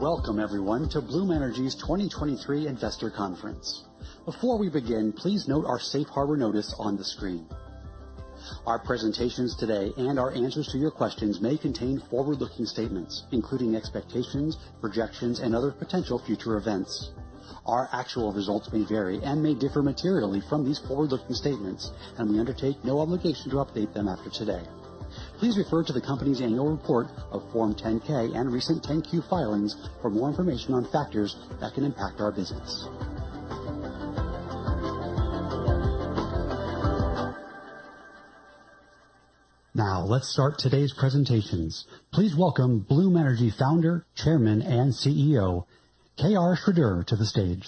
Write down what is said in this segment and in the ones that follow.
Welcome everyone to Bloom Energy's 2023 investor conference. Before we begin, please note our safe harbor notice on the screen. Our presentations today and our answers to your questions may contain forward-looking statements, including expectations, projections, and other potential future events. Our actual results may vary and may differ materially from these forward-looking statements, and we undertake no obligation to update them after today. Please refer to the company's annual report of Form 10-K and recent 10-Q filings for more information on factors that can impact our business. Let's start today's presentations. Please welcome Bloom Energy Founder, Chairman, and CEO, K.R. Sridhar to the stage.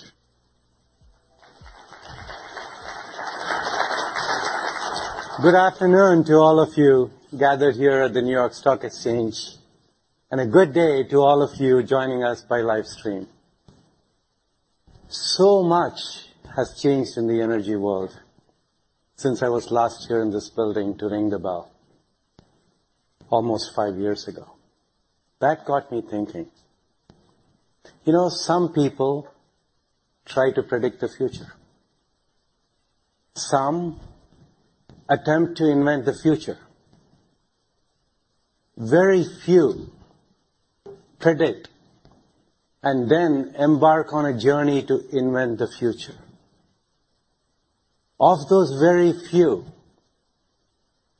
Good afternoon to all of you gathered here at the New York Stock Exchange, and a good day to all of you joining us by live stream. Much has changed in the energy world since I was last here in this building to ring the bell almost 5 years ago. That got me thinking. You know, some people try to predict the future. Some attempt to invent the future. Very few predict and then embark on a journey to invent the future. Of those very few,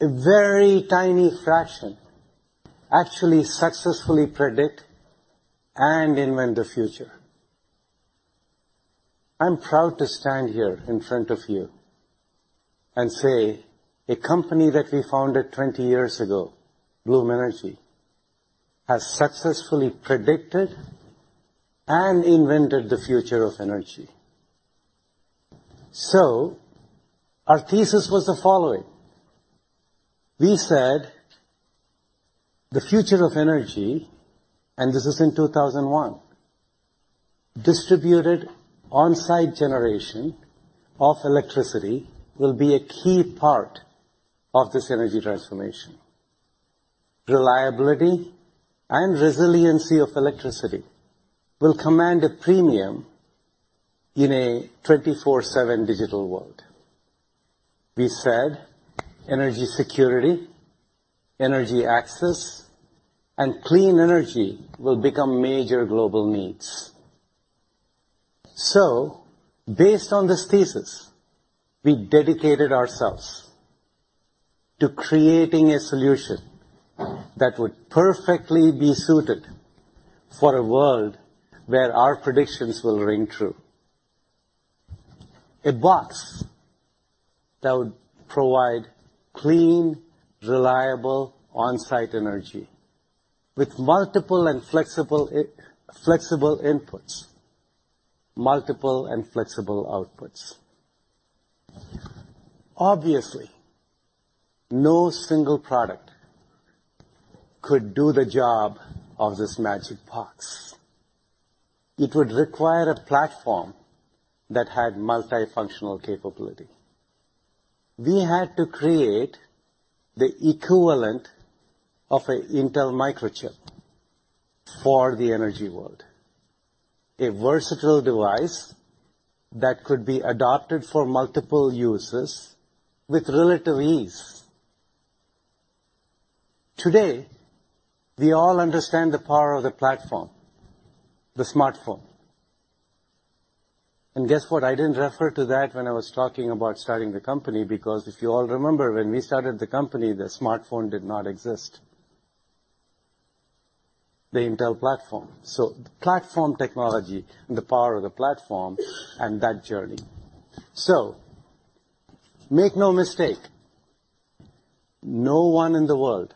a very tiny fraction actually successfully predict and invent the future. I'm proud to stand here in front of you and say a company that we founded 20 years ago, Bloom Energy, has successfully predicted and invented the future of energy. Our thesis was the following. We said the future of energy, and this is in 2001, distributed on-site generation of electricity will be a key part of this energy transformation. Reliability and resiliency of electricity will command a premium in a 24/7 digital world. We said energy security, energy access, and clean energy will become major global needs. Based on this thesis, we dedicated ourselves to creating a solution that would perfectly be suited for a world where our predictions will ring true. A box that would provide clean, reliable, on-site energy with multiple and flexible inputs, multiple and flexible outputs. Obviously, no single product could do the job of this magic box. It would require a platform that had multifunctional capability. We had to create the equivalent of an Intel microchip for the energy world. A versatile device that could be adopted for multiple uses with relative ease. Today, we all understand the power of the platform, the smartphone. Guess what? I didn't refer to that when I was talking about starting the company because if you all remember, when we started the company, the smartphone did not exist. The Intel platform. Platform technology and the power of the platform and that journey. Make no mistake, no one in the world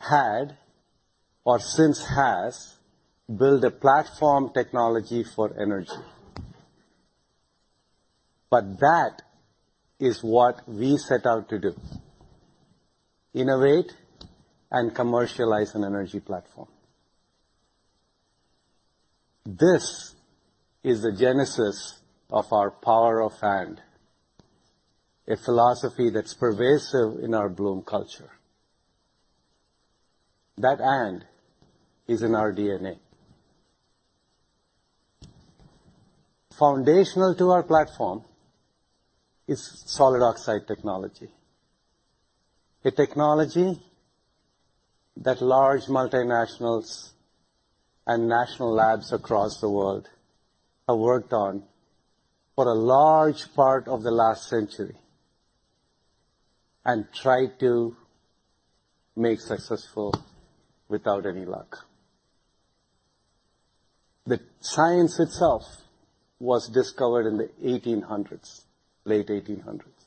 had or since has built a platform technology for energy. That is what we set out to do: innovate and commercialize an energy platform. This is the genesis of our power of and, a philosophy that's pervasive in our Bloom culture. That and is in our DNA. Foundational to our platform is solid oxide technology. A technology that large multinationals and national labs across the world have worked on for a large part of the last century and tried to make successful without any luck. The science itself was discovered in the 1800s, late 1800s.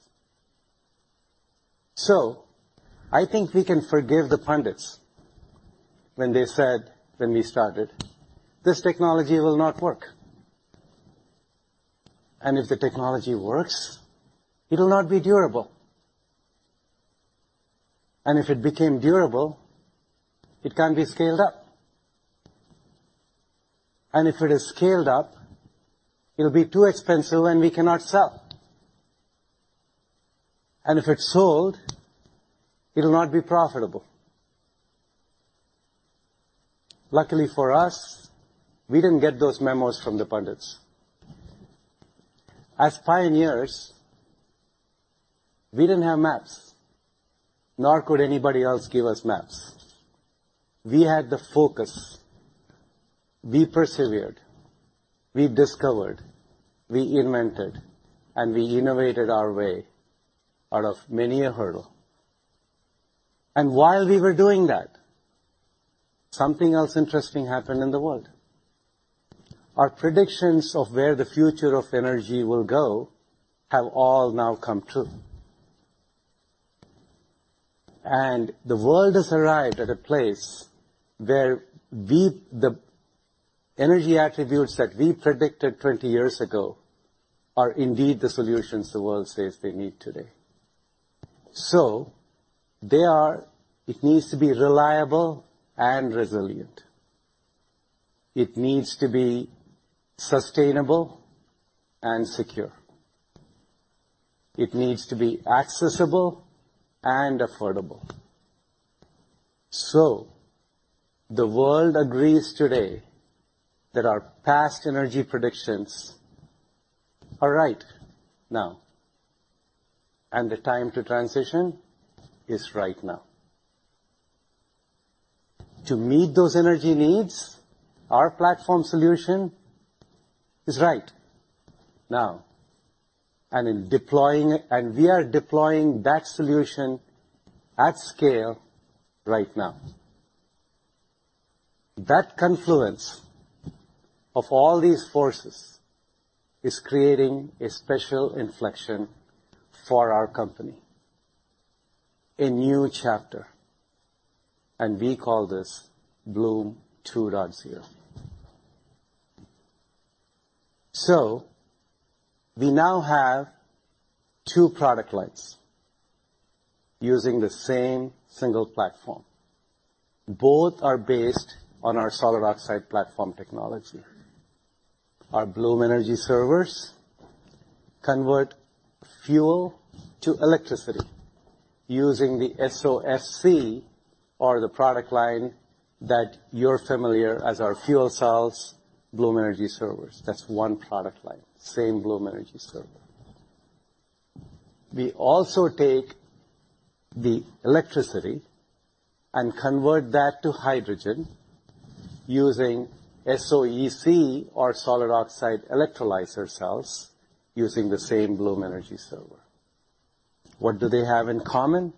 I think we can forgive the pundits when they said, when we started, "This technology will not work. If the technology works, it'll not be durable. If it became durable, it can't be scaled up. If it is scaled up, it'll be too expensive and we cannot sell. If it's sold, it'll not be profitable." Luckily for us, we didn't get those memos from the pundits. As pioneers, we didn't have maps, nor could anybody else give us maps. We had the focus. We persevered, we discovered, we invented, and we innovated our way out of many a hurdle. While we were doing that, something else interesting happened in the world. Our predictions of where the future of energy will go have all now come true. The world has arrived at a place where the energy attributes that we predicted 20 years ago are indeed the solutions the world says they need today. They are. It needs to be reliable and resilient. It needs to be sustainable and secure. It needs to be accessible and affordable. The world agrees today that our past energy predictions are right now, and the time to transition is right now. To meet those energy needs, our platform solution is right now. We are deploying that solution at scale right now. That confluence of all these forces is creating a special inflection for our company, a new chapter, and we call this Bloom 2.0. We now have two product lines using the same single platform. Both are based on our solid oxide platform technology. Our Bloom Energy Servers convert fuel to electricity using the SOFC or the product line that you're familiar as our fuel cells Bloom Energy Servers. That's one product line, same Bloom Energy Server. We also take the electricity and convert that to hydrogen using SOEC or solid oxide electrolyzer cells using the same Bloom Energy Server. What do they have in common?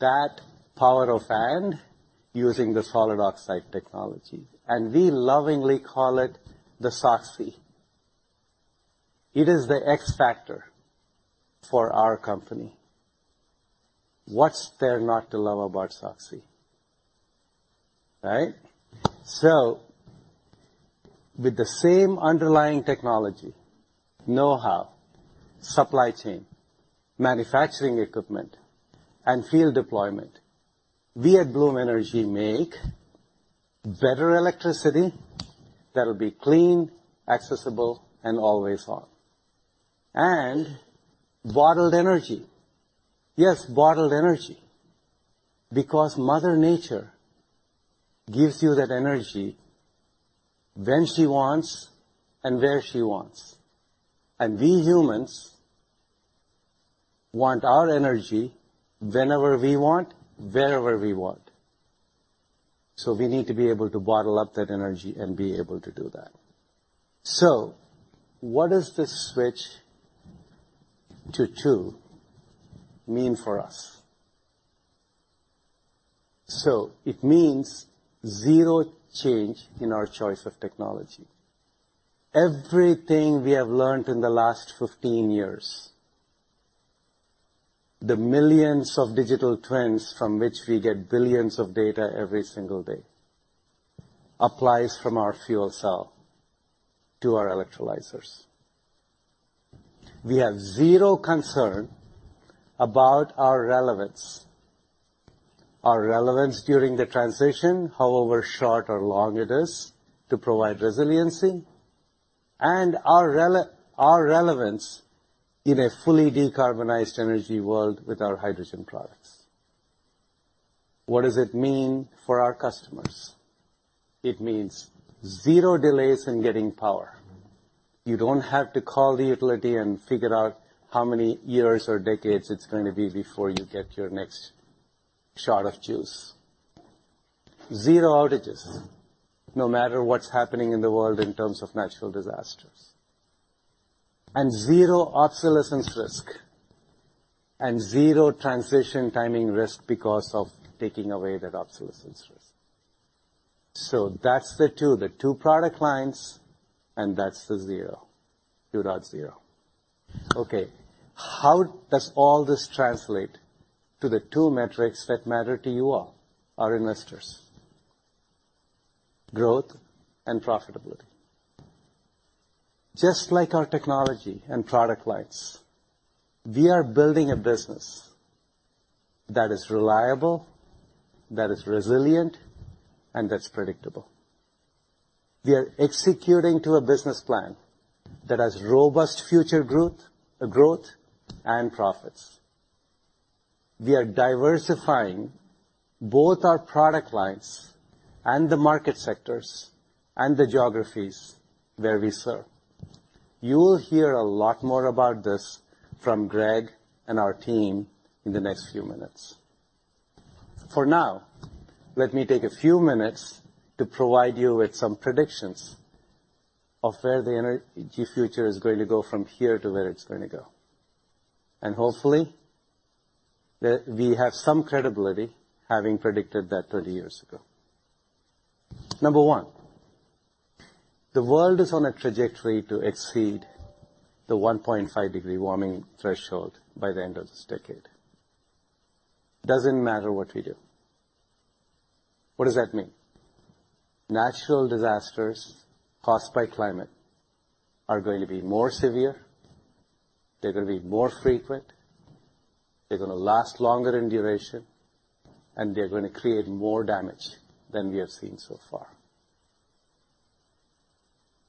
That power of and using the solid oxide technology. We lovingly call it the SOFC. It is the X factor for our company. What's there not to love about SOFC, right? With the same underlying technology, know-how, supply chain, manufacturing equipment, and field deployment, we at Bloom Energy make better electricity that will be clean, accessible, and always on. Bottled energy. Yes, bottled energy. Because Mother Nature gives you that energy when she wants and where she wants. We humans want our energy whenever we want, wherever we want. We need to be able to bottle up that energy and be able to do that. What does this switch to 2 mean for us? It means 0 change in our choice of technology. Everything we have learned in the last 15 years, the millions of digital twins from which we get billions of data every single day, applies from our fuel cell to our electrolyzers. We have 0 concern about our relevance, our relevance during the transition, however short or long it is, to provide resiliency, and our relevance in a fully decarbonized energy world with our hydrogen products. What does it mean for our customers? It means 0 delays in getting power. You don't have to call the utility and figure out how many years or decades it's going to be before you get your next shot of juice. Zero outages, no matter what's happening in the world in terms of natural disasters. Zero obsolescence risk and zero transition timing risk because of taking away that obsolescence risk. That's the two product lines, and that's the zero, 2.0. Okay, how does all this translate to the two metrics that matter to you all, our investors? Growth and profitability. Just like our technology and product lines, we are building a business that is reliable, that is resilient, and that's predictable. We are executing to a business plan that has robust future growth and profits. We are diversifying both our product lines and the market sectors and the geographies where we serve. You will hear a lot more about this from Greg and our team in the next few minutes. For now, let me take a few minutes to provide you with some predictions of where the energy future is going to go from here to where it's gonna go. Hopefully, we have some credibility having predicted that 30 years ago. Number 1, the world is on a trajectory to exceed the 1.5 degree warming threshold by the end of this decade. Doesn't matter what we do. What does that mean? Natural disasters caused by climate are going to be more severe, they're gonna be more frequent, they're gonna last longer in duration, and they're gonna create more damage than we have seen so far.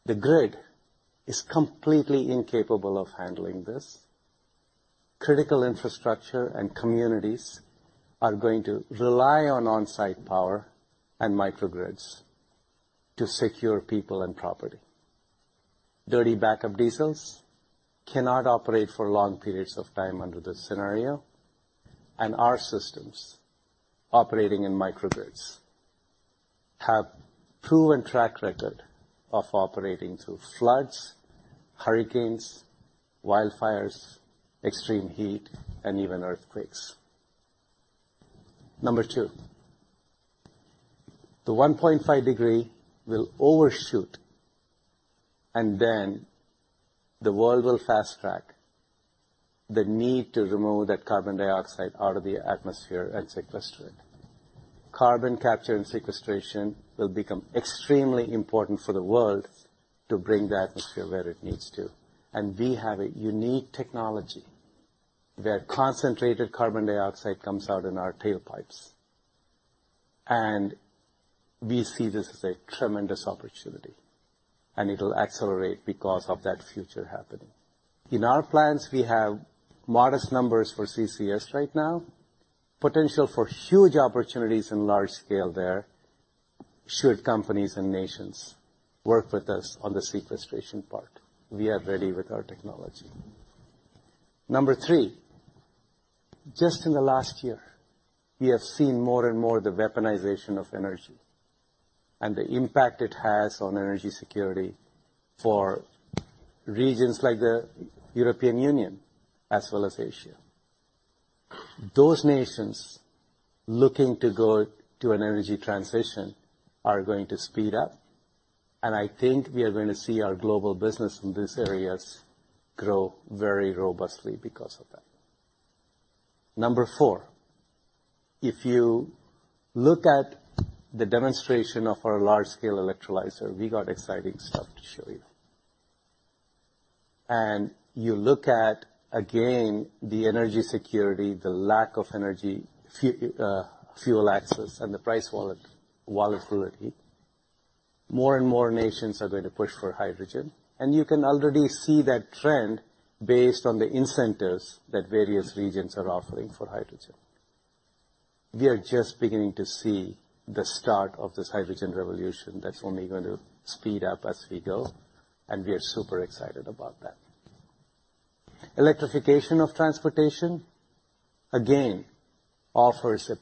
The grid is completely incapable of handling this. Critical infrastructure and communities are going to rely on on-site power and microgrids to secure people and property. Dirty backup diesels cannot operate for long periods of time under this scenario, and our systems operating in microgrids have proven track record of operating through floods, hurricanes, wildfires, extreme heat, and even earthquakes. Number 2, the 1.5 degree will overshoot, and then the world will fast-track the need to remove that carbon dioxide out of the atmosphere and sequester it. Carbon capture and sequestration will become extremely important for the world to bring the atmosphere where it needs to, and we have a unique technology where concentrated carbon dioxide comes out in our tailpipes, and we see this as a tremendous opportunity, and it'll accelerate because of that future happening. In our plans, we have modest numbers for CCS right now. Potential for huge opportunities in large scale there should companies and nations work with us on the sequestration part. We are ready with our technology. Number 3, just in the last year, we have seen more and more the weaponization of energy and the impact it has on energy security for regions like the European Union as well as Asia. Those nations looking to go to an energy transition are going to speed up. I think we are going to see our global business in these areas grow very robustly because of that. Number 4, if you look at the demonstration of our large-scale electrolyzer, we got exciting stuff to show you. You look at again, the energy security, the lack of energy fuel access, and the price volatility. More and more nations are going to push for hydrogen, and you can already see that trend based on the incentives that various regions are offering for hydrogen. We are just beginning to see the start of this hydrogen revolution that's only going to speed up as we go, and we are super excited about that. Electrification of transportation, again, offers a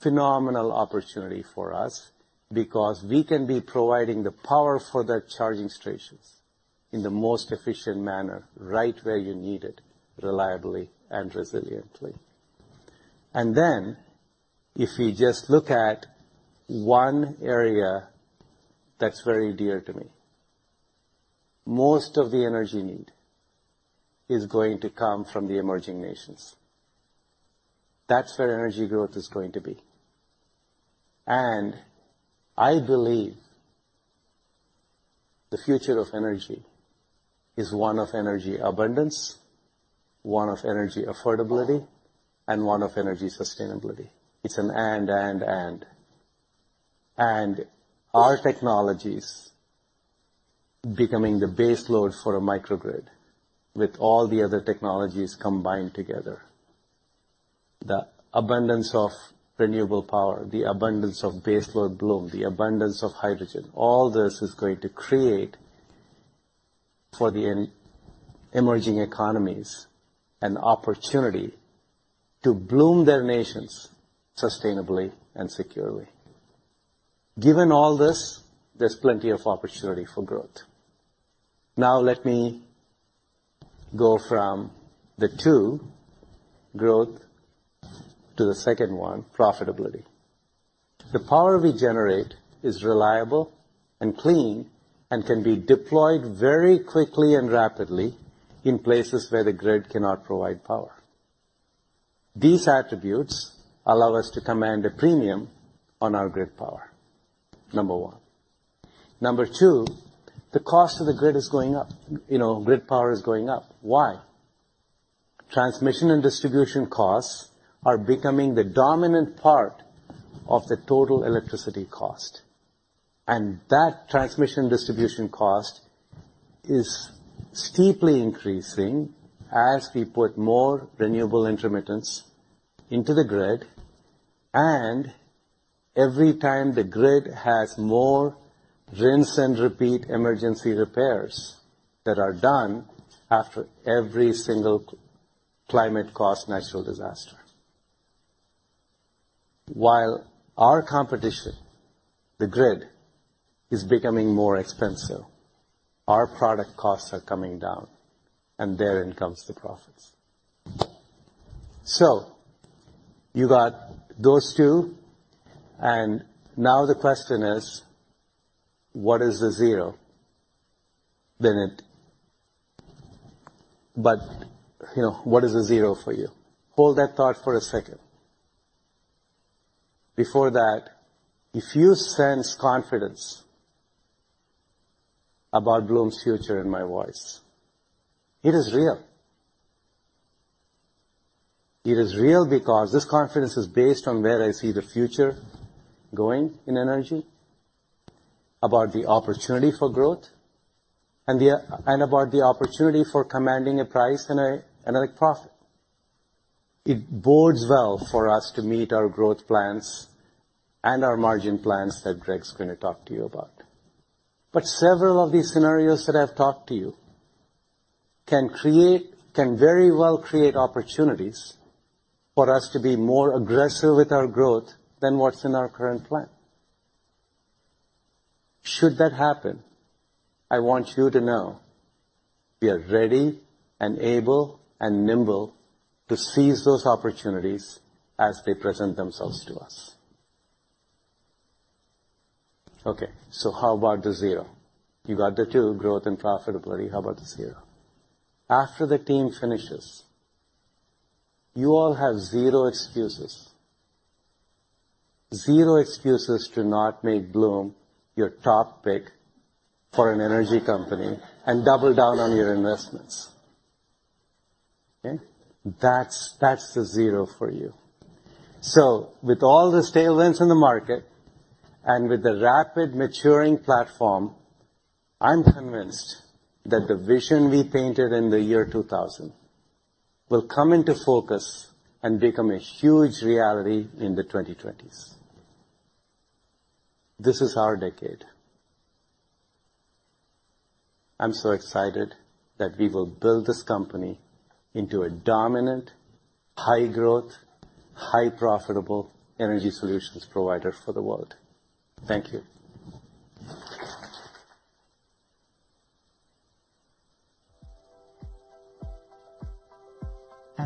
phenomenal opportunity for us because we can be providing the power for the charging stations in the most efficient manner, right where you need it, reliably and resiliently. If you just look at one area that's very dear to me, most of the energy need is going to come from the emerging nations. That's where energy growth is going to be. I believe the future of energy is one of energy abundance, one of energy affordability, and one of energy sustainability. It's an and. Our technology's becoming the base load for a microgrid with all the other technologies combined together. The abundance of renewable power, the abundance of base load Bloom, the abundance of hydrogen, all this is going to create for the emerging economies an opportunity to bloom their nations sustainably and securely. Given all this, there's plenty of opportunity for growth. Let me go from the two, growth, to the second one, profitability. The power we generate is reliable and clean and can be deployed very quickly and rapidly in places where the grid cannot provide power. These attributes allow us to command a premium on our grid power, number one. Number two, the cost of the grid is going up. You know, grid power is going up. Why? Transmission and distribution costs are becoming the dominant part of the total electricity cost. That transmission distribution cost is steeply increasing as we put more renewable intermittence into the grid, and every time the grid has more rinse and repeat emergency repairs that are done after every single climate cause natural disaster. While our competition, the grid, is becoming more expensive, our product costs are coming down, and therein comes the profits. You got those two, and now the question is: what is the zero? You know, what is the zero for you? Hold that thought for a second. Before that, if you sense confidence about Bloom's future in my voice, it is real. It is real because this confidence is based on where I see the future going in energy, about the opportunity for growth and about the opportunity for commanding a price and a profit. It bodes well for us to meet our growth plans and our margin plans that Greg's gonna talk to you about. Several of these scenarios that I've talked to you can very well create opportunities for us to be more aggressive with our growth than what's in our current plan. Should that happen, I want you to know we are ready and able and nimble to seize those opportunities as they present themselves to us. Okay. How about the zero? You got the two, growth and profitability. How about the zero? After the team finishes, you all have zero excuses. Zero excuses to not make Bloom your top pick for an energy company and double down on your investments. Okay. That's the zero for you. With all the tailwinds in the market and with the rapid maturing platform, I'm convinced that the vision we painted in the year 2000 will come into focus and become a huge reality in the 2020s. This is our decade. I'm so excited that we will build this company into a dominant, high-growth, high profitable energy solutions provider for the world. Thank you.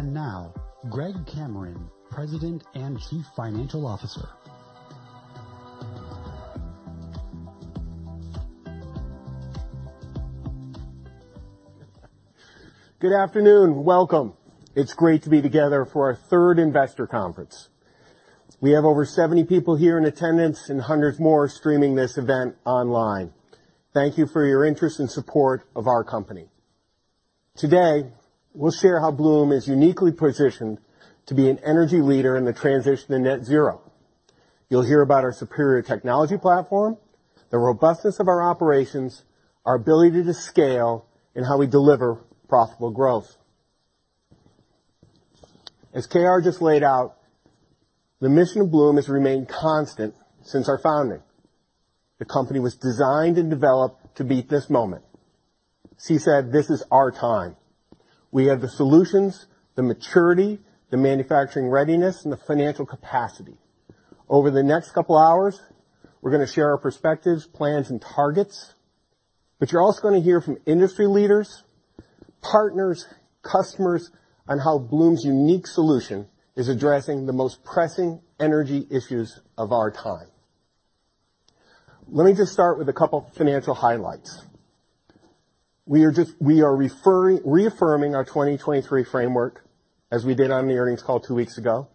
Now Greg Cameron, President and Chief Financial Officer. Good afternoon. Welcome. It's great to be together for our third investor conference. We have over 70 people here in attendance and hundreds more streaming this event online. Thank you for your interest and support of our company. Today, we'll share how Bloom is uniquely positioned to be an energy leader in the transition to net zero. You'll hear about our superior technology platform, the robustness of our operations, our ability to scale, and how we deliver profitable growth. As K.R. just laid out, the mission of Bloom has remained constant since our founding. The company was designed and developed to meet this moment. He said this is our time. We have the solutions, the maturity, the manufacturing readiness, and the financial capacity. Over the next couple hours, we're gonna share our perspectives, plans, and targets, but you're also gonna hear from industry leaders, partners, customers on how Bloom's unique solution is addressing the most pressing energy issues of our time. Let me just start with a couple financial highlights. We are reaffirming our 2023 framework, as we did on the earnings call 2 weeks ago.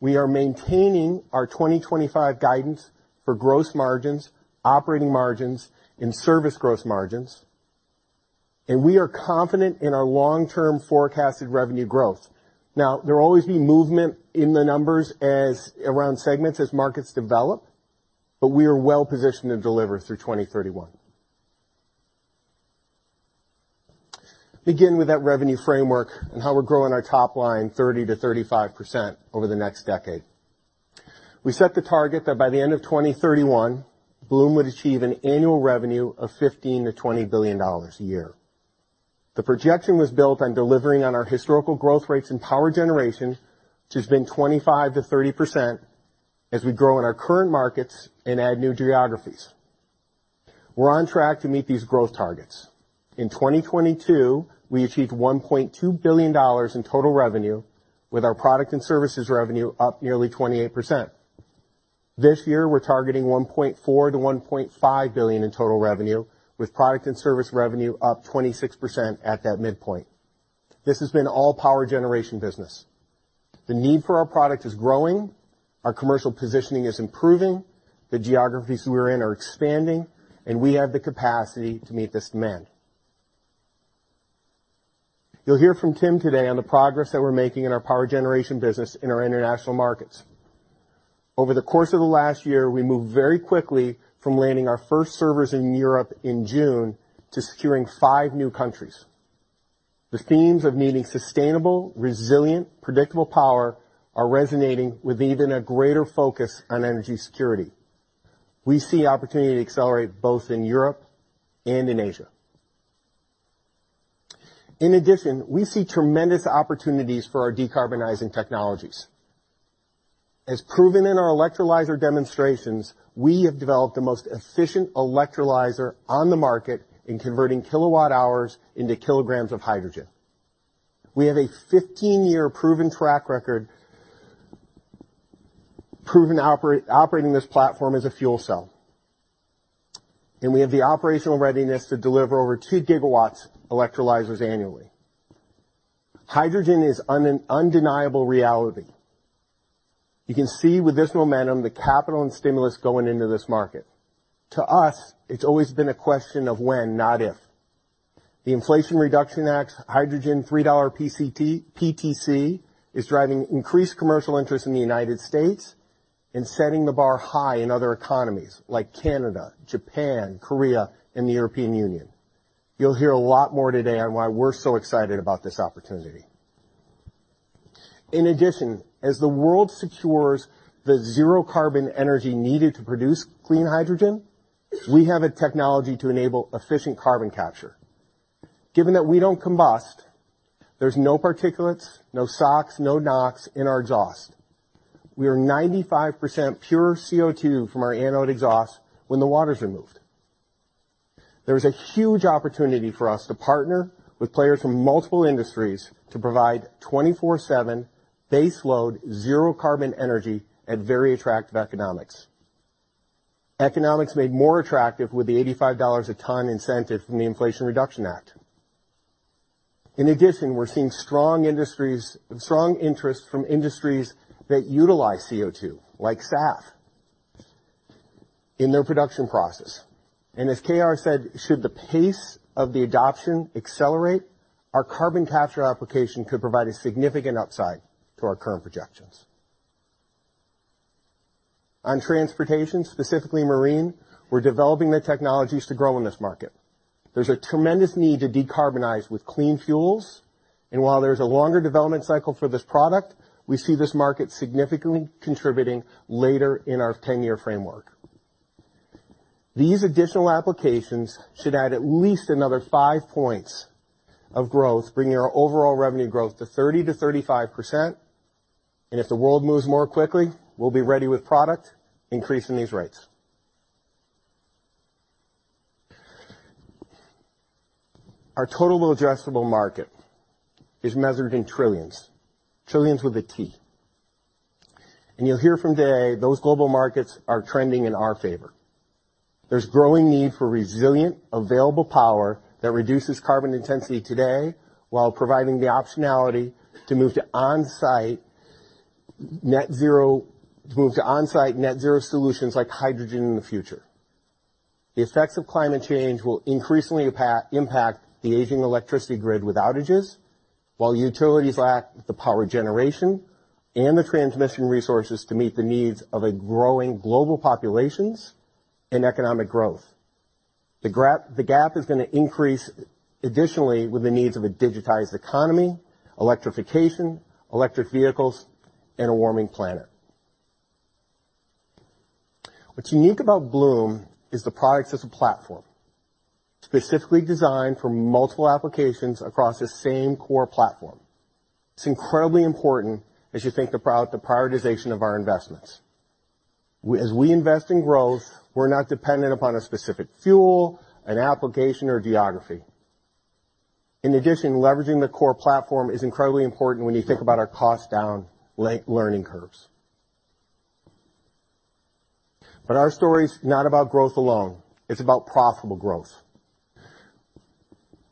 We are maintaining our 2025 guidance for gross margins, operating margins, and service gross margins, and we are confident in our long-term forecasted revenue growth. Now, there'll always be movement in the numbers as around segments as markets develop, but we are well-positioned to deliver through 2031. Begin with that revenue framework and how we're growing our top line 30%-35% over the next decade. We set the target that by the end of 2031, Bloom would achieve an annual revenue of $15 billion-$20 billion a year. The projection was built on delivering on our historical growth rates in power generation, which has been 25%-30% as we grow in our current markets and add new geographies. We're on track to meet these growth targets. In 2022, we achieved $1.2 billion in total revenue, with our product and services revenue up nearly 28%. This year, we're targeting $1.4 billion-$1.5 billion in total revenue, with product and service revenue up 26% at that midpoint. This has been all power generation business. The need for our product is growing, our commercial positioning is improving, the geographies we are in are expanding, and we have the capacity to meet this demand. You'll hear from Tim today on the progress that we're making in our power generation business in our international markets. Over the course of the last year, we moved very quickly from landing our first servers in Europe in June to securing five new countries. The themes of needing sustainable, resilient, predictable power are resonating with even a greater focus on energy security. We see opportunity to accelerate both in Europe and in Asia. In addition, we see tremendous opportunities for our decarbonizing technologies. As proven in our electrolyzer demonstrations, we have developed the most efficient electrolyzer on the market in converting kilowatt hours into kilograms of hydrogen. We have a 15-year proven track record proven operating this platform as a fuel cell. We have the operational readiness to deliver over two gigawatts electrolyzers annually. Hydrogen is undeniable reality. You can see with this momentum, the capital and stimulus going into this market. To us, it's always been a question of when, not if. The Inflation Reduction Act, hydrogen $3 PTC is driving increased commercial interest in the United States and setting the bar high in other economies like Canada, Japan, Korea, and the European Union. You'll hear a lot more today on why we're so excited about this opportunity. In addition, as the world secures the zero carbon energy needed to produce clean hydrogen, we have a technology to enable efficient carbon capture. Given that we don't combust, there's no particulates, no SOx, NOx in our exhaust. We are 95% pure CO2 from our anode exhaust when the water's removed. There is a huge opportunity for us to partner with players from multiple industries to provide 24/7 baseload zero carbon energy at very attractive economics. Economics made more attractive with the $85 a ton incentive from the Inflation Reduction Act. In addition, we're seeing strong interest from industries that utilize CO2, like SAF, in their production process. As K.R. said, "Should the pace of the adoption accelerate, our carbon capture application could provide a significant upside to our current projections." On transportation, specifically marine, we're developing the technologies to grow in this market. There's a tremendous need to decarbonize with clean fuels, and while there's a longer development cycle for this product, we see this market significantly contributing later in our ten-year framework. These additional applications should add at least another five points of growth, bringing our overall revenue growth to 30%-35%. If the world moves more quickly, we'll be ready with product, increasing these rates. Our total addressable market is measured in trillions. You'll hear from Dave, those global markets are trending in our favor. There's growing need for resilient, available power that reduces carbon intensity today while providing the optionality to move to on-site net zero solutions like hydrogen in the future. The effects of climate change will increasingly impact the aging electricity grid with outages, while utilities lack the power generation and the transmission resources to meet the needs of a growing global populations and economic growth. The gap is gonna increase additionally with the needs of a digitized economy, electrification, electric vehicles, and a warming planet. What's unique about Bloom is the product as a platform, specifically designed for multiple applications across the same core platform. It's incredibly important as you think about the prioritization of our investments. We, as we invest in growth, we're not dependent upon a specific fuel, an application or geography. In addition, leveraging the core platform is incredibly important when you think about our cost down learning curves. Our story is not about growth alone. It's about profitable growth.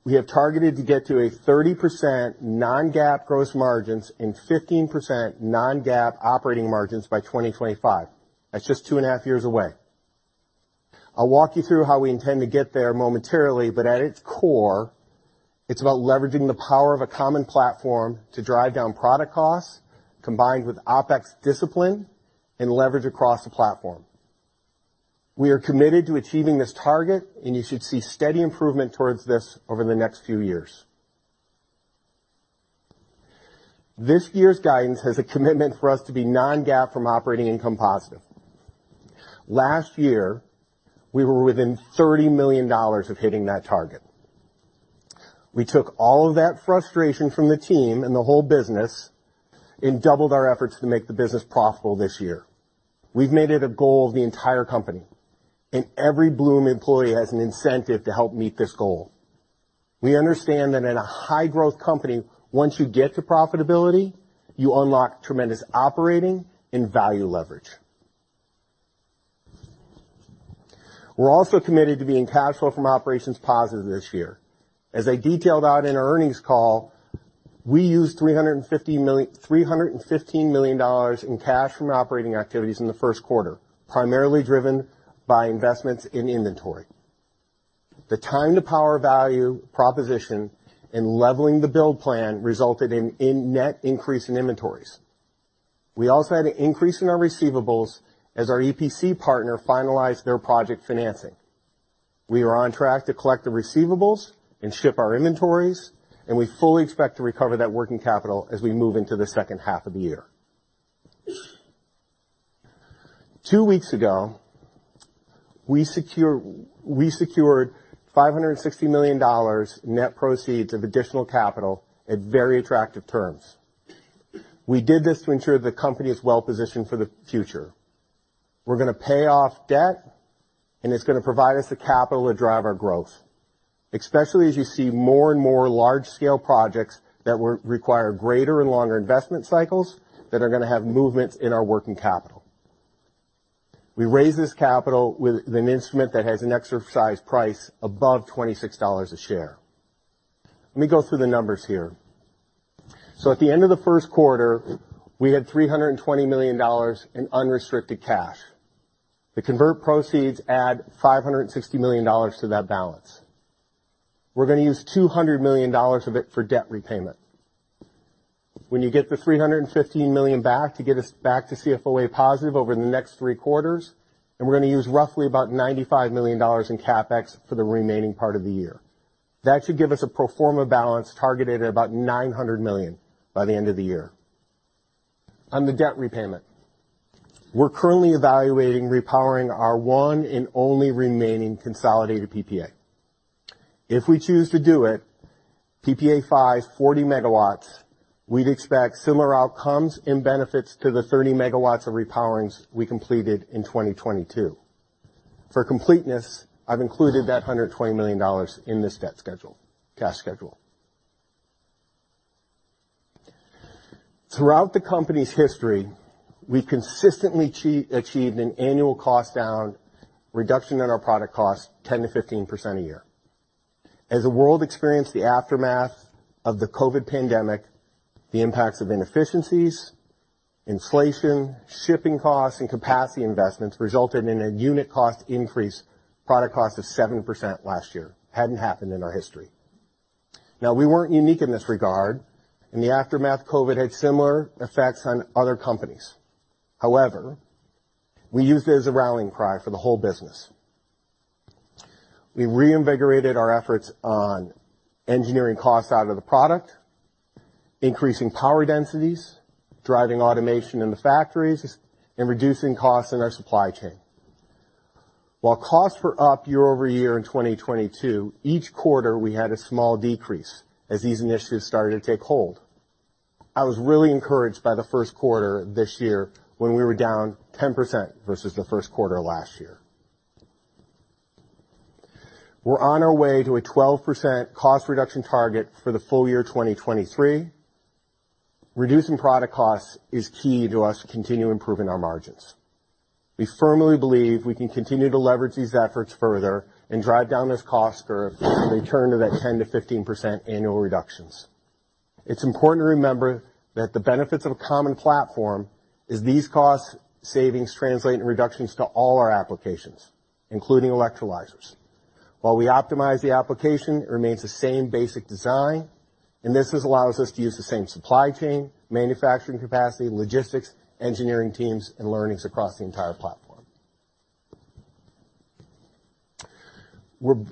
We have targeted to get to a 30% non-GAAP gross margins and 15% non-GAAP operating margins by 2025. That's just two and a half years away. I'll walk you through how we intend to get there momentarily, but at its core, it's about leveraging the power of a common platform to drive down product costs, combined with OpEx discipline and leverage across the platform. We are committed to achieving this target, and you should see steady improvement towards this over the next few years. This year's guidance has a commitment for us to be non-GAAP from operating income positive. Last year, we were within $30 million of hitting that target. We took all of that frustration from the team and the whole business and doubled our efforts to make the business profitable this year. We've made it a goal of the entire company, and every Bloom employee has an incentive to help meet this goal. We understand that in a high growth company, once you get to profitability, you unlock tremendous operating and value leverage. We're also committed to being cash flow from operations positive this year. As I detailed out in our earnings call, we used $315 million in cash from operating activities in the first quarter, primarily driven by investments in inventory. The time-to-power value proposition and leveling the build plan resulted in a net increase in inventories. We also had an increase in our receivables as our EPC partner finalized their project financing. We are on track to collect the receivables and ship our inventories. We fully expect to recover that working capital as we move into the second half of the year. Two weeks ago, we secured $560 million net proceeds of additional capital at very attractive terms. We did this to ensure the company is well-positioned for the future. We're gonna pay off debt, and it's gonna provide us the capital to drive our growth, especially as you see more and more large-scale projects that require greater and longer investment cycles that are gonna have movements in our working capital. We raised this capital with an instrument that has an exercise price above $26 a share. Let me go through the numbers here. At the end of the first quarter, we had $320 million in unrestricted cash. The convert proceeds add $560 million to that balance. We're gonna use $200 million of it for debt repayment. When you get the $315 million back to get us back to CFOA positive over the next three quarters, and we're gonna use roughly about $95 million in CapEx for the remaining part of the year. That should give us a pro forma balance targeted at about $900 million by the end of the year. On the debt repayment, we're currently evaluating repowering our one and only remaining consolidated PPA. If we choose to do it, PPA 5, 40 megawatts, we'd expect similar outcomes and benefits to the 30 megawatts of repowerings we completed in 2022. For completeness, I've included that $120 million in this cash schedule. Throughout the company's history, we consistently achieved an annual cost down reduction on our product cost 10%-15% a year. As the world experienced the aftermath of the COVID pandemic, the impacts of inefficiencies, inflation, shipping costs, and capacity investments resulted in a unit cost increase product cost of 7% last year. Hadn't happened in our history. We weren't unique in this regard. In the aftermath, COVID had similar effects on other companies. However, we used it as a rallying cry for the whole business. We reinvigorated our efforts on engineering costs out of the product, increasing power densities, driving automation in the factories, and reducing costs in our supply chain. While costs were up year-over-year in 2022, each quarter we had a small decrease as these initiatives started to take hold. I was really encouraged by the first quarter this year when we were down 10% versus the first quarter last year. We're on our way to a 12% cost reduction target for the full year 2023. Reducing product costs is key to us to continue improving our margins. We firmly believe we can continue to leverage these efforts further and drive down this cost curve and return to that 10%-15% annual reductions. It's important to remember that the benefits of a common platform is these cost savings translate in reductions to all our applications, including electrolyzers. While we optimize the application, it remains the same basic design, and this is allows us to use the same supply chain, manufacturing capacity, logistics, engineering teams, and learnings across the entire platform.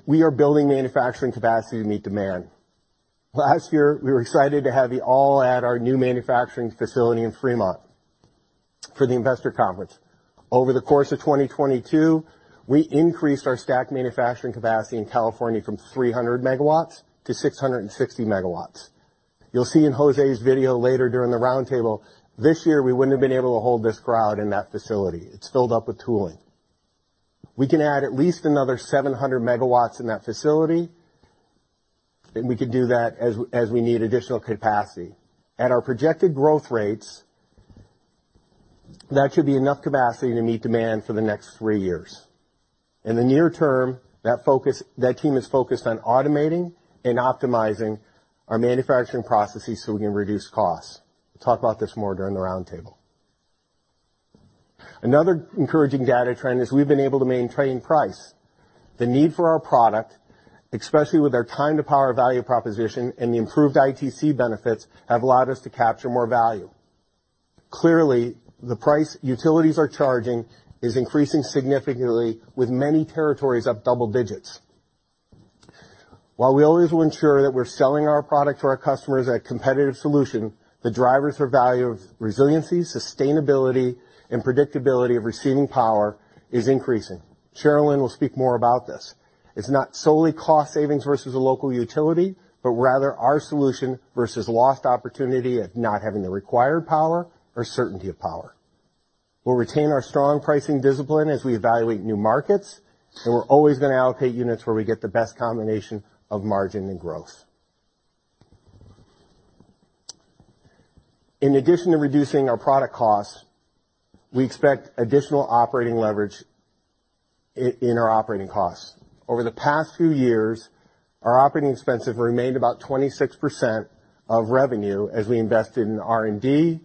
We are building manufacturing capacity to meet demand. Last year, we were excited to have you all at our new manufacturing facility in Fremont for the investor conference. Over the course of 2022, we increased our stack manufacturing capacity in California from 300 megawatts to 660 megawatts. You'll see in Jose's video later during the roundtable, this year, we wouldn't have been able to hold this crowd in that facility. It's filled up with tooling. We can add at least another 700 megawatts in that facility. We can do that as we need additional capacity. At our projected growth rates, that should be enough capacity to meet demand for the next three years. In the near term, that team is focused on automating and optimizing our manufacturing processes so we can reduce costs. We'll talk about this more during the roundtable. Another encouraging data trend is we've been able to maintain price. The need for our product, especially with our time to power value proposition and the improved ITC benefits, have allowed us to capture more value. Clearly, the price utilities are charging is increasing significantly with many territories up double digits. While we always will ensure that we're selling our product to our customers at a competitive solution, the drivers for value of resiliency, sustainability, and predictability of receiving power is increasing. Sharelynn will speak more about this. It's not solely cost savings versus a local utility, but rather our solution versus lost opportunity of not having the required power or certainty of power. We'll retain our strong pricing discipline as we evaluate new markets. We're always gonna allocate units where we get the best combination of margin and growth. In addition to reducing our product costs, we expect additional operating leverage in our operating costs. Over the past few years, our operating expenses remained about 26% of revenue as we invested in R&D,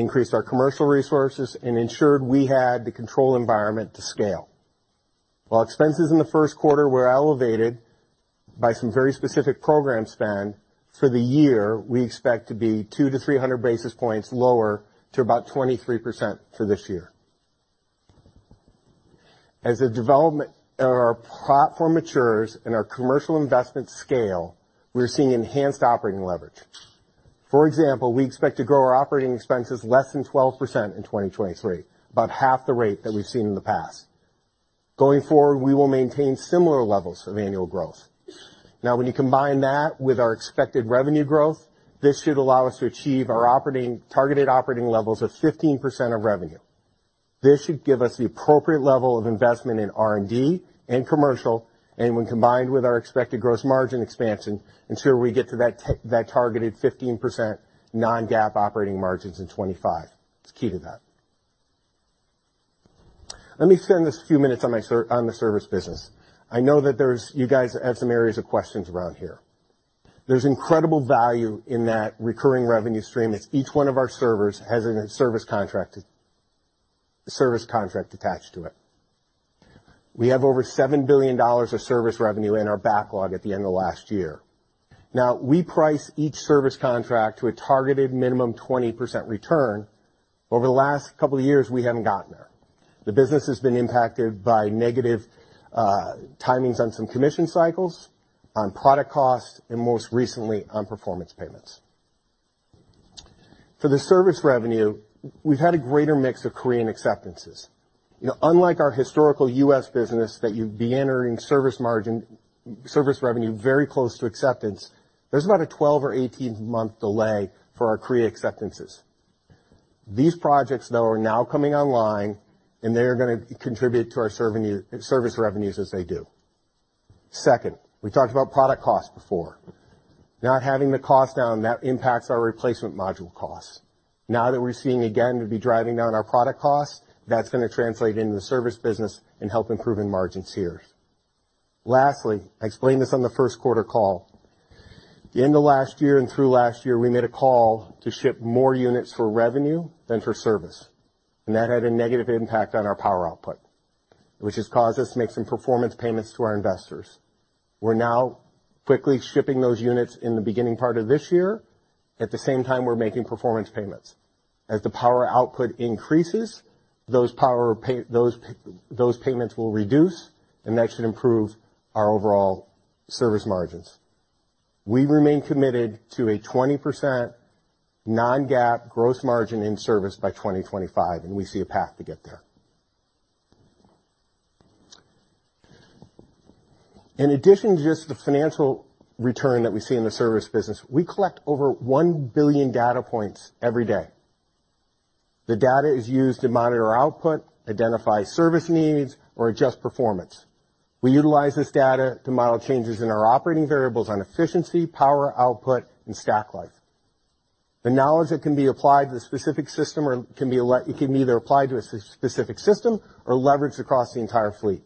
increased our commercial resources, and ensured we had the control environment to scale. While expenses in the first quarter were elevated by some very specific program spend, for the year, we expect to be 200-300 basis points lower to about 23% for this year. As the development or our platform matures and our commercial investments scale, we're seeing enhanced operating leverage. For example, we expect to grow our operating expenses less than 12% in 2023, about half the rate that we've seen in the past. Going forward, we will maintain similar levels of annual growth. When you combine that with our expected revenue growth, this should allow us to achieve our targeted operating levels of 15% of revenue. This should give us the appropriate level of investment in R&D and commercial, and when combined with our expected gross margin expansion, ensure we get to that targeted 15% non-GAAP operating margins in 2025. It's key to that. Let me spend this few minutes on the service business. I know that there's you guys have some areas of questions around here. There's incredible value in that recurring revenue stream as each one of our servers has a service contract attached to it. We have over $7 billion of service revenue in our backlog at the end of last year. We price each service contract to a targeted minimum 20% return. Over the last couple of years, we haven't gotten there. The business has been impacted by negative timings on some commission cycles, on product costs, and most recently, on performance payments. For the service revenue, we've had a greater mix of Korean acceptances. You know, unlike our historical U.S. business that you'd be entering service margin, service revenue very close to acceptance, there's about a 12 or 18-month delay for our Korea acceptances. These projects, though, are now coming online, and they are gonna contribute to our service revenues as they do. Second, we talked about product costs before. Not having the costs down, that impacts our replacement module costs. Now that we're seeing again, we'll be driving down our product costs, that's gonna translate into the service business and help improving margins here. Lastly, I explained this on the first quarter call. The end of last year and through last year, we made a call to ship more units for revenue than for service, and that had a negative impact on our power output, which has caused us to make some performance payments to our investors. We're now quickly shipping those units in the beginning part of this year. At the same time, we're making performance payments. As the power output increases, those payments will reduce, and that should improve our overall service margins. We remain committed to a 20% non-GAAP gross margin in service by 2025, and we see a path to get there. In addition to just the financial return that we see in the service business, we collect over 1 billion data points every day. The data is used to monitor output, identify service needs or adjust performance. We utilize this data to model changes in our operating variables on efficiency, power output and stack life. The knowledge that can be applied to the specific system or it can be either applied to a specific system or leveraged across the entire fleet.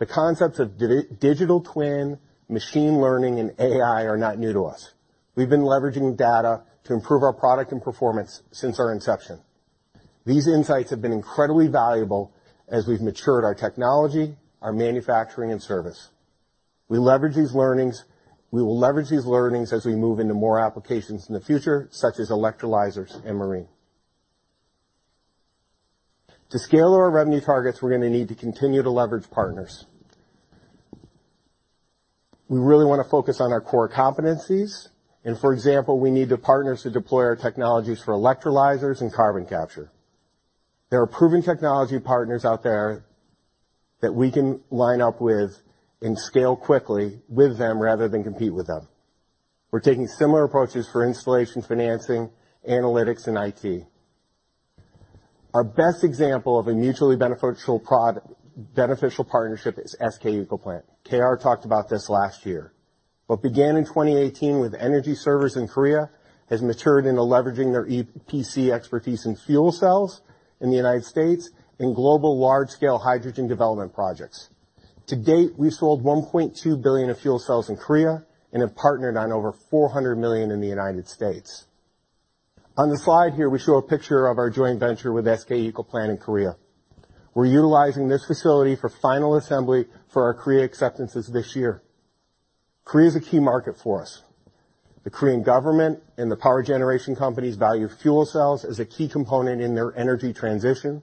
The concepts of digital twin, machine learning, and AI are not new to us. We've been leveraging data to improve our product and performance since our inception. These insights have been incredibly valuable as we've matured our technology, our manufacturing and service. We will leverage these learnings as we move into more applications in the future, such as electrolyzers and marine. To scale our revenue targets, we're gonna need to continue to leverage partners. We really wanna focus on our core competencies, and for example, we need the partners to deploy our technologies for electrolyzers and carbon capture. There are proven technology partners out there that we can line up with and scale quickly with them rather than compete with them. We're taking similar approaches for installation, financing, analytics, and IT. Our best example of a mutually beneficial partnership is SK ecoplant. K.R. talked about this last year. What began in 2018 with energy service in Korea has matured into leveraging their EPC expertise in fuel cells in the United States and global large-scale hydrogen development projects. To date, we sold $1.2 billion of fuel cells in Korea and have partnered on over $400 million in the United States. On the slide here, we show a picture of our joint venture with SK ecoplant in Korea. We're utilizing this facility for final assembly for our Korea acceptances this year. Korea is a key market for us. The Korean government and the power generation companies value fuel cells as a key component in their energy transition,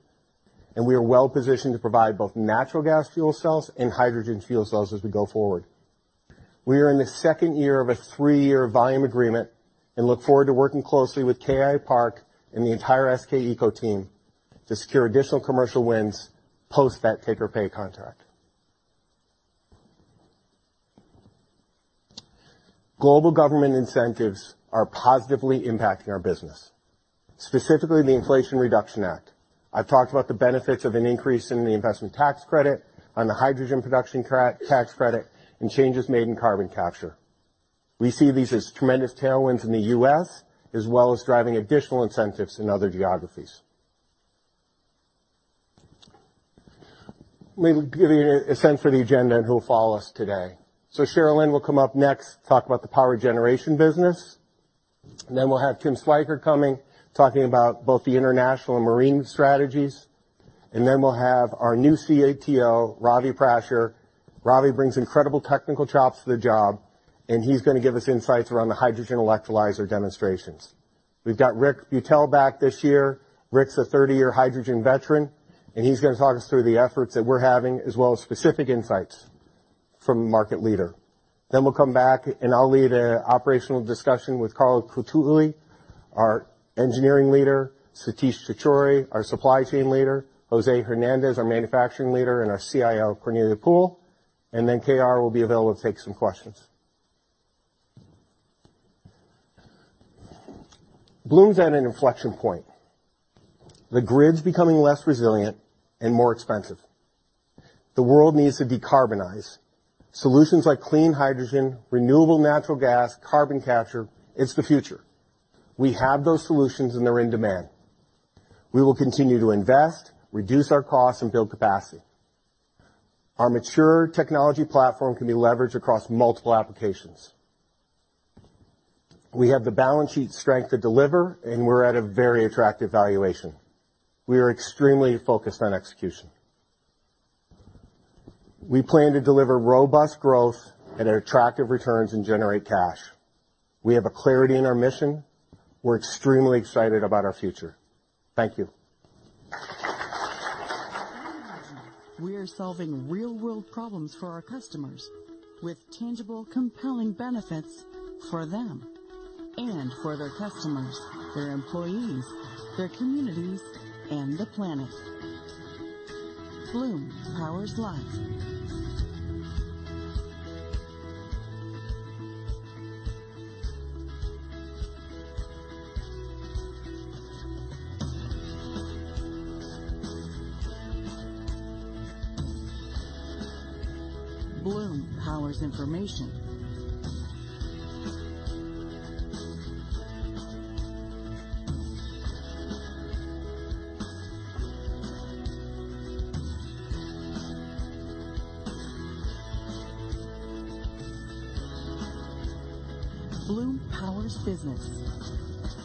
and we are well-positioned to provide both natural gas fuel cells and hydrogen fuel cells as we go forward. We are in the second year of a three-year volume agreement and look forward to working closely with KI Park and the entire SK ecoplant team to secure additional commercial wins post that take or pay contract. Global government incentives are positively impacting our business, specifically the Inflation Reduction Act. I've talked about the benefits of an increase in the investment tax credit on the hydrogen production tax credit and changes made in carbon capture. We see these as tremendous tailwinds in the U.S., as well as driving additional incentives in other geographies. Let me give you a sense for the agenda and who will follow us today. Sharelynn will come up next, talk about the power generation business. We'll have Tim Schweikert coming, talking about both the international and marine strategies. We'll have our new CTO, Ravi Prasher. Ravi brings incredible technical chops to the job, and he's gonna give us insights around the hydrogen electrolyzer demonstrations. We've got Rick Beuttel back this year. Rick's a 30-year hydrogen veteran, and he's gonna talk us through the efforts that we're having as well as specific insights from the market leader. We'll come back, and I'll lead an operational discussion with Carl Cottuli, our engineering leader, Satish Chitoori, our supply chain leader, Jose Hernandez, our manufacturing leader, and our CIO, Cornelia Poole. K.R. will be available to take some questions. Bloom's at an inflection point. The grid's becoming less resilient and more expensive. The world needs to decarbonize. Solutions like clean hydrogen, renewable natural gas, carbon capture, it's the future. We have those solutions, and they're in demand. We will continue to invest, reduce our costs, and build capacity. Our mature technology platform can be leveraged across multiple applications. We have the balance sheet strength to deliver, and we're at a very attractive valuation. We are extremely focused on execution. We plan to deliver robust growth at attractive returns and generate cash. We have a clarity in our mission. We're extremely excited about our future. Thank you. We are solving real-world problems for our customers with tangible, compelling benefits for them and for their customers, their employees, their communities, and the planet. Bloom powers life. Bloom powers information. Bloom powers business.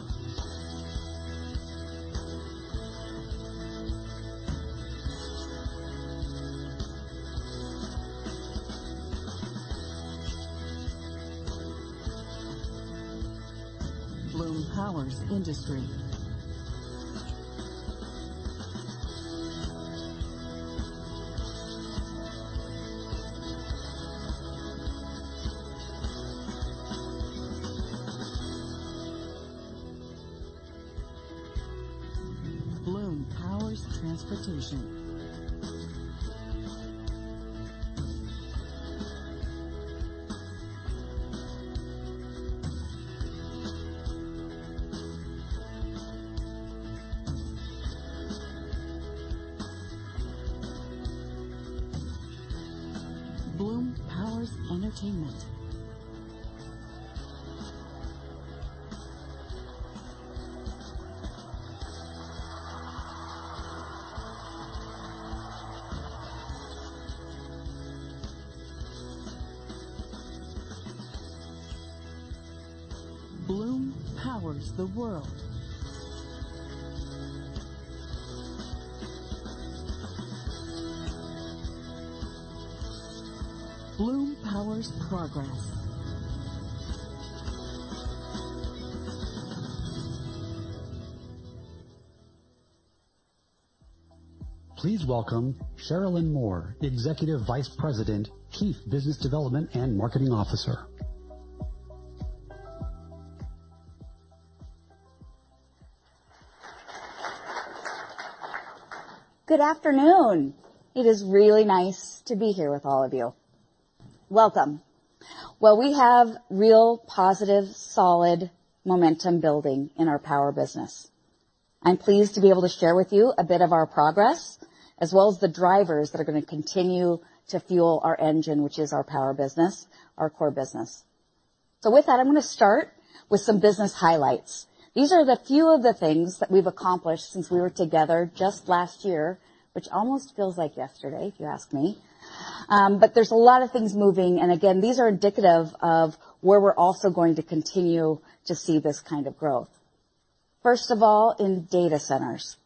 Bloom powers industry. Bloom powers transportation. Bloom powers entertainment. Bloom powers the world. Bloom powers progress. Please welcome Sharelynn Moore, Executive Vice President, Chief Business Development and Marketing Officer. Good afternoon. It is really nice to be here with all of you. Welcome. Well, we have real positive, solid momentum building in our power business. I'm pleased to be able to share with you a bit of our progress, as well as the drivers that are gonna continue to fuel our engine, which is our power business, our core business. With that, I'm gonna start with some business highlights. These are the few of the things that we've accomplished since we were together just last year, which almost feels like yesterday, if you ask me. There's a lot of things moving. Again, these are indicative of where we're also going to continue to see this kind of growth. First of all, in data centers.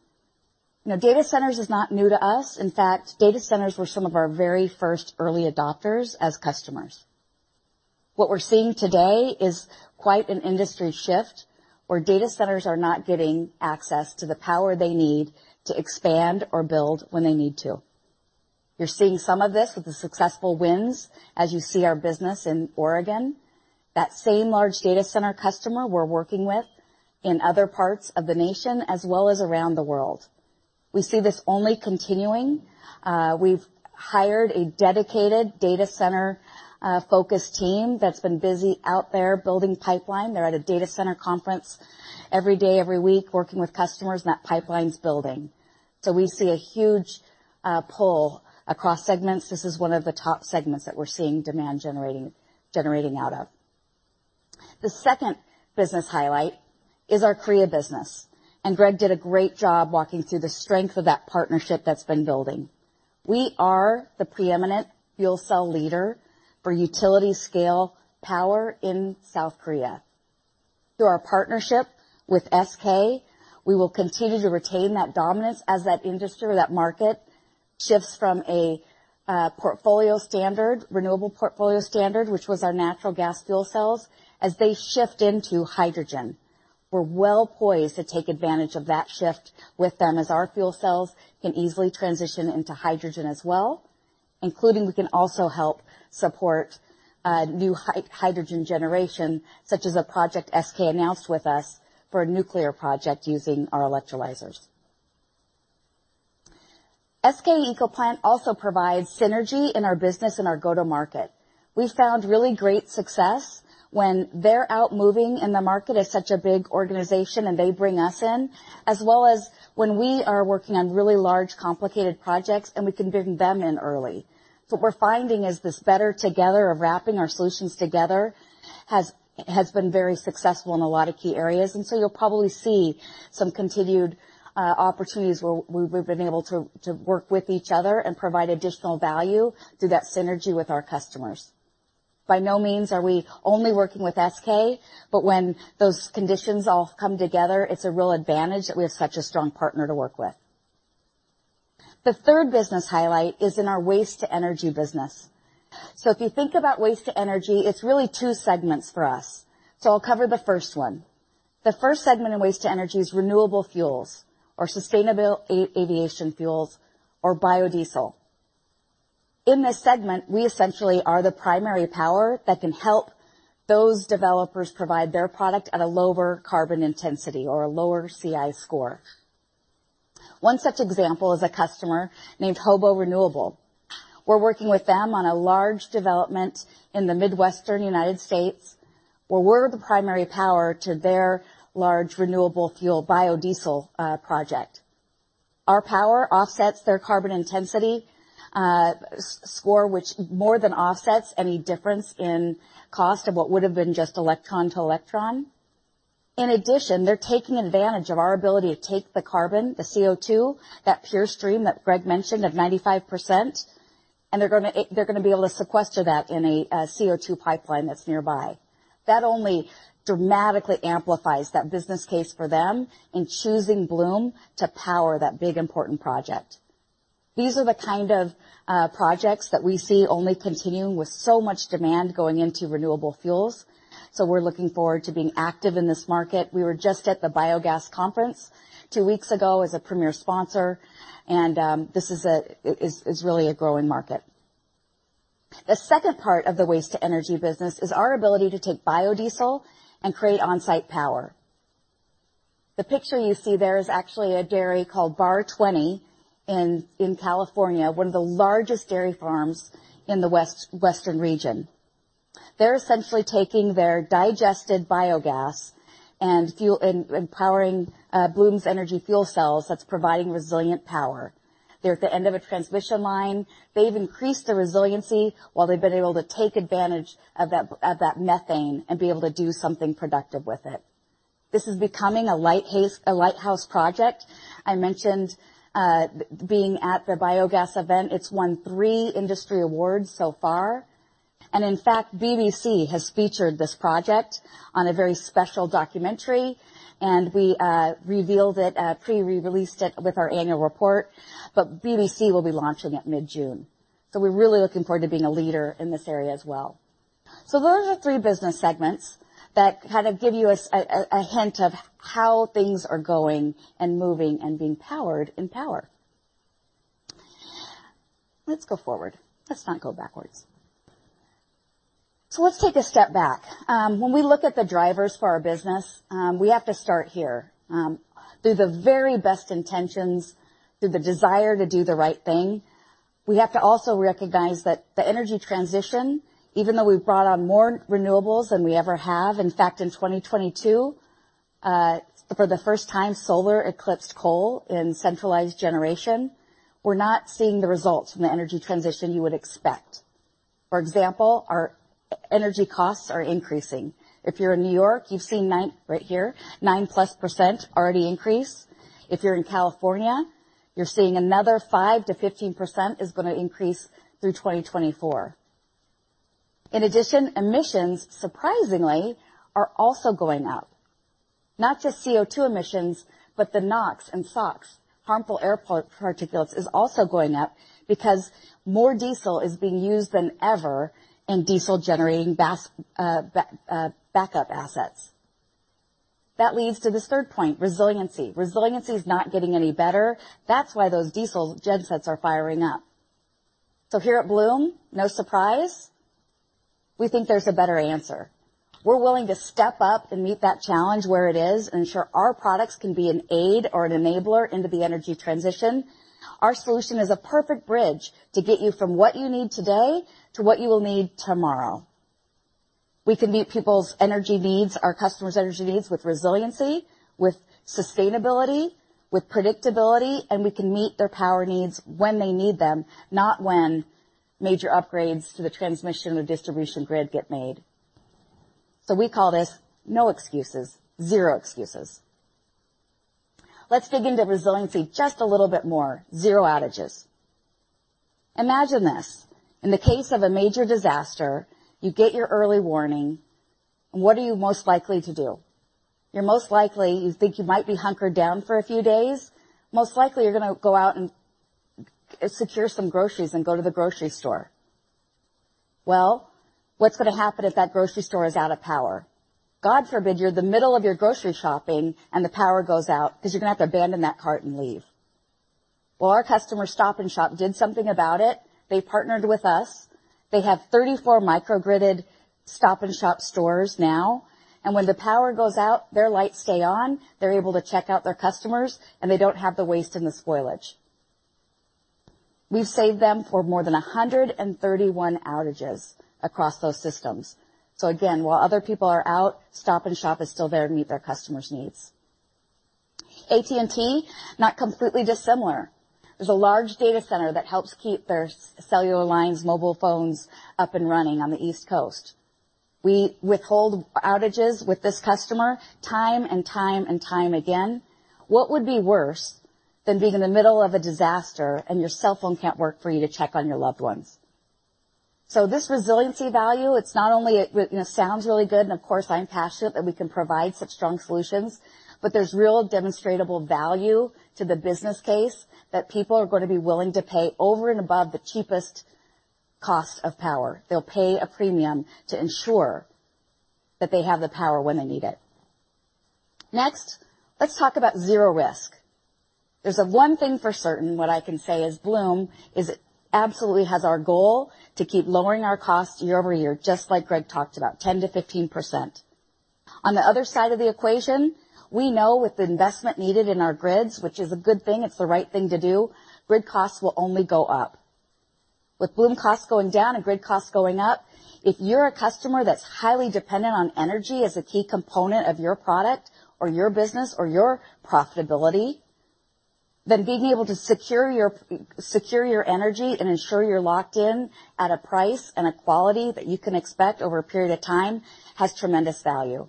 Now, data centers is not new to us. In fact, data centers were some of our very first early adopters as customers. What we're seeing today is quite an industry shift where data centers are not getting access to the power they need to expand or build when they need to. You're seeing some of this with the successful wins as you see our business in Oregon. That same large data center customer we're working with in other parts of the nation as well as around the world. We see this only continuing. We've hired a dedicated data center focused team that's been busy out there building pipeline. They're at a data center conference every day, every week, working with customers, and that pipeline's building. We see a huge pull across segments. This is one of the top segments that we're seeing demand generating out of. The second business highlight is our Korea business. Greg did a great job walking through the strength of that partnership that's been building. We are the preeminent fuel cell leader for utility-scale power in South Korea. Through our partnership with SK, we will continue to retain that dominance as that industry or that market shifts from a portfolio standard, Renewable Portfolio Standard, which was our natural gas fuel cells. As they shift into hydrogen, we're well-poised to take advantage of that shift with them as our fuel cells can easily transition into hydrogen as well, including we can also help support new hydrogen generation, such as a project SK announced with us for a nuclear project using our electrolyzers. SK ecoplant also provides synergy in our business and our go-to-market. We found really great success when they're out moving in the market as such a big organization, and they bring us in, as well as when we are working on really large, complicated projects, and we can bring them in early. What we're finding is this better together of wrapping our solutions together has been very successful in a lot of key areas. You'll probably see some continued opportunities where we've been able to work with each other and provide additional value through that synergy with our customers. By no means are we only working with SK, but when those conditions all come together, it's a real advantage that we have such a strong partner to work with. The third business highlight is in our waste-to-energy business. If you think about waste-to-energy, it's really two segments for us. I'll cover the first one. The first segment in waste-to-energy is renewable fuels or Sustainable Aviation Fuel or biodiesel. In this segment, we essentially are the primary power that can help those developers provide their product at a lower carbon intensity or a lower CI score. One such example is a customer named CVR Renewables. We're working with them on a large development in the Midwestern United States, where we're the primary power to their large renewable fuel biodiesel project. Our power offsets their carbon intensity score, which more than offsets any difference in cost of what would have been just electron to electron. In addition, they're taking advantage of our ability to take the carbon, the CO2, that pure stream that Greg mentioned of 95%, and they're gonna be able to sequester that in a CO2 pipeline that's nearby. That only dramatically amplifies that business case for them in choosing Bloom to power that big important project. These are the kind of projects that we see only continuing with so much demand going into renewable fuels. We're looking forward to being active in this market. We were just at the Biogas Conference two weeks ago as a premier sponsor, and this is really a growing market. The second part of the waste-to-energy business is our ability to take biodiesel and create on-site power. The picture you see there is actually a dairy called Bar 20 in California, one of the largest dairy farms in the Western region. They're essentially taking their digested biogas and fuel and powering Bloom Energy fuel cells that's providing resilient power. They're at the end of a transmission line. They've increased their resiliency while they've been able to take advantage of that methane and be able to do something productive with it. This is becoming a lighthouse project. I mentioned being at their biogas event. It's won 3 industry awards so far. In fact, BBC has featured this project on a very special documentary, and we revealed it pre-released it with our annual report, BBC will be launching it mid-June. We're really looking forward to being a leader in this area as well. Those are 3 business segments that kind of give you a hint of how things are going and moving and being powered in power. Let's go forward. Let's not go backwards. Let's take a step back. When we look at the drivers for our business, we have to start here. Through the very best intentions, through the desire to do the right thing, we have to also recognize that the energy transition, even though we've brought on more renewables than we ever have, in fact, in 2022, for the first time, solar eclipsed coal in centralized generation. We're not seeing the results from the energy transition you would expect. For example, our energy costs are increasing. If you're in New York, you've seen, right here, 9+% already increase. If you're in California, you're seeing another 5%-15% is gonna increase through 2024. In addition, emissions, surprisingly, are also going up. Not just CO2 emissions, but the NOx and SOx harmful air particles is also going up because more diesel is being used than ever in diesel-generating backup assets. That leads to this third point, resiliency. Resiliency is not getting any better. That's why those diesel gen sets are firing up. Here at Bloom, no surprise, we think there's a better answer. We're willing to step up and meet that challenge where it is and ensure our products can be an aid or an enabler into the energy transition. Our solution is a perfect bridge to get you from what you need today to what you will need tomorrow. We can meet people's energy needs, our customers' energy needs with resiliency, with sustainability, with predictability, and we can meet their power needs when they need them, not when major upgrades to the transmission or distribution grid get made. We call this no excuses, zero excuses. Let's dig into resiliency just a little bit more. Zero outages. Imagine this. In the case of a major disaster, you get your early warning. What are you most likely to do? You're most likely, you think you might be hunkered down for a few days. Most likely, you're gonna go out and secure some groceries and go to the grocery store. What's gonna happen if that grocery store is out of power? God forbid, you're in the middle of your grocery shopping and the power goes out because you're gonna have to abandon that cart and leave. Our customer, Stop & Shop, did something about it. They partnered with us. They have 34 micro gridded Stop & Shop stores now, and when the power goes out, their lights stay on, they're able to check out their customers, and they don't have the waste and the spoilage. We've saved them for more than 131 outages across those systems. Again, while other people are out, Stop & Shop is still there to meet their customers' needs. AT&T, not completely dissimilar. There's a large data center that helps keep their cellular lines, mobile phones up and running on the East Coast. We withhold outages with this customer time and time and time again. What would be worse than being in the middle of a disaster and your cell phone can't work for you to check on your loved ones? This resiliency value, it's not only it, you know, sounds really good, and of course, I'm passionate that we can provide such strong solutions, but there's real demonstrable value to the business case that people are going to be willing to pay over and above the cheapest cost of power. They'll pay a premium to ensure that they have the power when they need it. Next, let's talk about zero risk. There's one thing for certain, what I can say is Bloom is absolutely has our goal to keep lowering our costs year-over-year, just like Greg talked about, 10%-15%. On the other side of the equation, we know with the investment needed in our grids, which is a good thing, it's the right thing to do, grid costs will only go up. With Bloom costs going down and grid costs going up, if you're a customer that's highly dependent on energy as a key component of your product or your business or your profitability, being able to secure your energy and ensure you're locked in at a price and a quality that you can expect over a period of time has tremendous value.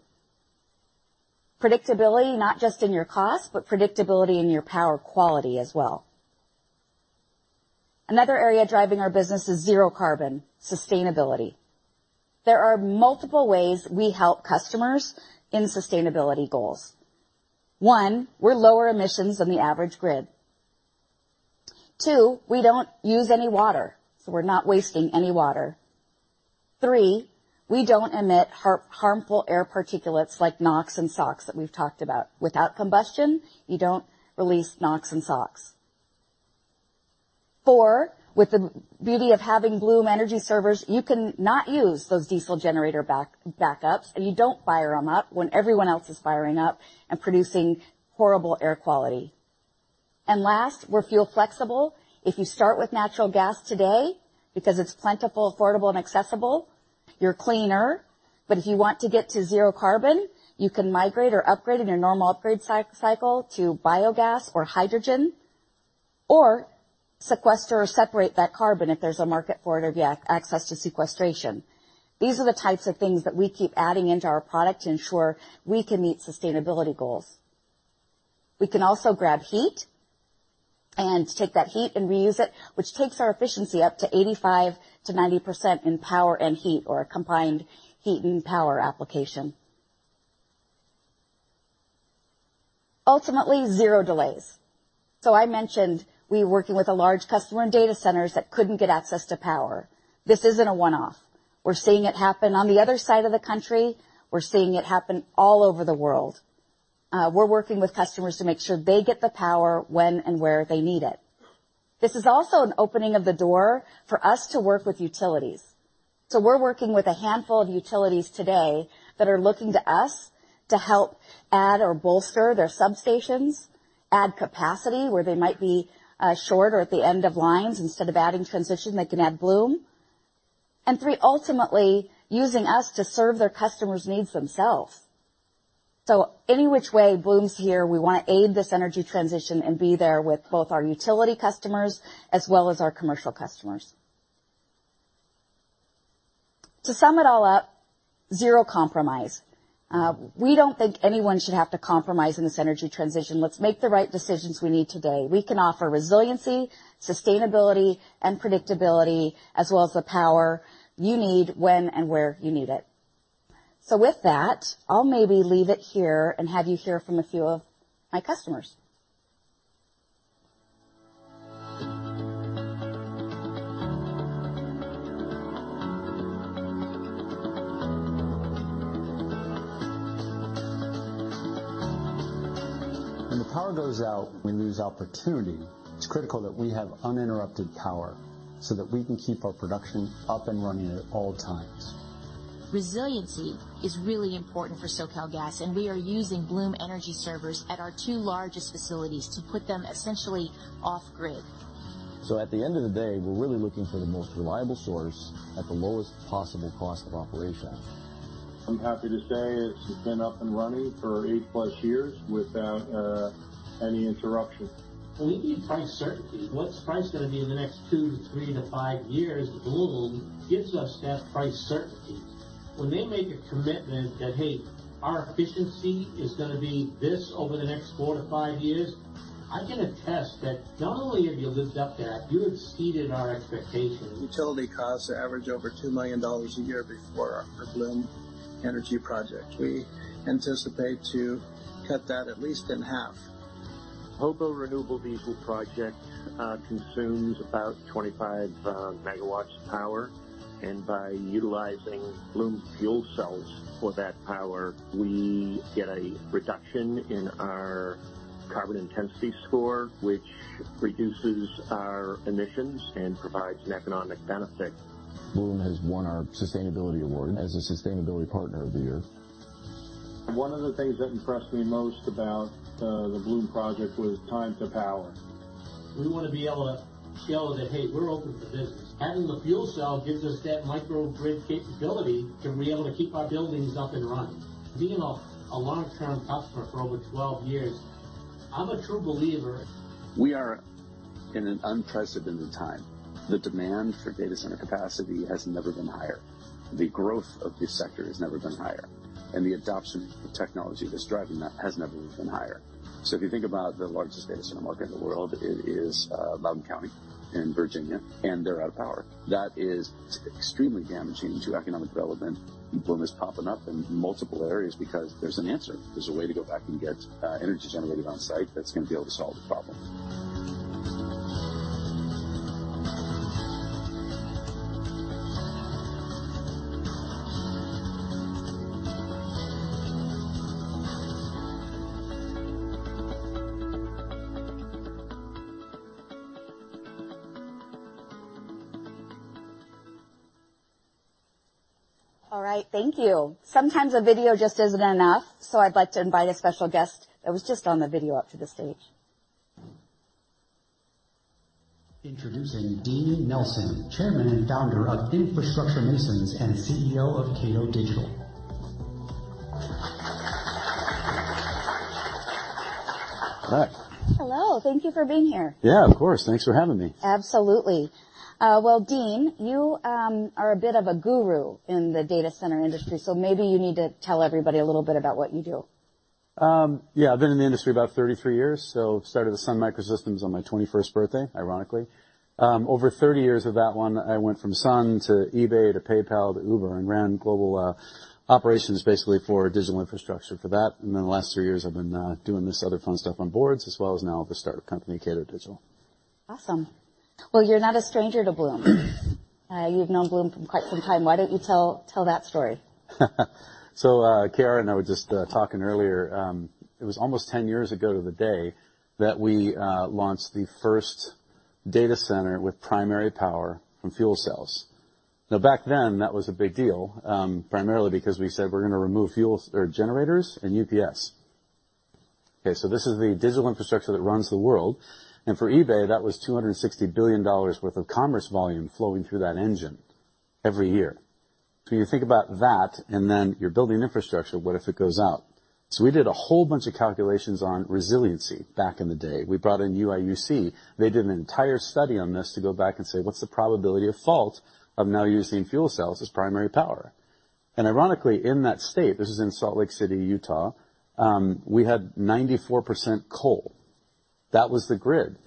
Predictability, not just in your cost, but predictability in your power quality as well. Another area driving our business is zero carbon, sustainability. There are multiple ways we help customers in sustainability goals. One, we're lower emissions than the average grid. Two, we don't use any water, so we're not wasting any water. Three, we don't emit harmful air particulates like NOx and SOx that we've talked about. Without combustion, you don't release NOx and SOx. Four, with the beauty of having Bloom Energy Servers, you cannot use those diesel generator backups, and you don't fire them up when everyone else is firing up and producing horrible air quality. Last, we're fuel flexible. If you start with natural gas today, because it's plentiful, affordable, and accessible, you're cleaner. If you want to get to zero carbon, you can migrate or upgrade in your normal upgrade cycle to biogas or hydrogen or sequester or separate that carbon if there's a market for it or you have access to sequestration. These are the types of things that we keep adding into our product to ensure we can meet sustainability goals. We can also grab heat and take that heat and reuse it, which takes our efficiency up to 85%-90% in power and heat or a Combined Heat and Power application. Ultimately, 0 delays. I mentioned we're working with a large customer in data centers that couldn't get access to power. This isn't a one-off. We're seeing it happen on the other side of the country. We're seeing it happen all over the world. We're working with customers to make sure they get the power when and where they need it. This is also an opening of the door for us to work with utilities. We're working with a handful of utilities today that are looking to us to help add or bolster their substations, add capacity where they might be short or at the end of lines. Instead of adding transition, they can add Bloom. 3, ultimately, using us to serve their customers' needs themselves. Any which way, Bloom's here. We wanna aid this energy transition and be there with both our utility customers as well as our commercial customers. To sum it all up, zero compromise. We don't think anyone should have to compromise in this energy transition. Let's make the right decisions we need today. We can offer resiliency, sustainability, and predictability, as well as the power you need when and where you need it. With that, I'll maybe leave it here and have you hear from a few of my customers. When the power goes out, we lose opportunity. It's critical that we have uninterrupted power so that we can keep our production up and running at all times. Resiliency is really important for SoCalGas, and we are using Bloom Energy Servers at our two largest facilities to put them essentially off-grid At the end of the day, we're really looking for the most reliable source at the lowest possible cost of operation. I'm happy to say it's been up and running for 8+ years without any interruption. We need price certainty. What's price gonna be in the next 2 to 3 to 5 years? Bloom gives us that price certainty. When they make a commitment that, "Hey, our efficiency is gonna be this over the next 4 to 5 years," I can attest that not only have you lived up to that, you exceeded our expectations. Utility costs average over $2 million a year before our Bloom Energy project. We anticipate to cut that at least in half. CVR Renewables Diesel project, consumes about 25 megawatts of power. By utilizing Bloom fuel cells for that power, we get a reduction in our carbon intensity score, which reduces our emissions and provides an economic benefit. Bloom has won our sustainability award as a sustainability partner of the year. One of the things that impressed me most about, the Bloom project was time to power. We wanna be able to show that, "Hey, we're open for business." Having the fuel cell gives us that microgrid capability to be able to keep our buildings up and running. Being a long-term customer for over 12 years, I'm a true believer. We are in an unprecedented time. The demand for data center capacity has never been higher. The growth of this sector has never been higher, and the adoption of technology that's driving that has never been higher. If you think about the largest data center market in the world, it is Loudoun County in Virginia, and they're out of power. That is extremely damaging to economic development. Bloom is popping up in multiple areas because there's an answer. There's a way to go back and get energy generated on-site that's gonna be able to solve the problem. All right. Thank you. Sometimes a video just isn't enough, so I'd like to invite a special guest that was just on the video up to the stage. Introducing Dean Nelson, Chairman and Founder of Infrastructure Masons and CEO of Cato Digital. Hi. Hello. Thank you for being here. Yeah, of course. Thanks for having me. Absolutely. Well, Dean, you are a bit of a guru in the data center industry, so maybe you need to tell everybody a little bit about what you do. Yeah. I've been in the industry about 33 years, so started with Sun Microsystems on my 21st birthday, ironically. Over 30 years with that one, I went from Sun to eBay to PayPal to Uber and ran global operations basically for digital infrastructure for that. The last 3 years I've been doing this other fun stuff on boards as well as now with the startup company, Cato Digital. Awesome. Well, you're not a stranger to Bloom. You've known Bloom for quite some time. Why don't you tell that story? Kara and I were just talking earlier, it was almost 10 years ago to the day that we launched the first data center with primary power from fuel cells. Back then, that was a big deal, primarily because we said we're gonna remove fuel or generators and UPS. Okay. This is the digital infrastructure that runs the world. For eBay, that was $260 billion worth of commerce volume flowing through that engine every year. You think about that, you're building infrastructure, what if it goes out? We did a whole bunch of calculations on resiliency back in the day. We brought in UIUC. They did an entire study on this to go back and say, "What's the probability of fault of now using fuel cells as primary power?" Ironically, in that state, this is in Salt Lake City, Utah, we had 94% coal. That was the grid.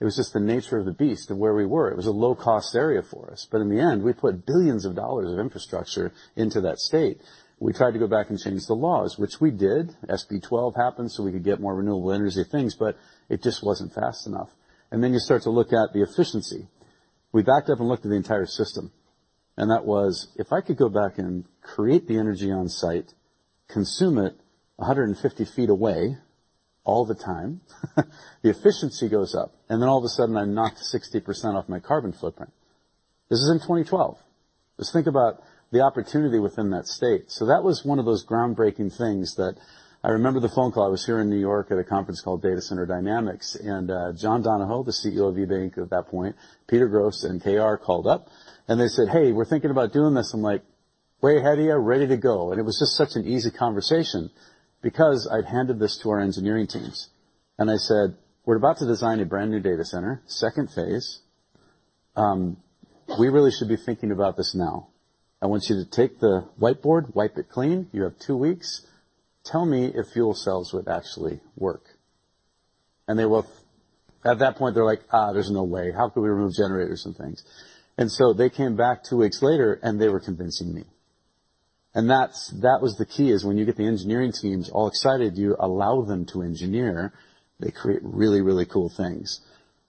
It was just the nature of the beast of where we were. It was a low-cost area for us. In the end, we put billions of dollars of infrastructure into that state. We tried to go back and change the laws, which we did. SB 12 happened, so we could get more renewable energy things, but it just wasn't fast enough. Then you start to look at the efficiency. We backed up and looked at the entire system, and that was, if I could go back and create the energy on-site, consume it 150 feet away all the time, the efficiency goes up, and then all of a sudden I knocked 60% off my carbon footprint. This is in 2012. Just think about the opportunity within that state. That was one of those groundbreaking things that I remember the phone call. I was here in New York at a conference called Data Center Dynamics, and John Donahoe, the CEO of eBay at that point, Peter Gross and K.R. called up, and they said, "Hey, we're thinking about doing this." I'm like, "Way ahead of you. Ready to go." It was just such an easy conversation because I'd handed this to our engineering teams and I said, "We're about to design a brand-new data center, second phase. We really should be thinking about this now. I want you to take the whiteboard, wipe it clean. You have 2 weeks. Tell me if fuel cells would actually work." At that point, they're like, "There's no way. How can we remove generators and things?" They came back 2 weeks later, and they were convincing me. That was the key, is when you get the engineering teams all excited, you allow them to engineer, they create really, really cool things.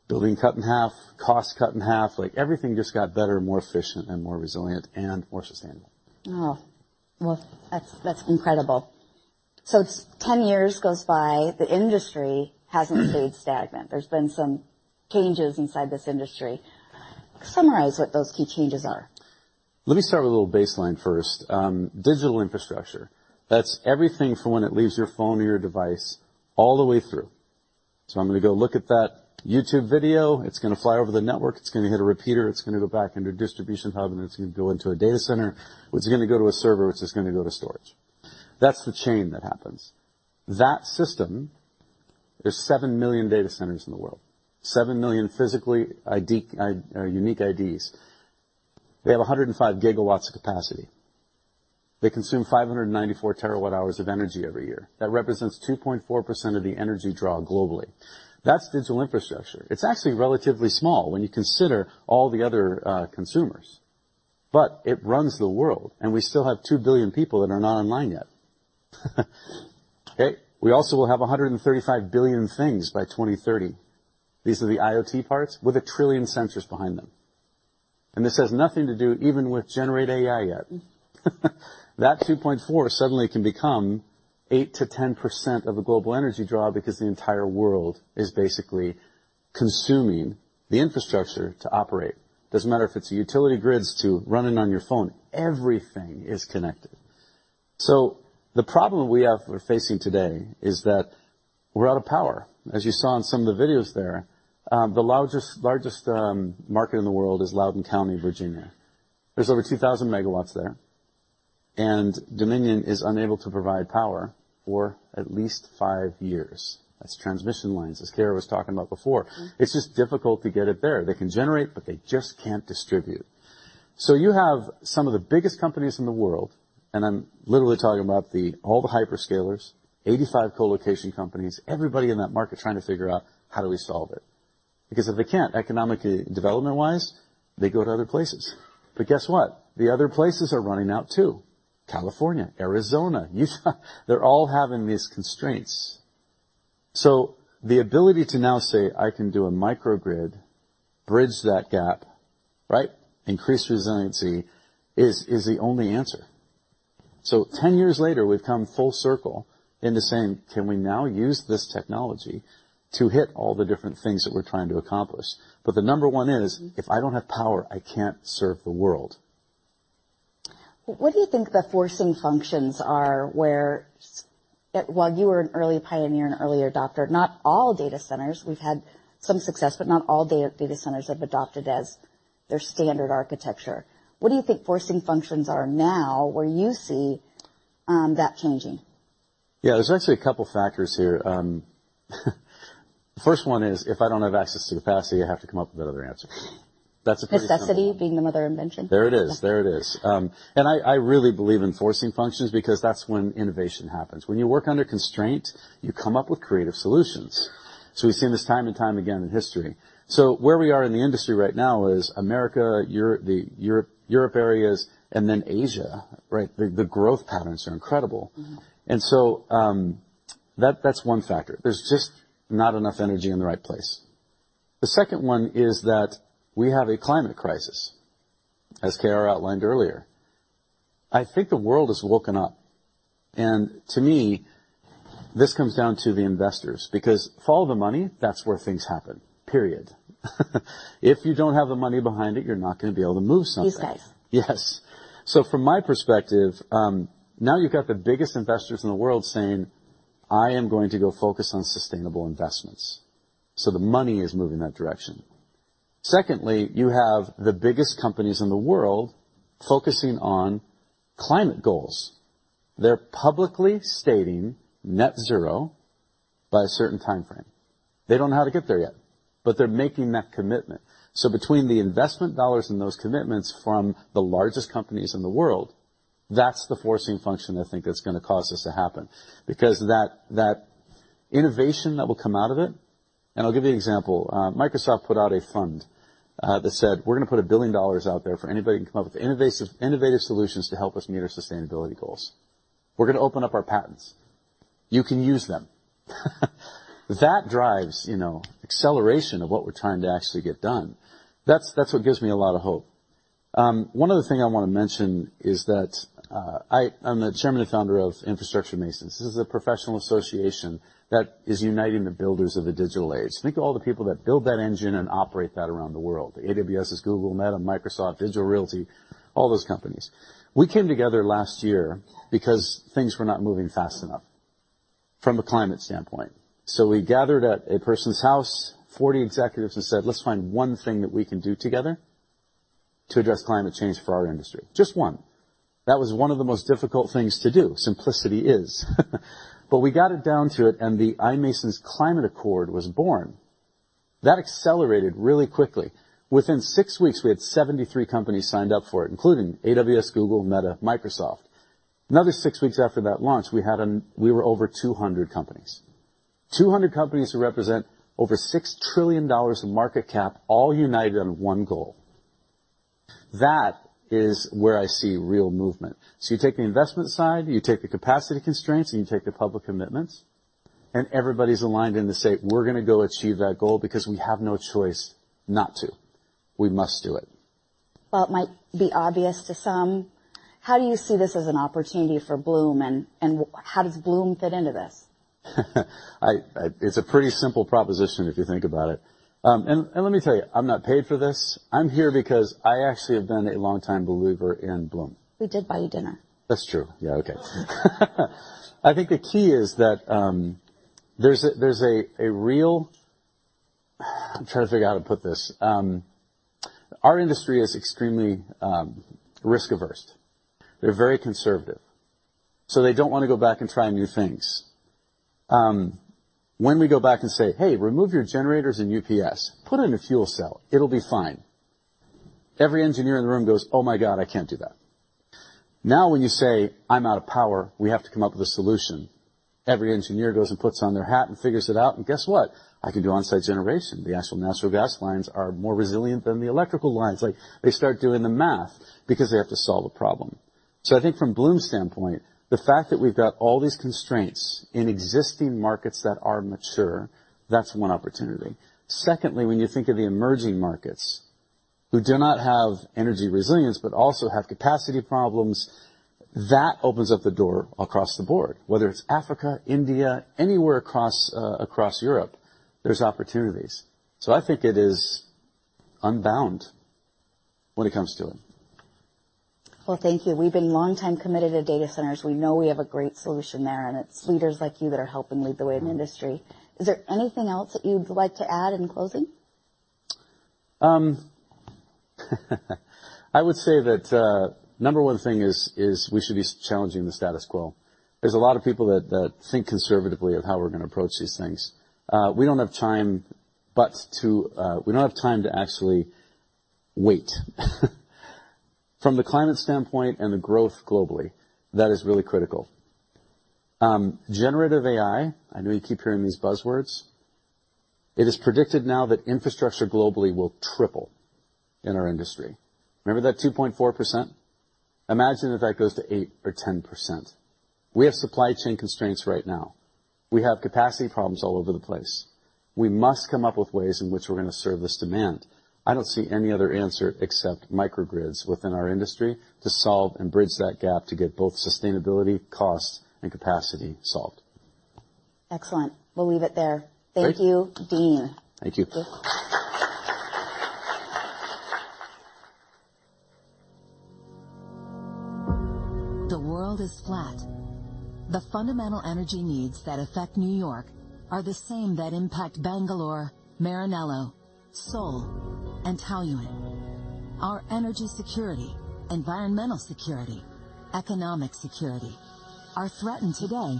Building cut in half, cost cut in half. Like, everything just got better and more efficient and more resilient and more sustainable. Oh, well, that's incredible. It's 10 years goes by. The industry hasn't stayed stagnant. There's been some changes inside this industry. Summarize what those key changes are. Let me start with a little baseline first. Digital infrastructure, that's everything from when it leaves your phone or your device all the way through. I'm gonna go look at that YouTube video. It's gonna fly over the network, it's gonna hit a repeater, it's gonna go back into a distribution hub, and it's gonna go into a data center, which is gonna go to a server, which is gonna go to storage. That's the chain that happens. That system, there's 7 million data centers in the world, 7 million physically ID unique IDs. They have 105 gigawatts of capacity. They consume 594 terawatt-hours of energy every year. That represents 2.4% of the energy draw globally. That's digital infrastructure. It's actually relatively small when you consider all the other consumers. It runs the world. We still have 2 billion people that are not online yet. Okay? We also will have 135 billion things by 2030. These are the IoT parts with 1 trillion sensors behind them. This has nothing to do even with generative AI yet. That 2.4 suddenly can become 8%-10% of the global energy draw because the entire world is basically consuming the infrastructure to operate. Doesn't matter if it's utility grids to running on your phone, everything is connected. The problem we're facing today is that we're out of power. As you saw in some of the videos there, the loudest, largest market in the world is Loudoun County, Virginia. There's over 2,000 MW there, Dominion is unable to provide power for at least 5 years. That's transmission lines, as Kara was talking about before. It's just difficult to get it there. They can generate, but they just can't distribute. You have some of the biggest companies in the world, and I'm literally talking about all the hyperscalers, 85 colocation companies, everybody in that market trying to figure out how do we solve it. Because if they can't, economically and development-wise, they go to other places. Guess what? The other places are running out too. California, Arizona, Utah, they're all having these constraints. The ability to now say, "I can do a microgrid," bridge that gap, right? Increase resiliency is the only answer. 10 years later, we've come full circle into saying, "Can we now use this technology to hit all the different things that we're trying to accomplish?" The number one is, if I don't have power, I can't serve the world. What do you think the forcing functions are where While you were an early pioneer and early adopter, not all data centers, we've had some success, but not all data centers have adopted as their standard architecture. What do you think forcing functions are now where you see that changing? Yeah. There's actually a couple factors here, the first one is, if I don't have access to capacity, I have to come up with another answer. That's the first one. Necessity being the mother of invention. There it is. There it is. I really believe in forcing functions because that's when innovation happens. When you work under constraints, you come up with creative solutions. We've seen this time and time again in history. Where we are in the industry right now is America, Europe areas, and then Asia, right? The growth patterns are incredible. Mm-hmm. That's one factor. There's just not enough energy in the right place. The second one is that we have a climate crisis, as Kara outlined earlier. I think the world is woken up, and to me, this comes down to the investors because follow the money, that's where things happen, period. If you don't have the money behind it, you're not gonna be able to move something. These guys. Yes. From my perspective, now you've got the biggest investors in the world saying, "I am going to go focus on sustainable investments." The money is moving in that direction. Secondly, you have the biggest companies in the world focusing on climate goals. They're publicly stating net zero by a certain timeframe. They don't know how to get there yet, they're making that commitment. Between the investment dollars and those commitments from the largest companies in the world, that's the forcing function I think that's gonna cause this to happen. That innovation that will come out of it... I'll give you an example. Microsoft put out a fund that said, "We're gonna put $1 billion out there for anybody who can come up with innovative solutions to help us meet our sustainability goals. We're gonna open up our patents. You can use them." That drives, you know, acceleration of what we're trying to actually get done. That's what gives me a lot of hope. One other thing I wanna mention is that I am the Chairman and Founder of Infrastructure Masons. This is a professional association that is uniting the builders of the digital age. Think of all the people that build that engine and operate that around the world, AWS's, Google, Meta, Microsoft, Digital Realty, all those companies. We came together last year because things were not moving fast enough from a climate standpoint. We gathered at a person's house, 40 executives and said, "Let's find one thing that we can do together to address climate change for our industry." Just one. That was one of the most difficult things to do. Simplicity is. We got it down to it, and the iMasons Climate Accord was born. That accelerated really quickly. Within six weeks, we had 73 companies signed up for it, including AWS, Google, Meta, Microsoft. Another six weeks after that launch, we were over 200 companies. 200 companies who represent over $6 trillion in market cap, all united on one goal. That is where I see real movement. You take the investment side, you take the capacity constraints, and you take the public commitments, and everybody's aligned in to say, "We're gonna go achieve that goal because we have no choice not to. We must do it. Well, it might be obvious to some. How do you see this as an opportunity for Bloom and how does Bloom fit into this? It's a pretty simple proposition if you think about it. Let me tell you, I'm not paid for this. I'm here because I actually have been a longtime believer in Bloom. We did buy you dinner. That's true. Yeah. Okay. I think the key is that there's a real... I'm trying to figure out how to put this. Our industry is extremely risk-averse. They're very conservative, they don't wanna go back and try new things. When we go back and say, "Hey, remove your generators and UPS. Put in a fuel cell, it'll be fine." Every engineer in the room goes, "Oh my god, I can't do that." Now, when you say, "I'm out of power, we have to come up with a solution," every engineer goes and puts on their hat and figures it out, and guess what? I can do on-site generation. The natural gas lines are more resilient than the electrical lines. Like, they start doing the math because they have to solve a problem. I think from Bloom's standpoint, the fact that we've got all these constraints in existing markets that are mature, that's one opportunity. When you think of the emerging markets who do not have energy resilience, but also have capacity problems, that opens up the door across the board, whether it's Africa, India, anywhere across Europe, there's opportunities. I think it is unbound when it comes to it. Well, thank you. We've been longtime committed to data centers. We know we have a great solution there, and it's leaders like you that are helping lead the way in the industry. Is there anything else that you'd like to add in closing? I would say that number one thing is, we should be challenging the status quo. There's a lot of people that think conservatively of how we're gonna approach these things. We don't have time to actually wait. From the climate standpoint and the growth globally, that is really critical. Generative AI, I know you keep hearing these buzzwords. It is predicted now that infrastructure globally will triple in our industry. Remember that 2.4%? Imagine if that goes to 8% or 10%. We have supply chain constraints right now. We have capacity problems all over the place. We must come up with ways in which we're gonna serve this demand. I don't see any other answer except microgrids within our industry to solve and bridge that gap to get both sustainability, cost, and capacity solved. Excellent. We'll leave it there. Great. Thank you, Dean. Thank you. Please. The world is flat. The fundamental energy needs that affect New York are the same that impact Bangalore, Maranello, Seoul, and Taoyuan. Our energy security, environmental security, economic security are threatened today.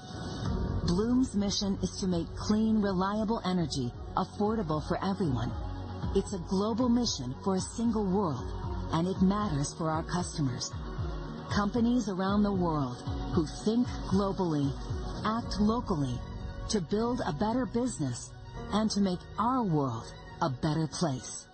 Bloom's mission is to make clean, reliable energy affordable for everyone. It's a global mission for a single world, and it matters for our customers. Companies around the world who think globally, act locally to build a better business and to make our world a better place.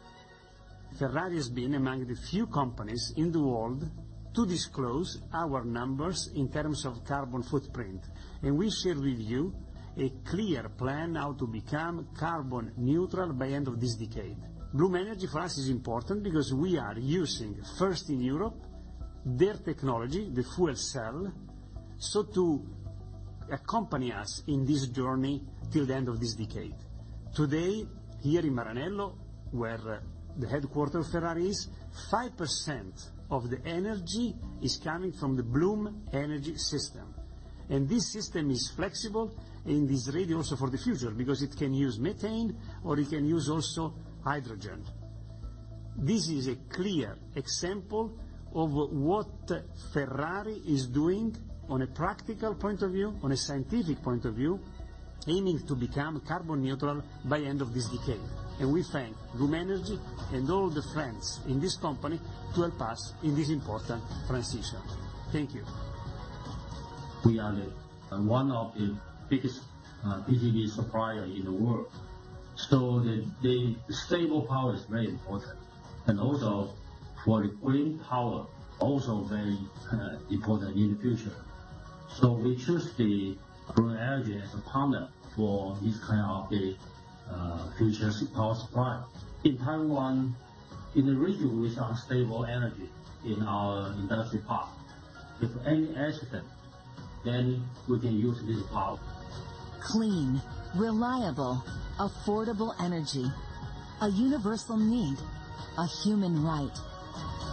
Ferrari has been among the few companies in the world to disclose our numbers in terms of carbon footprint, and we share with you a clear plan how to become carbon neutral by end of this decade. Bloom Energy for us is important because we are using, first in Europe, their technology, the fuel cell, so to accompany us in this journey till the end of this decade. Today, here in Maranello, where the headquarter of Ferrari is, 5% of the energy is coming from the Bloom Energy system. This system is flexible, and is ready also for the future because it can use methane or it can use also hydrogen. This is a clear example of what Ferrari is doing on a practical point of view, on a scientific point of view, aiming to become carbon neutral by end of this decade. We thank Bloom Energy and all the friends in this company to help us in this important transition. Thank you. We are the, one of the biggest, BGV supplier in the world. The, the stable power is very important and also for the green power also very important in the future. We choose the Bloom Energy as a partner for this kind of a future power supply. In Taiwan, in the region with unstable energy in our industry park, if any accident, then we can use this power. Clean, reliable, affordable energy, a universal need, a human right.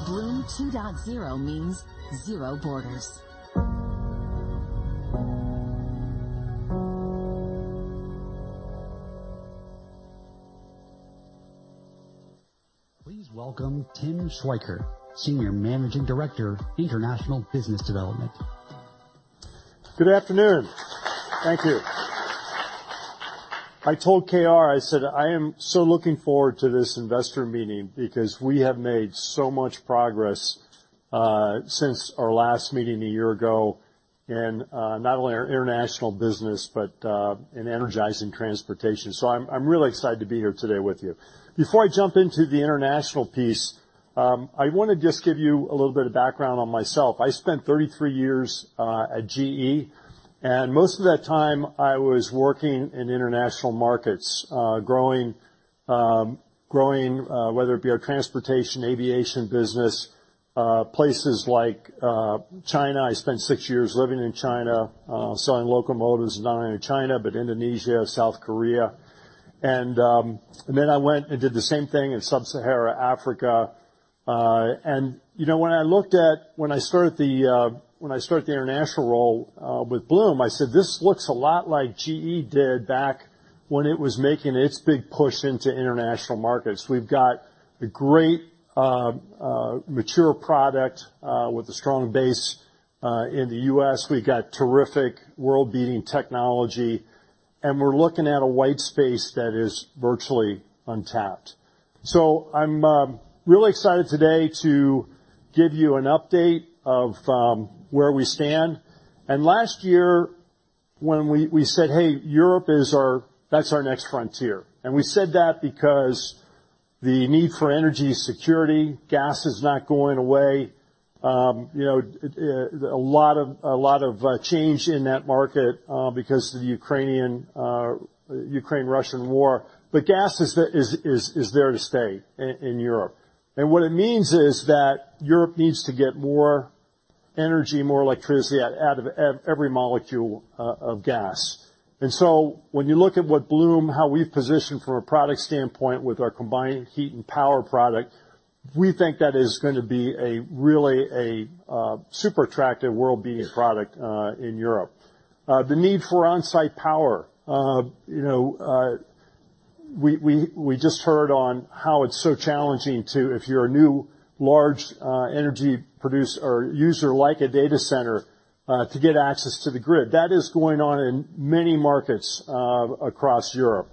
Bloom 2.0 means zero borders. Please welcome Tim Schweikert, Senior Managing Director, International Business Development. Good afternoon. Thank you. I told K.R., I said, "I am so looking forward to this investor meeting because we have made so much progress since our last meeting a year ago in not only our international business, but in energizing transportation." I'm really excited to be here today with you. Before I jump into the international piece, I wanna just give you a little bit of background on myself. I spent 33 years at GE. Most of that time I was working in international markets, growing- Growing, whether it be our transportation, aviation business, places like China. I spent 6 years living in China, selling locomotives, not only in China, but Indonesia, South Korea. I went and did the same thing in sub-Saharan Africa. You know, when I started the international role with Bloom, I said, "This looks a lot like GE did back when it was making its big push into international markets." We've got a great mature product with a strong base in the U.S. We've got terrific world-beating technology, and we're looking at a white space that is virtually untapped. I'm really excited today to give you an update of where we stand. Last year when we said, "Hey, Europe is our next frontier." We said that because the need for energy security, gas is not going away. You know, a lot of change in that market because of the Ukrainian, Ukraine-Russian war. Gas is there to stay in Europe. What it means is that Europe needs to get more energy, more electricity out of every molecule of gas. When you look at what Bloom, how we've positioned from a product standpoint with our Combined Heat and Power product, we think that is gonna be a really a super attractive world-beating product in Europe. The need for on-site power, you know, we just heard on how it's so challenging to, if you're a new large energy producer or user, like a data center, to get access to the grid. That is going on in many markets across Europe.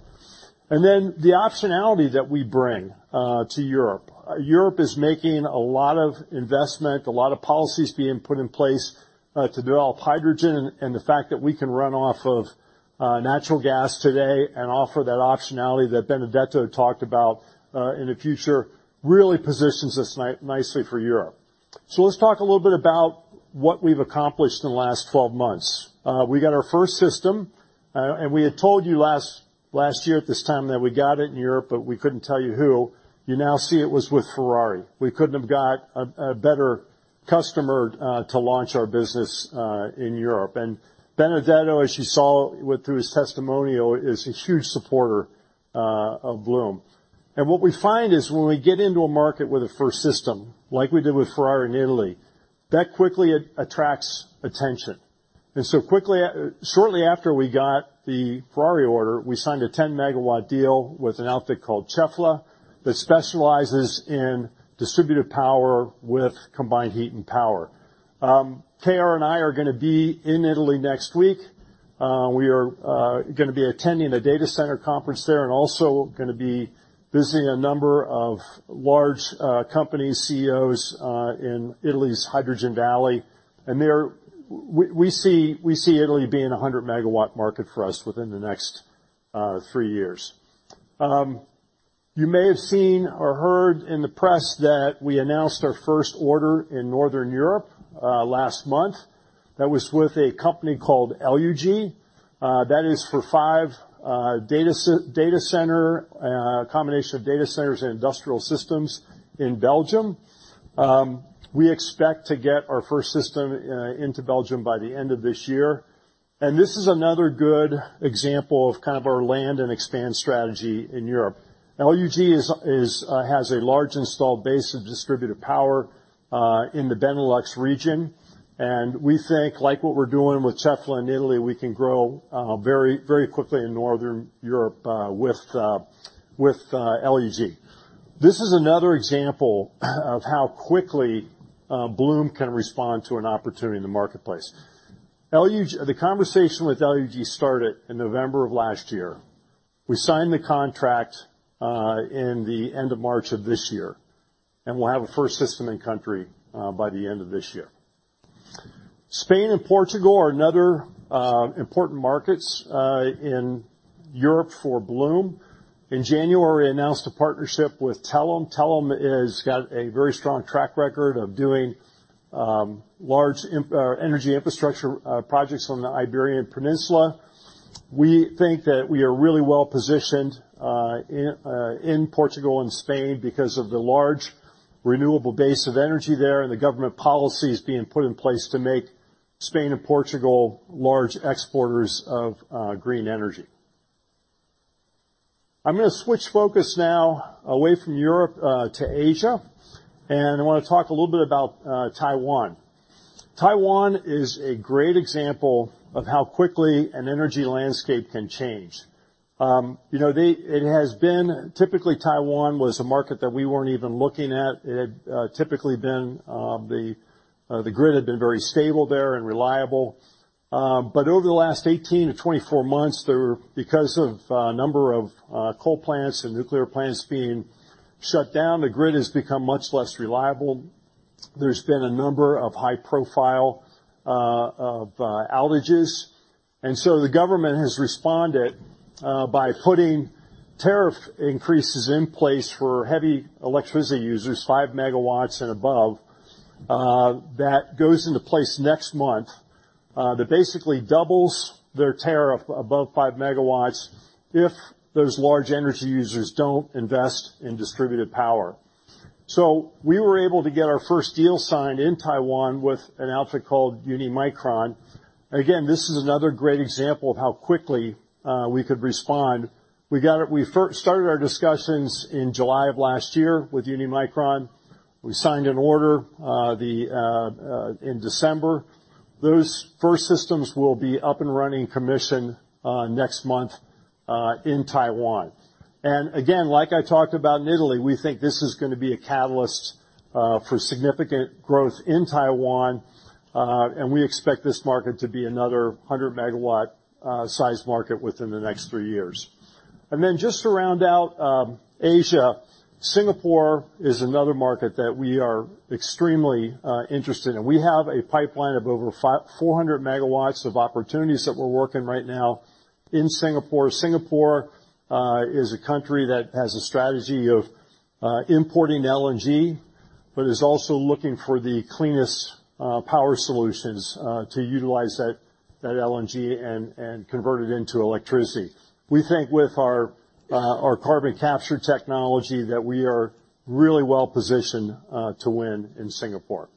The optionality that we bring to Europe. Europe is making a lot of investment, a lot of policies being put in place to develop hydrogen, and the fact that we can run off of natural gas today and offer that optionality that Benedetto talked about in the future, really positions us nicely for Europe. Let's talk a little bit about what we've accomplished in the last 12 months. We got our first system, and we had told you last year at this time that we got it in Europe, but we couldn't tell you who. You now see it was with Ferrari. We couldn't have got a better customer to launch our business in Europe. Benedetto, as you saw through his testimonial, is a huge supporter of Bloom. What we find is when we get into a market with a first system, like we did with Ferrari in Italy, that quickly attracts attention. So quickly, shortly after we got the Ferrari order, we signed a 10-megawatt deal with an outfit called Cefla, that specializes in distributed power with Combined Heat and Power. K.R. and I are gonna be in Italy next week. We are gonna be attending a data center conference there and also gonna be visiting a number of large companies, CEOs in Italy's Hydrogen Valley. We see Italy being a 100-megawatt market for us within the next 3 years. You may have seen or heard in the press that we announced our first order in Northern Europe last month. That was with a company called LUG. That is for 5 data center, a combination of data centers and industrial systems in Belgium. We expect to get our first system into Belgium by the end of this year. This is another good example of kind of our land and expand strategy in Europe. LUG is has a large installed base of distributed power in the Benelux region. We think, like what we're doing with Cefla in Italy, we can grow very quickly in Northern Europe with LUG. This is another example of how quickly Bloom can respond to an opportunity in the marketplace. The conversation with LUG started in November of last year. We signed the contract in the end of March of this year. We'll have a first system in country by the end of this year. Spain and Portugal are another important markets in Europe for Bloom. In January, announced a partnership with Telam. Telam has got a very strong track record of doing large or energy infrastructure projects on the Iberian Peninsula. We think that we are really well positioned in Portugal and Spain because of the large renewable base of energy there and the government policies being put in place to make Spain and Portugal large exporters of green energy. I'm gonna switch focus now away from Europe to Asia, and I wanna talk a little bit about Taiwan. Taiwan is a great example of how quickly an energy landscape can change. You know, typically, Taiwan was a market that we weren't even looking at. It had typically been, the grid had been very stable there and reliable. Over the last 18-24 months, because of a number of coal plants and nuclear plants being shut down, the grid has become much less reliable. There's been a number of high profile outages. The government has responded, by putting tariff increases in place for heavy electricity users, 5 megawatts and above. That goes into place next month, that basically doubles their tariff above 5 megawatts if those large energy users don't invest in distributed power. We were able to get our first deal signed in Taiwan with an outfit called Unimicron. This is another great example of how quickly, we could respond. We started our discussions in July of last year with Unimicron. We signed an order in December. Those first systems will be up and running commission, next month, in Taiwan. Again, like I talked about in Italy, we think this is gonna be a catalyst for significant growth in Taiwan, and we expect this market to be another 100 megawatt size market within the next 3 years. Then just to round out Asia, Singapore is another market that we are extremely interested in. We have a pipeline of over 400 megawatts of opportunities that we're working right now in Singapore. Singapore is a country that has a strategy of importing LNG, but is also looking for the cleanest power solutions to utilize that LNG and convert it into electricity. We think with our carbon capture technology that we are really well positioned to win in Singapore.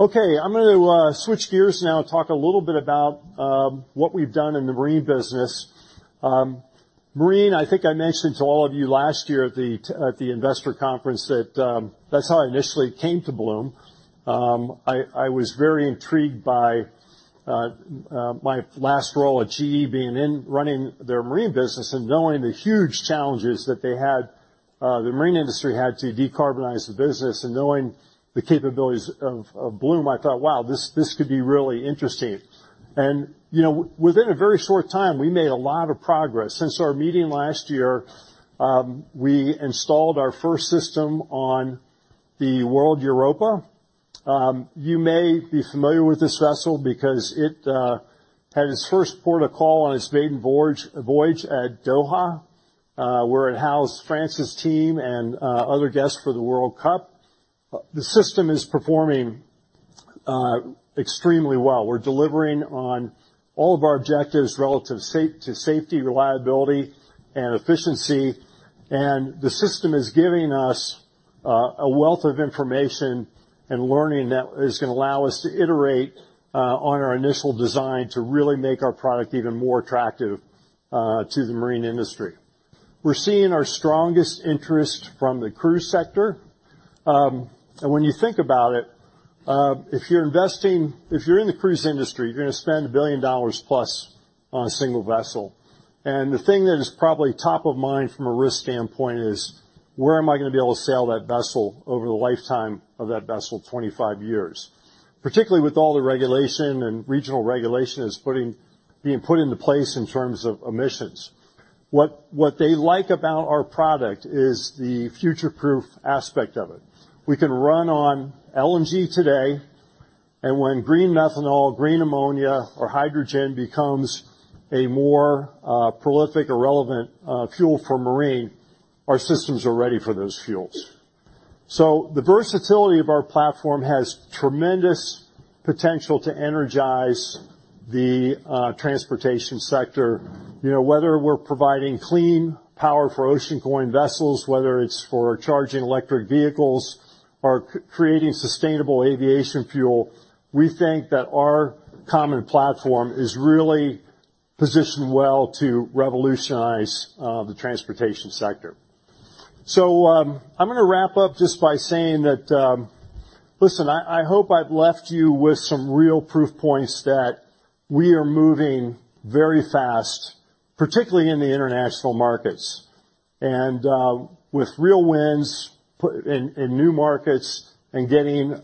Okay, I'm gonna switch gears now and talk a little bit about what we've done in the marine business. Marine, I think I mentioned to all of you last year at the investor conference that that's how I initially came to Bloom. I was very intrigued by my last role at GE being in running their marine business and knowing the huge challenges that they had, the marine industry had to decarbonize the business, and knowing the capabilities of Bloom, I thought, "Wow, this could be really interesting." You know, within a very short time, we made a lot of progress. Since our meeting last year, we installed our first system on the MSC World Europa. You may be familiar with this vessel because it had its first port of call on its maiden voyage at Doha, where it housed France's team and other guests for the World Cup. The system is performing extremely well. We're delivering on all of our objectives relative to safety, reliability, and efficiency. The system is giving us a wealth of information and learning that is gonna allow us to iterate on our initial design to really make our product even more attractive to the marine industry. We're seeing our strongest interest from the cruise sector. When you think about it, if you're in the cruise industry, you're gonna spend $1 billion plus on a single vessel. The thing that is probably top of mind from a risk standpoint is: Where am I gonna be able to sail that vessel over the lifetime of that vessel, 25 years? Particularly with all the regulation and regional regulation that's being put into place in terms of emissions. What they like about our product is the future-proof aspect of it. We can run on LNG today, when green methanol, green ammonia or hydrogen becomes a more prolific or relevant fuel for marine, our systems are ready for those fuels. The versatility of our platform has tremendous potential to energize the transportation sector. You know, whether we're providing clean power for ocean-going vessels, whether it's for charging electric vehicles or creating Sustainable Aviation Fuel, we think that our common platform is really positioned well to revolutionize the transportation sector. I'm gonna wrap up just by saying that, listen, I hope I've left you with some real proof points that we are moving very fast, particularly in the international markets, and with real wins in new markets and getting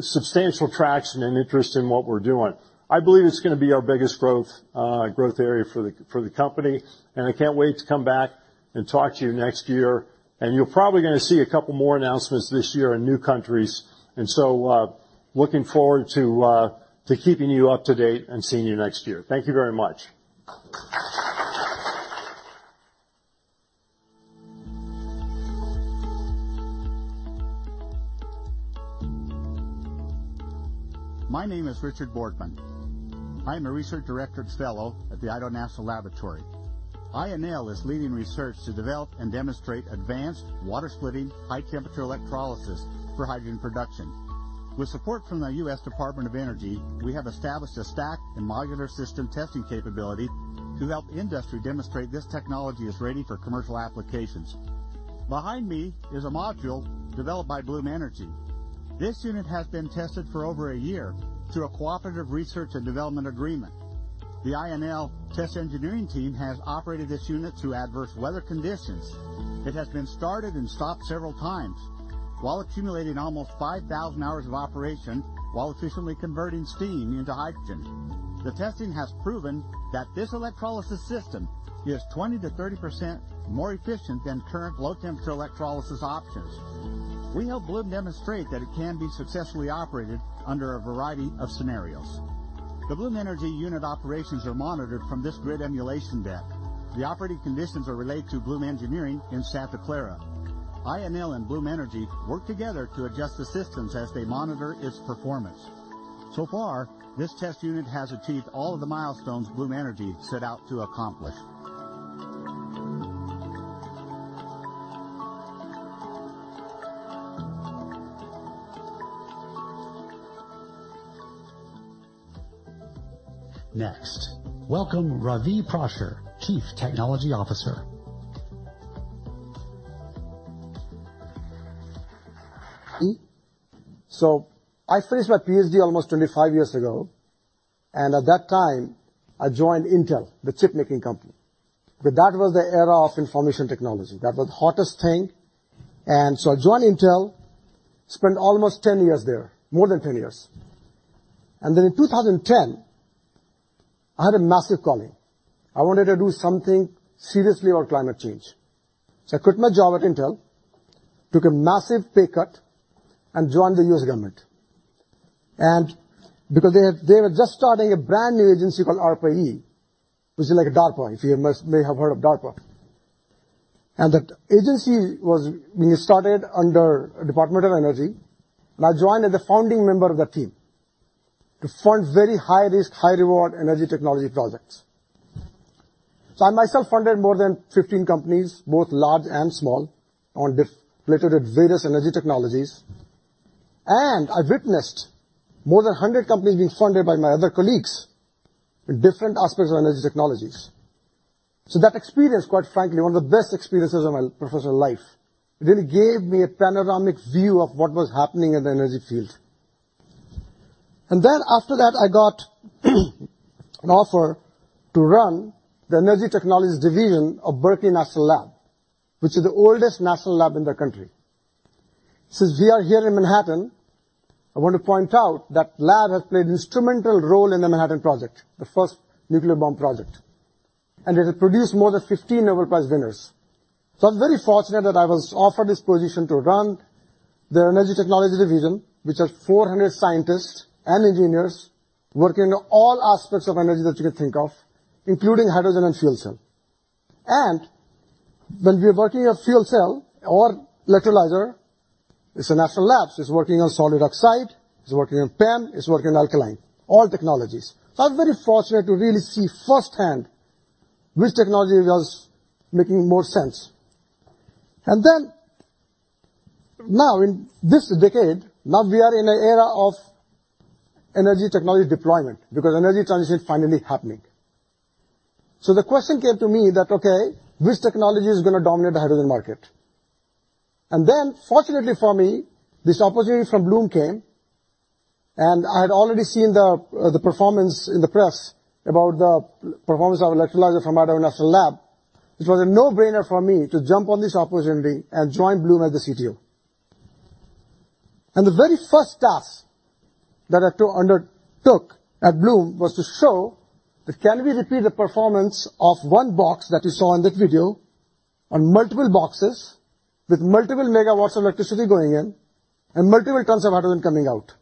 substantial traction and interest in what we're doing. I believe it's gonna be our biggest growth area for the company, and I can't wait to come back and talk to you next year. You're probably gonna see 2 more announcements this year in new countries. Looking forward to keeping you up to date and seeing you next year. Thank you very much. My name is Richard Boardman. I'm a research directorate fellow at the Idaho National Laboratory. INL is leading research to develop and demonstrate advanced water-splitting, high-temperature electrolysis for hydrogen production. With support from the U.S. Department of Energy, we have established a stack and modular system testing capability to help industry demonstrate this technology is ready for commercial applications. Behind me is a module developed by Bloom Energy. This unit has been tested for over a year through a cooperative research and development agreement. The INL test engineering team has operated this unit through adverse weather conditions. It has been started and stopped several times while accumulating almost 5,000 hours of operation while efficiently converting steam into hydrogen. The testing has proven that this electrolysis system is 20%-30% more efficient than current low-temperature electrolysis options. We helped Bloom demonstrate that it can be successfully operated under a variety of scenarios. The Bloom Energy unit operations are monitored from this grid emulation deck. The operating conditions are relayed to Bloom Engineering in Santa Clara. INL and Bloom Energy work together to adjust the systems as they monitor its performance. So far, this test unit has achieved all of the milestones Bloom Energy set out to accomplish. Welcome Ravi Prasher, Chief Technology Officer. I finished my PhD almost 25 years ago. At that time I joined Intel, the chip making company. That was the era of information technology. That was the hottest thing. I joined Intel, spent almost 10 years there, more than 10 years. In 2010, I had a massive calling. I wanted to do something seriously on climate change. I quit my job at Intel, took a massive pay cut, and joined the U.S. government. Because they were just starting a brand new agency called ARPA-E, which is like a DARPA, if you may have heard of DARPA. That agency we started under Department of Energy, and I joined as a founding member of the team to fund very high risk, high reward energy technology projects. I myself funded more than 15 companies, both large and small, on related various energy technologies. I witnessed more than 100 companies being funded by my other colleagues in different aspects of energy technologies. That experience, quite frankly, one of the best experiences of my professional life. It really gave me a panoramic view of what was happening in the energy field. After that, I got an offer to run the energy technologies division of Lawrence Berkeley National Laboratory, which is the oldest national lab in the country. Since we are here in Manhattan, I want to point out that lab has played instrumental role in the Manhattan Project, the first nuclear bomb project, and it has produced more than 15 Nobel Prize winners. I'm very fortunate that I was offered this position to run the energy technology division, which has 400 scientists and engineers working on all aspects of energy that you can think of, including hydrogen and fuel cell. When we are working on fuel cell or electrolyzer, it's a national labs. It's working on solid oxide, it's working on PEM, it's working on alkaline, all technologies. I'm very fortunate to really see firsthand which technology was making more sense. Now in this decade, now we are in an era of energy technology deployment because energy transition is finally happening. The question came to me that, "Okay, which technology is gonna dominate the hydrogen market?" Fortunately for me, this opportunity from Bloom came, and I had already seen the performance in the press about the performance of electrolyzer from Idaho National Lab. It was a no-brainer for me to jump on this opportunity and join Bloom as the CTO. The very first task that I undertook at Bloom was to show that can we repeat the performance of one box that you saw in that video on multiple boxes with multiple megawatts of electricity going in and multiple tons of hydrogen coming out.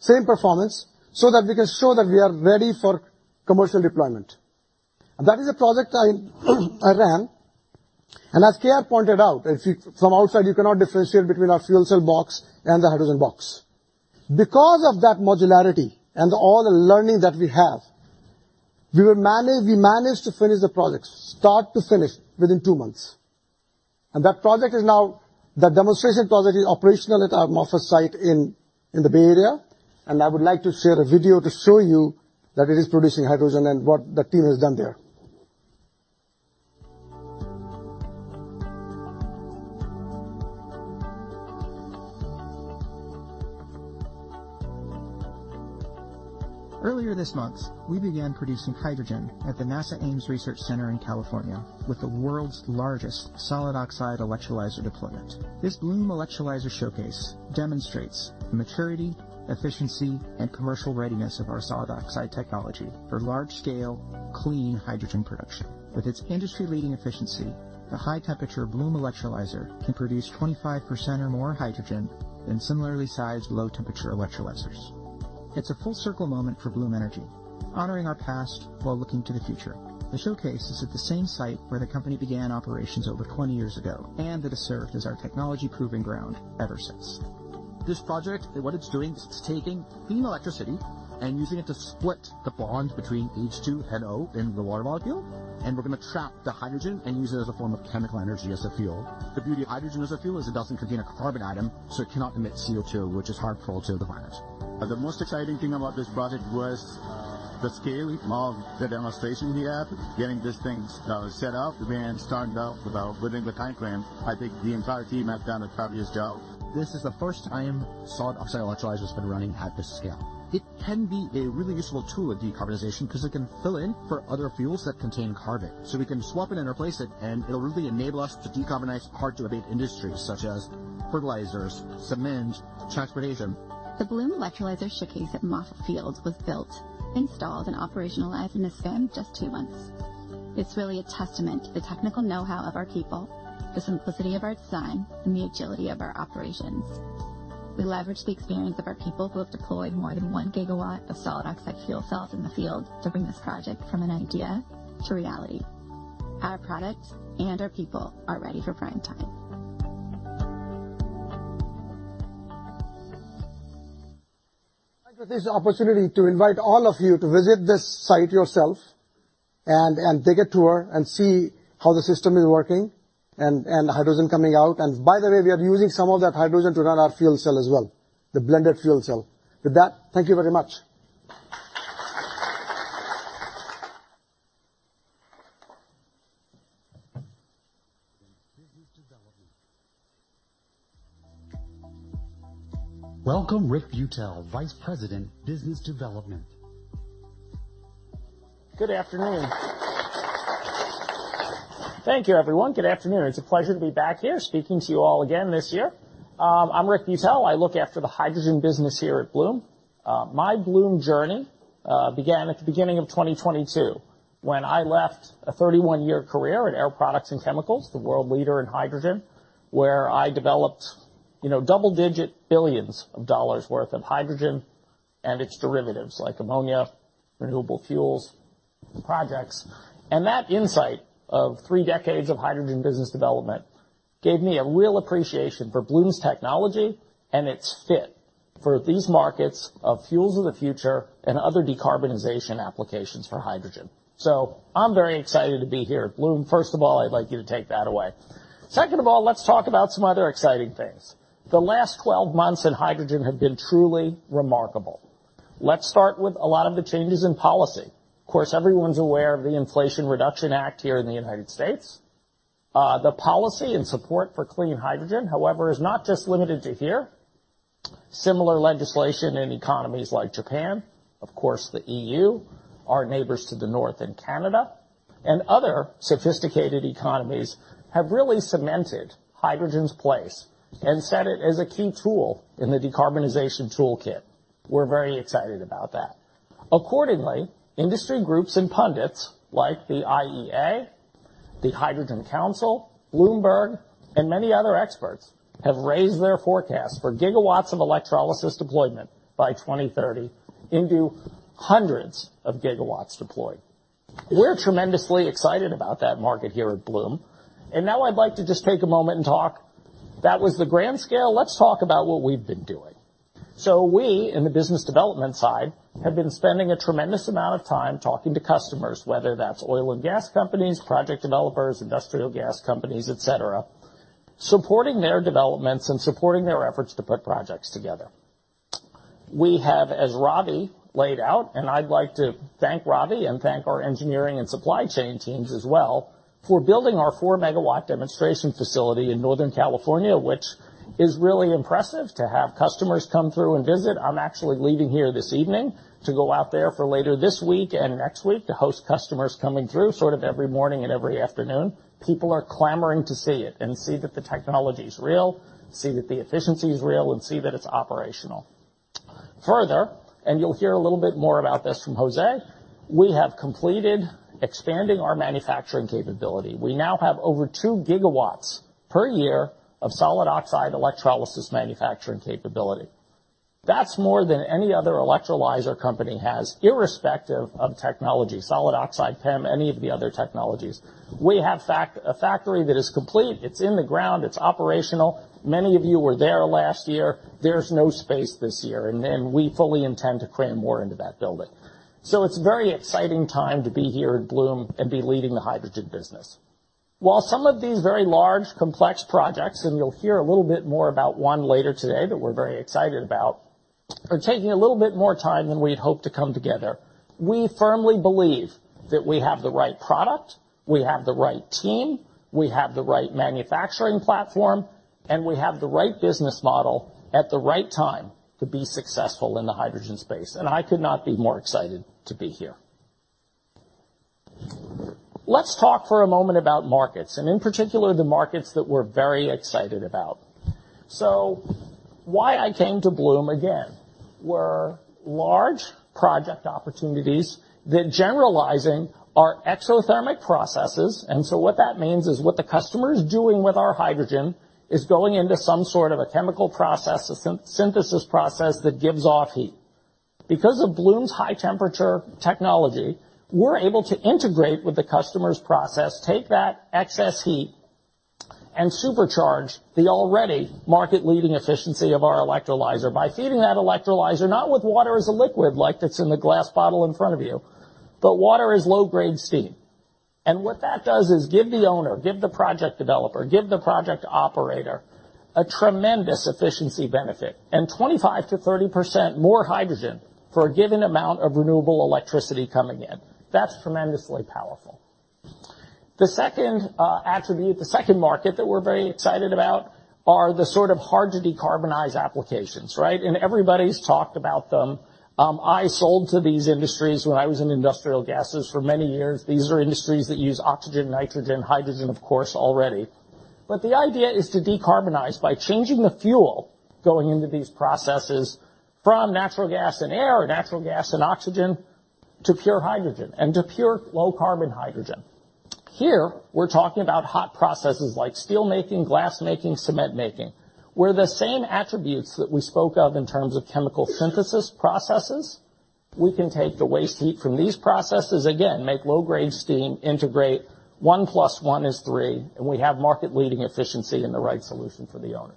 Same performance, so that we can show that we are ready for commercial deployment. That is a project I ran. As K.R. pointed out, if from outside, you cannot differentiate between our fuel cell box and the hydrogen box. Of that modularity and all the learning that we have, we managed to finish the project start to finish within 2 months. That project is now the demonstration project is operational at our Moffett site in the Bay Area. I would like to share a video to show you that it is producing hydrogen and what the team has done there. Earlier this month, we began producing hydrogen at the NASA Ames Research Center in California with the world's largest solid oxide electrolyzer deployment. This Bloom Electrolyzer showcase demonstrates the maturity, efficiency, and commercial readiness of our solid oxide technology for large scale clean hydrogen production. With its industry-leading efficiency, the high temperature Bloom Electrolyzer can produce 25% or more hydrogen than similarly sized low temperature electrolyzers. It's a full circle moment for Bloom Energy, honoring our past while looking to the future. The showcase is at the same site where the company began operations over 20 years ago and that has served as our technology proving ground ever since. This project and what it's doing is it's taking clean electricity and using it to split the bond between H2 and O in the water molecule, and we're gonna trap the hydrogen and use it as a form of chemical energy as a fuel. The beauty of hydrogen as a fuel is it doesn't contain a carbon atom, so it cannot emit CO2, which is harmful to the planet. The most exciting thing about this project was the scale of the demonstration we have. Getting these things set up and starting out within the time frame, I think the entire team has done a fabulous job. This is the first time solid oxide electrolyzer has been running at this scale. It can be a really useful tool of decarbonization because it can fill in for other fuels that contain carbon. We can swap it and replace it, and it'll really enable us to decarbonize hard to abate industries such as fertilizers, cement, transportation. The Bloom Electrolyzer showcase at Moffett Field was built, installed, and operationalized in a span of just two months. It's really a testament to the technical know-how of our people, the simplicity of our design, and the agility of our operations. We leverage the experience of our people who have deployed more than 1 gigawatt of solid oxide fuel cells in the field to bring this project from an idea to reality. Our product and our people are ready for prime time. I'd like to take this opportunity to invite all of you to visit this site yourself and take a tour and see how the system is working and the hydrogen coming out. By the way, we are using some of that hydrogen to run our fuel cell as well, the blended fuel cell. With that, thank you very much. Business development. Welcome Rick Beuttel, Vice President, Business Development. Good afternoon. Thank you, everyone. Good afternoon. It's a pleasure to be back here speaking to you all again this year. I'm Rick Beuttel. I look after the hydrogen business here at Bloom. My Bloom journey began at the beginning of 2022 when I left a 31-year career at Air Products, the world leader in hydrogen, where I developed, you know, double-digit billions of dollars' worth of hydrogen and its derivatives like ammonia, renewable fuels, and projects. That insight of 3 decades of hydrogen business development gave me a real appreciation for Bloom's technology and its fit for these markets of fuels of the future and other decarbonization applications for hydrogen. I'm very excited to be here at Bloom. First of all, I'd like you to take that away. Second of all, let's talk about some other exciting things. The last 12 months in hydrogen have been truly remarkable. Let's start with a lot of the changes in policy. Of course, everyone's aware of the Inflation Reduction Act here in the United States. The policy and support for clean hydrogen, however, is not just limited to here. Similar legislation in economies like Japan, of course, the EU, our neighbors to the north in Canada, and other sophisticated economies have really cemented hydrogen's place and set it as a key tool in the decarbonization toolkit. We're very excited about that. Accordingly, industry groups and pundits like the IEA, the Hydrogen Council, Bloomberg, and many other experts have raised their forecast for gigawatts of electrolysis deployment by 2030 into hundreds of gigawatts deployed. We're tremendously excited about that market here at Bloom. Now I'd like to just take a moment and talk. That was the grand scale. Let's talk about what we've been doing. We, in the business development side, have been spending a tremendous amount of time talking to customers, whether that's oil and gas companies, project developers, industrial gas companies, et cetera, supporting their developments and supporting their efforts to put projects together. We have, as Ravi laid out, and I'd like to thank Ravi and thank our engineering and supply chain teams as well for building our 4-megawatt demonstration facility in Northern California, which is really impressive to have customers come through and visit. I'm actually leaving here this evening to go out there for later this week and next week to host customers coming through, sort of every morning and every afternoon. People are clamoring to see it and see that the technology is real, see that the efficiency is real, and see that it's operational. Further, you'll hear a little bit more about this from Jose, we have completed expanding our manufacturing capability. We now have over 2 gigawatts per year of solid oxide electrolysis manufacturing capability. That's more than any other electrolyzer company has, irrespective of technology, solid oxide, PEM, any of the other technologies. We have a factory that is complete. It's in the ground. It's operational. Many of you were there last year. There's no space this year, and we fully intend to cram more into that building. It's a very exciting time to be here at Bloom and be leading the hydrogen business. While some of these very large complex projects, and you'll hear a little bit more about one later today that we're very excited about, are taking a little bit more time than we'd hoped to come together. We firmly believe that we have the right product, we have the right team, we have the right manufacturing platform, and we have the right business model at the right time to be successful in the hydrogen space. I could not be more excited to be here. Let's talk for a moment about markets and in particular the markets that we're very excited about. Why I came to Bloom again, were large project opportunities that generalizing are exothermic processes. What that means is what the customer is doing with our hydrogen is going into some sort of a chemical process, a syn-synthesis process that gives off heat. Because of Bloom's high temperature technology, we're able to integrate with the customer's process, take that excess heat, and supercharge the already market-leading efficiency of our electrolyzer by feeding that electrolyzer not with water as a liquid like that's in the glass bottle in front of you, but water as low-grade steam. What that does is give the owner, give the project developer, give the project operator a tremendous efficiency benefit and 25% to 30% more hydrogen for a given amount of renewable electricity coming in. That's tremendously powerful. The second attribute, the second market that we're very excited about are the sort of hard-to-decarbonize applications, right? Everybody's talked about them. I sold to these industries when I was in industrial gases for many years. These are industries that use oxygen, nitrogen, hydrogen, of course, already. The idea is to decarbonize by changing the fuel going into these processes from natural gas and air, natural gas and oxygen, to pure hydrogen and to pure low carbon hydrogen. Here, we're talking about hot processes like steelmaking, glass making, cement making. Where the same attributes that we spoke of in terms of chemical synthesis processes, we can take the waste heat from these processes, again, make low-grade steam, integrate 1 plus 1 is 3, and we have market-leading efficiency and the right solution for the owner.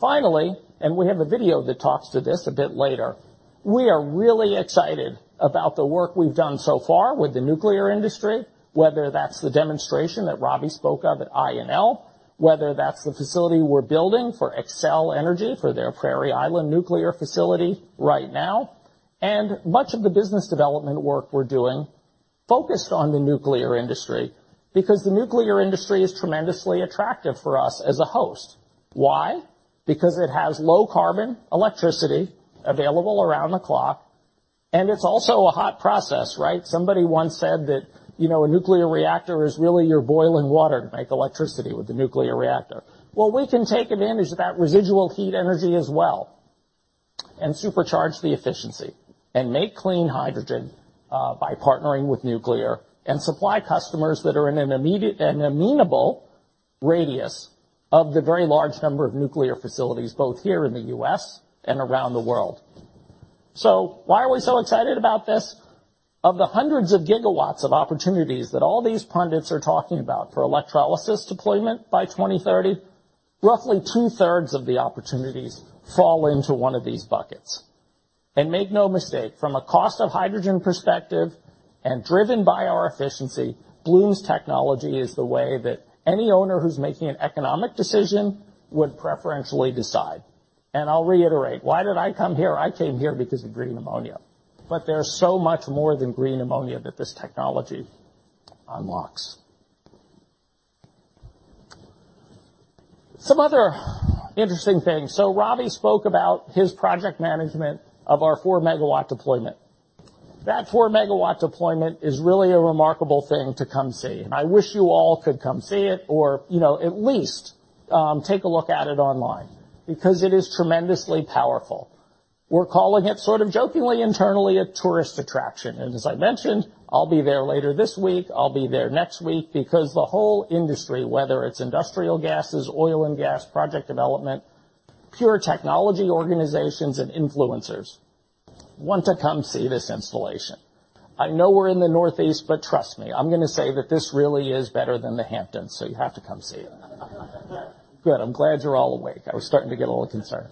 Finally, we have a video that talks to this a bit later, we are really excited about the work we've done so far with the nuclear industry, whether that's the demonstration that Ravi spoke of at INL, whether that's the facility we're building for Xcel Energy, for their Prairie Island nuclear facility right now, and much of the business development work we're doing focused on the nuclear industry. Because the nuclear industry is tremendously attractive for us as a host. Why? Because it has low carbon electricity available around the clock, and it's also a hot process, right? Somebody once said that, you know, a nuclear reactor is really you're boiling water to make electricity with the nuclear reactor. Well, we can take advantage of that residual heat energy as well, and supercharge the efficiency and make clean hydrogen by partnering with nuclear and supply customers that are in an amenable radius of the very large number of nuclear facilities, both here in the U.S. and around the world. Why are we so excited about this? Of the hundreds of gigawatts of opportunities that all these pundits are talking about for electrolysis deployment by 2030, roughly two-thirds of the opportunities fall into one of these buckets. Make no mistake, from a cost of hydrogen perspective and driven by our efficiency, Bloom's technology is the way that any owner who's making an economic decision would preferentially decide. I'll reiterate, why did I come here? I came here because of green ammonia. There's so much more than green ammonia that this technology unlocks. Some other interesting things. Ravi spoke about his project management of our 4-megawatt deployment. That 4-megawatt deployment is really a remarkable thing to come see. I wish you all could come see it or, you know, at least, take a look at it online because it is tremendously powerful. We're calling it sort of jokingly, internally, a tourist attraction. As I mentioned, I'll be there later this week, I'll be there next week because the whole industry, whether it's industrial gases, oil and gas, project development, pure technology organizations and influencers, want to come see this installation. I know we're in the Northeast, trust me, I'm gonna say that this really is better than the Hamptons, you have to come see it. Good. I'm glad you're all awake. I was starting to get a little concerned.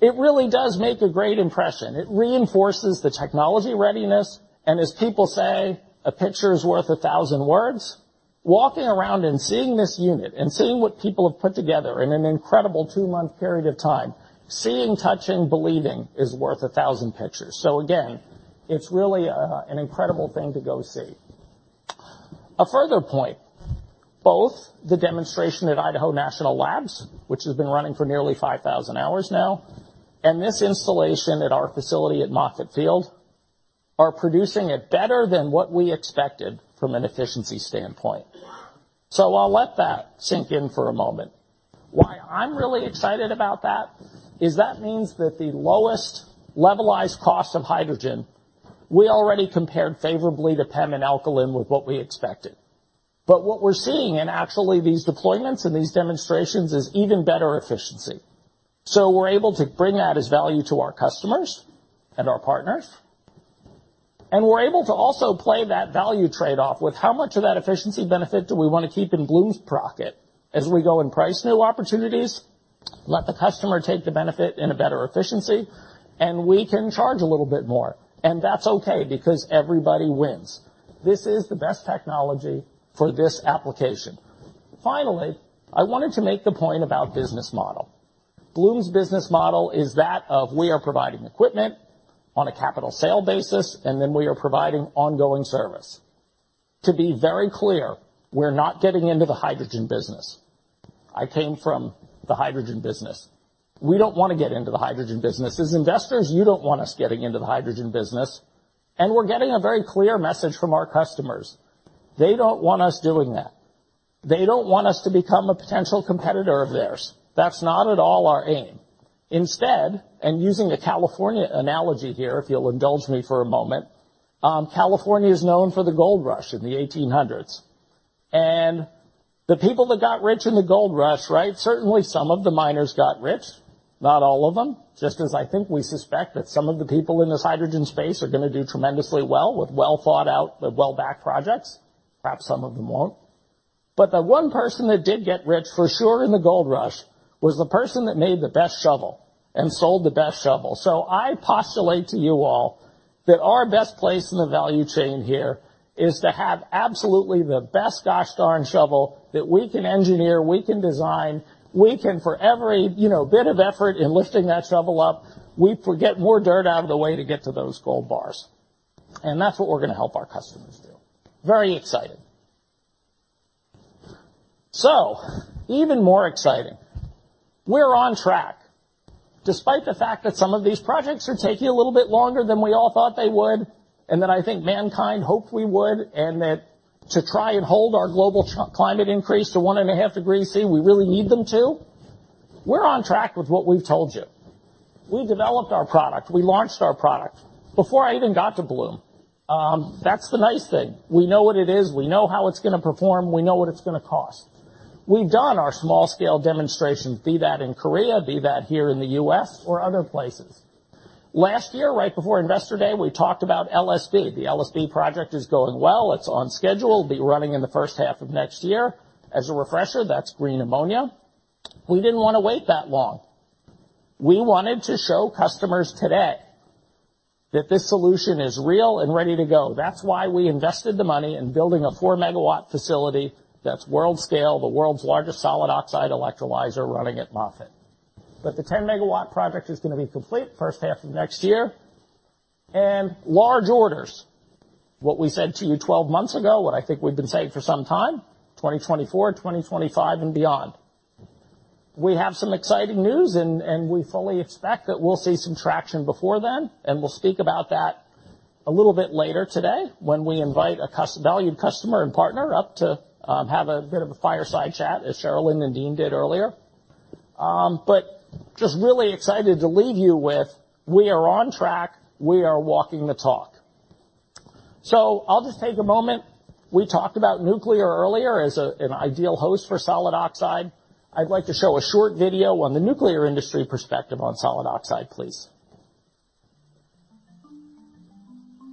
It really does make a great impression. It reinforces the technology readiness, and as people say, a picture is worth 1,000 words. Walking around and seeing this unit and seeing what people have put together in an incredible 2-month period of time, seeing, touching, believing is worth 1,000 pictures. Again, it's really an incredible thing to go see. A further point, both the demonstration at Idaho National Labs, which has been running for nearly 5,000 hours now, and this installation at our facility at Moffett Field, are producing it better than what we expected from an efficiency standpoint. I'll let that sink in for a moment. Why I'm really excited about that is that means that the lowest levelized cost of hydrogen, we already compared favorably to PEM and Alkaline with what we expected. What we're seeing in actually these deployments and these demonstrations is even better efficiency. We're able to bring that as value to our customers and our partners, and we're able to also play that value trade-off with how much of that efficiency benefit do we wanna keep in Bloom's pocket as we go and price new opportunities, let the customer take the benefit in a better efficiency, and we can charge a little bit more. That's okay because everybody wins. This is the best technology for this application. Finally, I wanted to make the point about business model. Bloom's business model is that of we are providing equipment on a capital sale basis, and then we are providing ongoing service. To be very clear, we're not getting into the hydrogen business. I came from the hydrogen business. We don't wanna get into the hydrogen business. As investors, you don't want us getting into the hydrogen business, and we're getting a very clear message from our customers, they don't want us doing that. They don't want us to become a potential competitor of theirs. That's not at all our aim. Instead, and using a California analogy here, if you'll indulge me for a moment, California is known for the gold rush in the 1800s. The people that got rich in the gold rush, right, certainly some of the miners got rich, not all of them. Just as I think we suspect that some of the people in this hydrogen space are gonna do tremendously well with well-thought-out, with well-backed projects. Perhaps some of them won't. The one person that did get rich for sure in the gold rush was the person that made the best shovel and sold the best shovel. I postulate to you all that our best place in the value chain here is to have absolutely the best gosh darn shovel that we can engineer, we can design, we can for every, you know, bit of effort in lifting that shovel up, we get more dirt out of the way to get to those gold bars. That's what we're gonna help our customers do. Very exciting. Even more exciting, we're on track. Despite the fact that some of these projects are taking a little bit longer than we all thought they would, and that I think mankind hoped we would, and that to try and hold our global climate increase to 1.5 degrees Celsius, we really need them to, we're on track with what we've told you. We developed our product, we launched our product before I even got to Bloom. That's the nice thing. We know what it is, we know how it's gonna perform, we know what it's gonna cost. We've done our small scale demonstrations, be that in Korea, be that here in the US or other places. Last year, right before Investor Day, we talked about LSB. The LSB project is going well. It's on schedule. It'll be running in the first half of next year. As a refresher, that's green ammonia. We didn't wanna wait that long. We wanted to show customers today that this solution is real and ready to go. That's why we invested the money in building a 4-megawatt facility that's world scale, the world's largest solid oxide electrolyzer running at Moffett. The 10-megawatt project is gonna be complete first half of next year. Large orders, what we said to you 12 months ago, what I think we've been saying for some time, 2024, 2025 and beyond. We have some exciting news and we fully expect that we'll see some traction before then, and we'll speak about that a little bit later today when we invite a valued customer and partner up to have a bit of a fireside chat, as Sharelynn and Dean did earlier. Just really excited to leave you with, we are on track, we are walking the talk. I'll just take a moment. We talked about nuclear earlier as an ideal host for solid oxide. I'd like to show a short video on the nuclear industry perspective on solid oxide, please.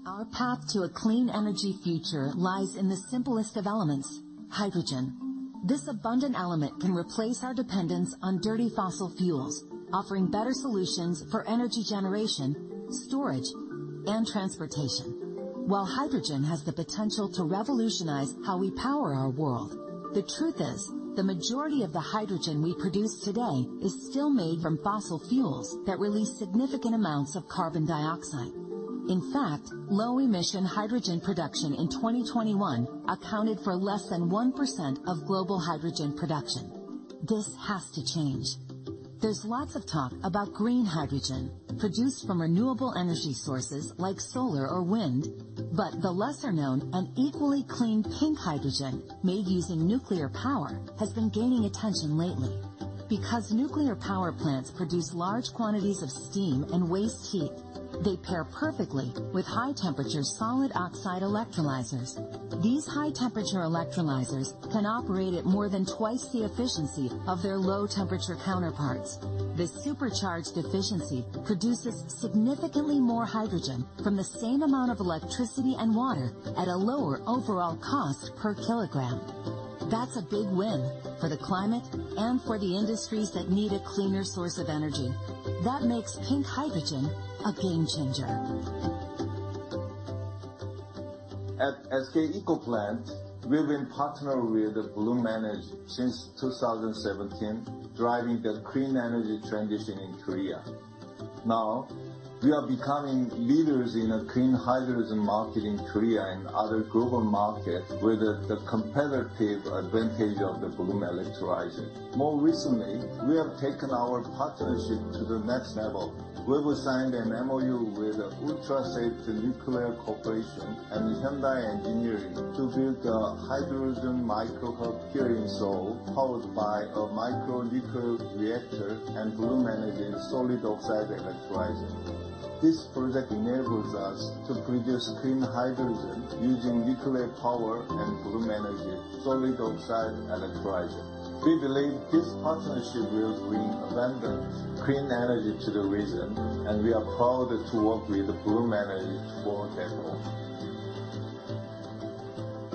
Our path to a clean energy future lies in the simplest of elements, hydrogen. This abundant element can replace our dependence on dirty fossil fuels, offering better solutions for energy generation, storage, and transportation. While hydrogen has the potential to revolutionize how we power our world, the truth is, the majority of the hydrogen we produce today is still made from fossil fuels that release significant amounts of carbon dioxide. In fact, low-emission hydrogen production in 2021 accounted for less than 1% of global hydrogen production. This has to change. There's lots of talk about green hydrogen produced from renewable energy sources like solar or wind, but the lesser-known and equally clean pink hydrogen made using nuclear power has been gaining attention lately. Because nuclear power plants produce large quantities of steam and waste heat, they pair perfectly with high-temperature solid oxide electrolyzers. These high-temperature electrolyzers can operate at more than twice the efficiency of their low-temperature counterparts. This supercharged efficiency produces significantly more hydrogen from the same amount of electricity and water at a lower overall cost per kilogram. That's a big win for the climate and for the industries that need a cleaner source of energy. That makes pink hydrogen a game changer. At SK ecoplant, we've been partnered with Bloom Energy since 2017, driving the clean energy transition in Korea. We are becoming leaders in the clean hydrogen market in Korea and other global markets with the competitive advantage of the Bloom Electrolyzer. More recently, we have taken our partnership to the next level. We've signed an MOU with Ultra Safe Nuclear Corporation and Hyundai Engineering to build a hydrogen micro hub here in Seoul, powered by a micro nuclear reactor and Bloom Energy's solid oxide electrolyzer. This project enables us to produce clean hydrogen using nuclear power and Bloom Energy's solid oxide electrolyzer. We believe this partnership will bring abundant clean energy to the region, we are proud to work with Bloom Energy toward that goal.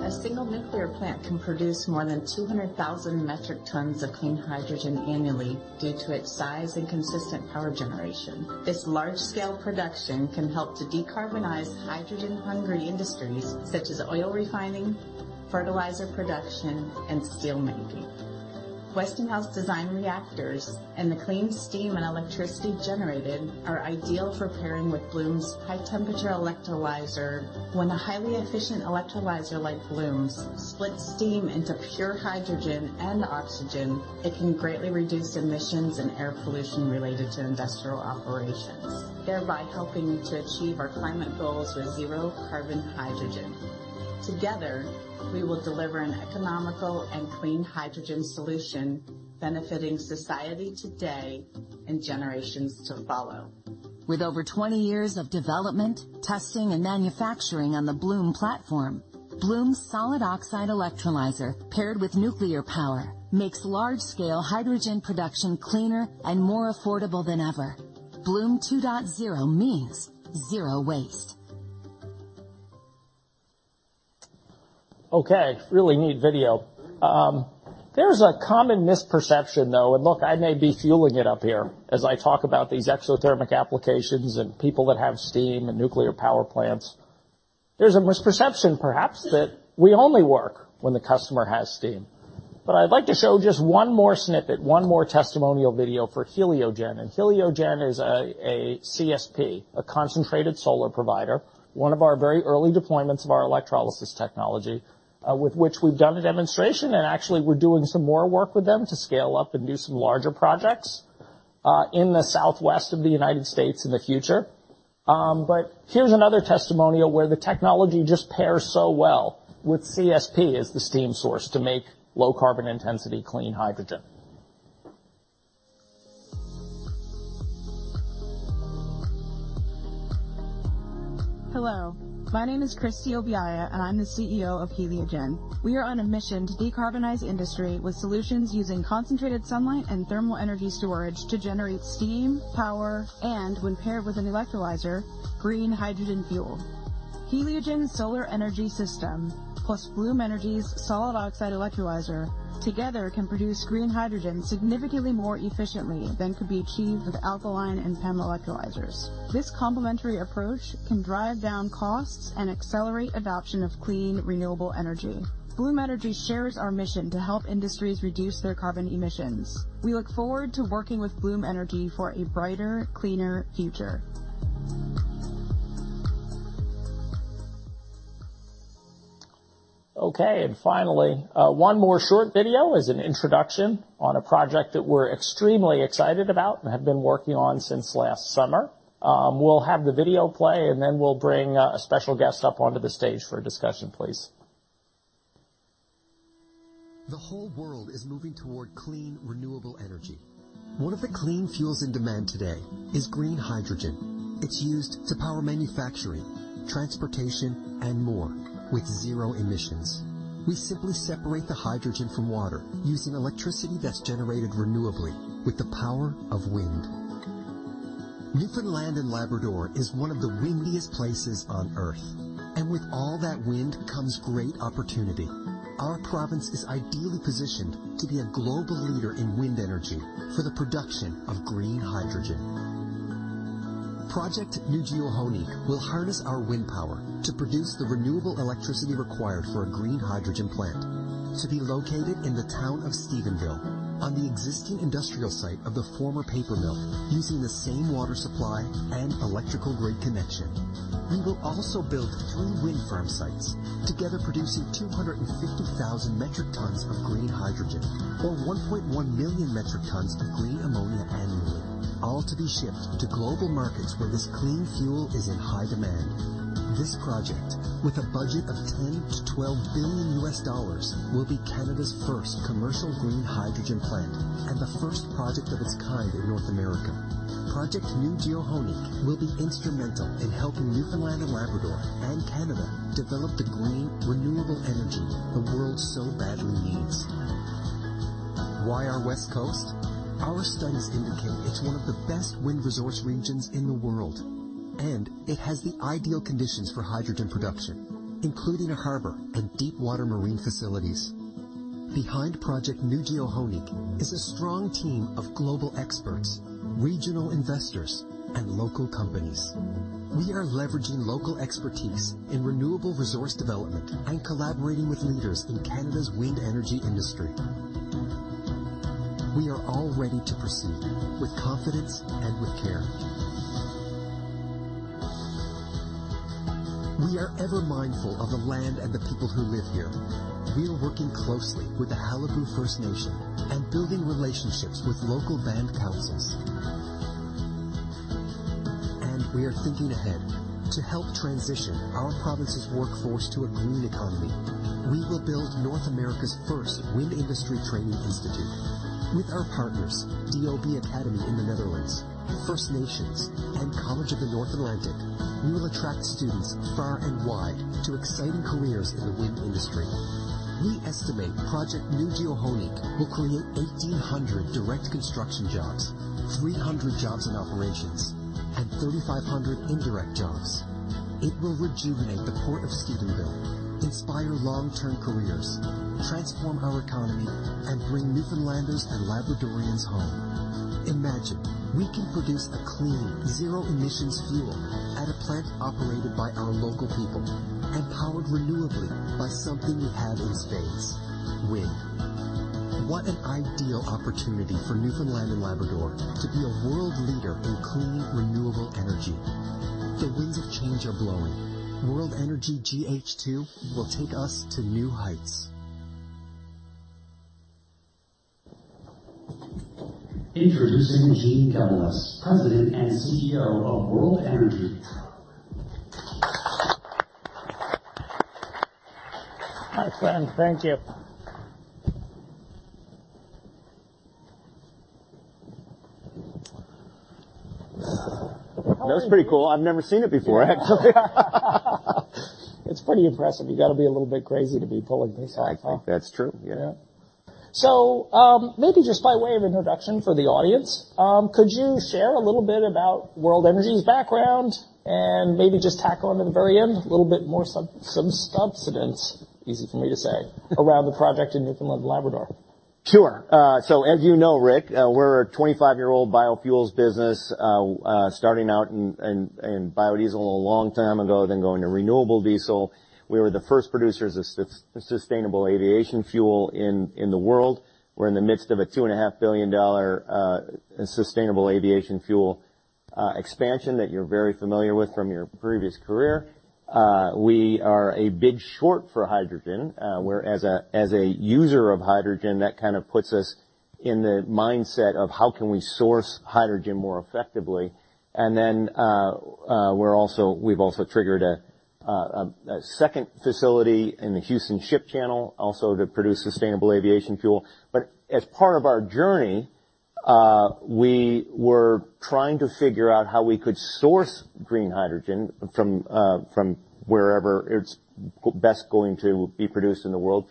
A single nuclear plant can produce more than 200,000 metric tons of clean hydrogen annually due to its size and consistent power generation. This large-scale production can help to decarbonize hydrogen-hungry industries such as oil refining, fertilizer production, and steel making. Westinghouse designed reactors and the clean steam and electricity generated are ideal for pairing with Bloom's high-temperature Electrolyzer. When a highly efficient Electrolyzer like Bloom's splits steam into pure hydrogen and oxygen, it can greatly reduce emissions and air pollution related to industrial operations, thereby helping to achieve our climate goals with zero carbon hydrogen. Together, we will deliver an economical and clean hydrogen solution benefiting society today and generations to follow. With over 20 years of development, testing, and manufacturing on the Bloom platform, Bloom's solid oxide electrolyzer paired with nuclear power makes large scale hydrogen production cleaner and more affordable than ever. Bloom 2.0 means zero waste. Okay, really neat video. There's a common misperception though, and look, I may be fueling it up here as I talk about these exothermic applications and people that have steam and nuclear power plants. There's a misperception, perhaps, that we only work when the customer has steam. I'd like to show just one more snippet, one more testimonial video for Heliogen. Heliogen is a CSP, a concentrated solar provider, one of our very early deployments of our electrolysis technology, with which we've done a demonstration, and actually we're doing some more work with them to scale up and do some larger projects. in the Southwest of the United States in the future. Here's another testimonial where the technology just pairs so well with CSP as the steam source to make low carbon intensity clean hydrogen. Hello, my name is Christie Obiaya, and I'm the CEO of Heliogen. We are on a mission to decarbonize industry with solutions using concentrated sunlight and thermal energy storage to generate steam, power, and when paired with an electrolyzer, green hydrogen fuel. Heliogen's solar energy system plus Bloom Energy's solid oxide electrolyzer together can produce green hydrogen significantly more efficiently than could be achieved with alkaline and PEM electrolyzers. This complementary approach can drive down costs and accelerate adoption of clean, renewable energy. Bloom Energy shares our mission to help industries reduce their carbon emissions. We look forward to working with Bloom Energy for a brighter, cleaner future. Okay. Finally, one more short video is an introduction on a project that we're extremely excited about and have been working on since last summer. We'll have the video play, and then we'll bring a special guest up onto the stage for a discussion, please. The whole world is moving toward clean, renewable energy. One of the clean fuels in demand today is green hydrogen. It's used to power manufacturing, transportation, and more with zero emissions. We simply separate the hydrogen from water using electricity that's generated renewably with the power of wind. Newfoundland and Labrador is one of the windiest places on Earth, and with all that wind comes great opportunity. Our province is ideally positioned to be a global leader in wind energy for the production of green hydrogen. Project Nujio'qonik will harness our wind power to produce the renewable electricity required for a green hydrogen plant to be located in the town of Stephenville on the existing industrial site of the former paper mill, using the same water supply and electrical grid connection. We will also build 3 wind farm sites together, producing 250,000 metric tons of green hydrogen or 1.1 million metric tons of green ammonia annually, all to be shipped to global markets where this clean fuel is in high demand. This project, with a budget of $10 billion-$12 billion, will be Canada's first commercial green hydrogen plant and the first project of its kind in North America. Project Nujio'qonik will be instrumental in helping Newfoundland and Labrador and Canada develop the green, renewable energy the world so badly needs. Why our West Coast? Our studies indicate it's one of the best wind resource regions in the world. It has the ideal conditions for hydrogen production, including a harbor and deepwater marine facilities. Behind Project Nujio'qonik is a strong team of global experts, regional investors, and local companies. We are leveraging local expertise in renewable resource development and collaborating with leaders in Canada's wind energy industry. We are all ready to proceed with confidence and with care. We are ever mindful of the land and the people who live here. We are working closely with the Qalipu First Nation and building relationships with local band councils. We are thinking ahead. To help transition our province's workforce to a green economy, we will build North America's first wind industry training institute. With our partners, DOB-Academy in the Netherlands, First Nations, and College of the North Atlantic, we will attract students far and wide to exciting careers in the wind industry. We estimate Project Nujio'qonik will create 1,800 direct construction jobs, 300 jobs in operations, and 3,500 indirect jobs. It will rejuvenate the port of Stephenville, inspire long-term careers, transform our economy, and bring Newfoundlanders and Labradorians home. Imagine, we can produce a clean, zero emissions fuel at a plant operated by our local people and powered renewably by something we have in spades: wind. What an ideal opportunity for Newfoundland and Labrador to be a world leader in clean, renewable energy. The winds of change are blowing. World Energy GH2 will take us to new heights. Introducing Gene Gebolys, President and CEO of World Energy. Hi, friend. Thank you. That was pretty cool. I've never seen it before, actually. It's pretty impressive. You gotta be a little bit crazy to be pulling this off, huh? I think that's true. Yeah. Maybe just by way of introduction for the audience, could you share a little bit about World Energy's background and maybe just tack on to the very end a little bit more sub-sub-substinence, easy for me to say, around the project in Newfoundland and Labrador? Sure. As you know, Rick, we're a 25-year-old biofuels business, starting out in biodiesel a long time ago, then going to renewable diesel. We were the first producers of Sustainable Aviation Fuel in the world. We're in the midst of a $2.5 billion Sustainable Aviation Fuel expansion that you're very familiar with from your previous career. We are a big short for hydrogen, where as a user of hydrogen, that kind of puts us in the mindset of how can we source hydrogen more effectively. We've also triggered a second facility in the Houston Ship Channel, also to produce Sustainable Aviation Fuel. As part of our journey, we were trying to figure out how we could source green hydrogen from wherever it's best going to be produced in the world.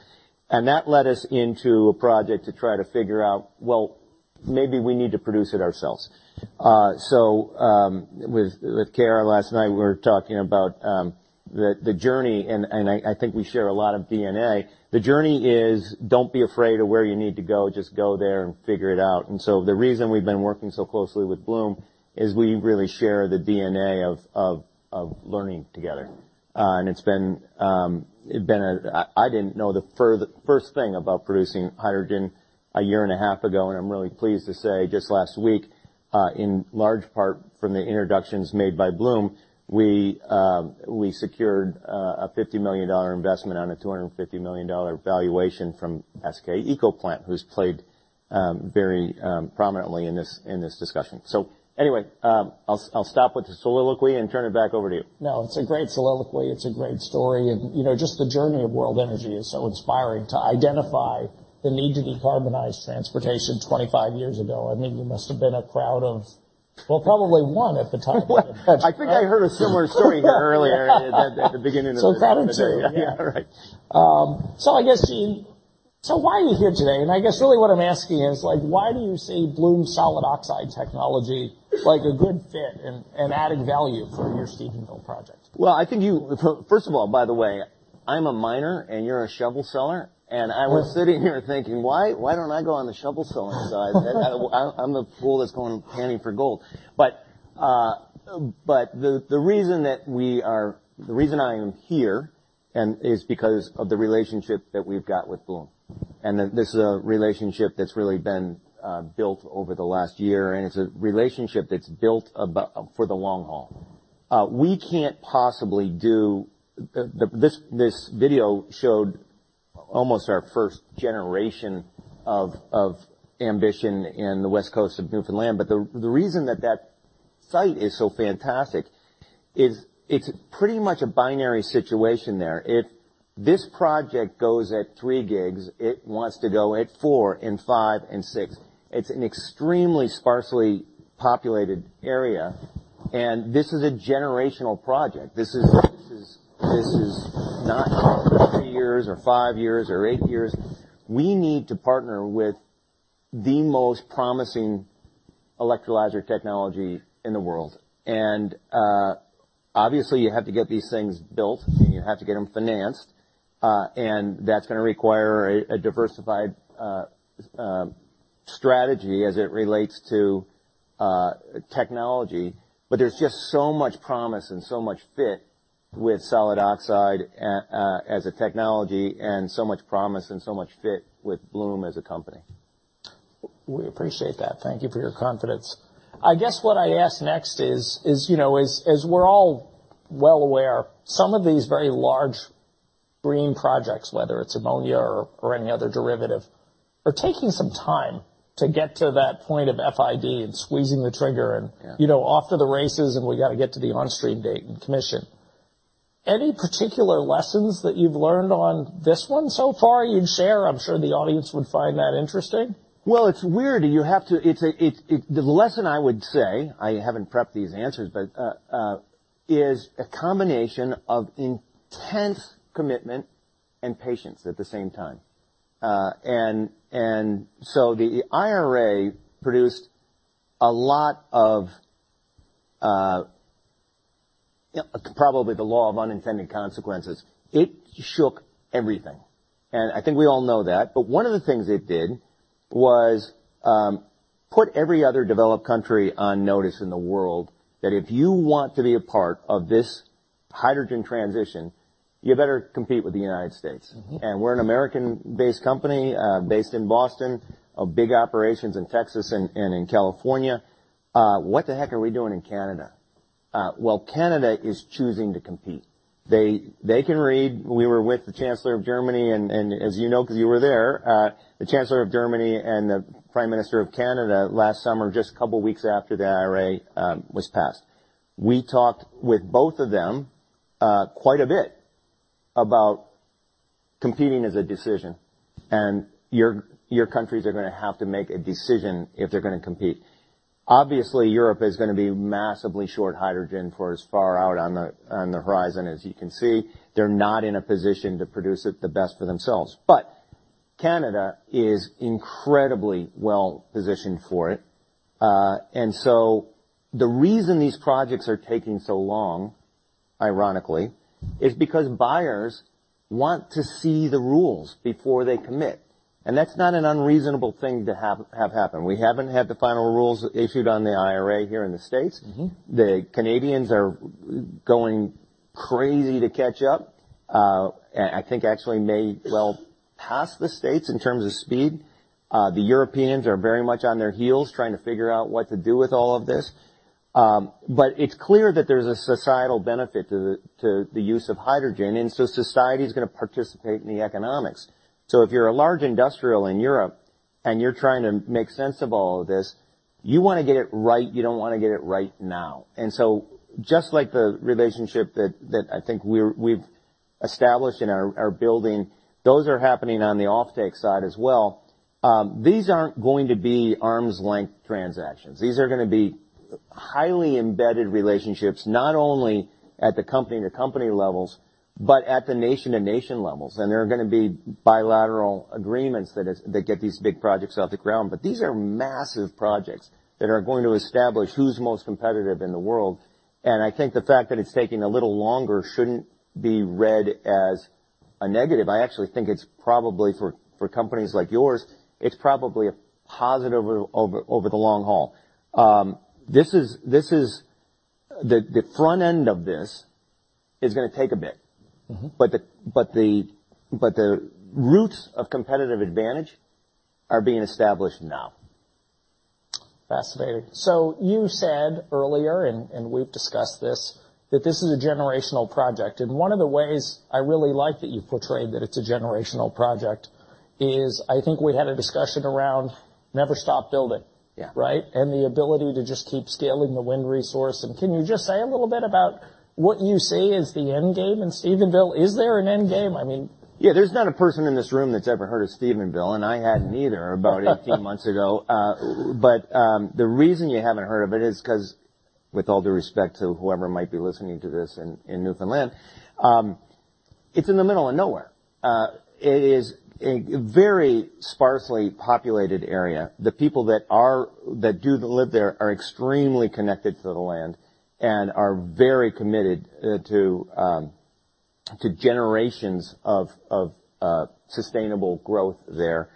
That led us into a project to try to figure out, well, maybe we need to produce it ourselves. With Kara last night, we were talking about the journey, and I think we share a lot of DNA. The journey is don't be afraid of where you need to go, just go there and figure it out. The reason we've been working so closely with Bloom is we really share the DNA of learning together. It been a. I didn't know the first thing about producing hydrogen a year and a half ago, and I'm really pleased to say just last week, in large part from the introductions made by Bloom, we secured a $50 million investment on a $250 million valuation from SK ecoplant, who's played very prominently in this discussion. Anyway, I'll stop with the soliloquy and turn it back over to you. No, it's a great soliloquy. It's a great story. You know, just the journey of World Energy is so inspiring to identify the need to decarbonize transportation 25 years ago. I mean, you must have been, well, probably one at the time. I think I heard a similar story earlier at the, at the beginning of the day. Crowd of two. Yeah. All right. I guess, so why are you here today? I guess really what I'm asking is, like, why do you see Bloom's solid oxide technology, like a good fit and adding value for your Stephenville project? I think you. First of all, by the way, I'm a miner, and you're a shovel seller, and I was sitting here thinking, "Why, why don't I go on the shovel selling side?" I'm the fool that's going panning for gold. The reason I am here and is because of the relationship that we've got with Bloom. This is a relationship that's really been built over the last year, and it's a relationship that's built for the long haul. We can't possibly do. This video showed almost our first generation of ambition in the west coast of Newfoundland. The reason that site is so fantastic is it's pretty much a binary situation there. This project goes at 3 gigs. It wants to go at four and five and six. It's an extremely sparsely populated area. This is not three years or five years or eight years. We need to partner with the most promising electrolyzer technology in the world. Obviously, you have to get these things built, and you have to get them financed, and that's gonna require a diversified strategy as it relates to technology. There's just so much promise and so much fit with solid oxide as a technology and so much promise and so much fit with Bloom as a company. We appreciate that. Thank you for your confidence. I guess what I'd ask next is, you know, as we're all well aware, some of these very large green projects, whether it's ammonia or any other derivative, are taking some time to get to that point of FID and squeezing the trigger. You know, off to the races, and we gotta get to the on-stream date and commission. Any particular lessons that you've learned on this one so far you'd share? I'm sure the audience would find that interesting. Well, it's weird. You have to. The lesson I would say, I haven't prepped these answers, but is a combination of intense commitment and patience at the same time. The IRA produced a lot of probably the law of unintended consequences. It shook everything, and I think we all know that. One of the things it did was put every other developed country on notice in the world that if you want to be a part of this hydrogen transition, you better compete with the United States. We're an American-based company, based in Boston, of big operations in Texas and in California. Well, Canada is choosing to compete. They can read. We were with the Chancellor of Germany, and as you know, 'cause you were there, the Chancellor of Germany and the Prime Minister of Canada last summer, just a couple weeks after the IRA was passed. We talked with both of them quite a bit about competing as a decision, and your countries are gonna have to make a decision if they're gonna compete. Obviously, Europe is gonna be massively short hydrogen for as far out on the horizon as you can see. They're not in a position to produce it the best for themselves. Canada is incredibly well-positioned for it. The reason these projects are taking so long, ironically, is because buyers want to see the rules before they commit. That's not an unreasonable thing to have happen. We haven't had the final rules issued on the IRA here in the States. The Canadians are going crazy to catch up, and I think actually may well pass the States in terms of speed. The Europeans are very much on their heels trying to figure out what to do with all of this. It's clear that there's a societal benefit to the use of hydrogen. Society's gonna participate in the economics. If you're a large industrial in Europe and you're trying to make sense of all of this, you wanna get it right. You don't wanna get it right now. Just like the relationship that I think we've established and are building, those are happening on the offtake side as well. These aren't going to be arm's length transactions. These are gonna be highly embedded relationships, not only at the company to company levels, but at the nation to nation levels. There are gonna be bilateral agreements that get these big projects off the ground. These are massive projects that are going to establish who's most competitive in the world, and I think the fact that it's taking a little longer shouldn't be read as a negative. I actually think it's probably for companies like yours, it's probably a positive over the long haul. This is... The front end of this is gonna take a bit. The roots of competitive advantage are being established now. Fascinating. You said earlier, and we've discussed this, that this is a generational project. One of the ways I really like that you've portrayed that it's a generational project is, I think we had a discussion around never stop building. Yeah. Right? The ability to just keep scaling the wind resource. Can you just say a little bit about what you see as the end game in Stephenville? Is there an end game? I mean. Yeah, there's not a person in this room that's ever heard of Stephenville, and I hadn't either about 18 months ago. The reason you haven't heard of it is 'cause with all due respect to whoever might be listening to this in Newfoundland, it's in the middle of nowhere. It is a very sparsely populated area. The people that do live there are extremely connected to the land and are very committed to generations of sustainable growth there.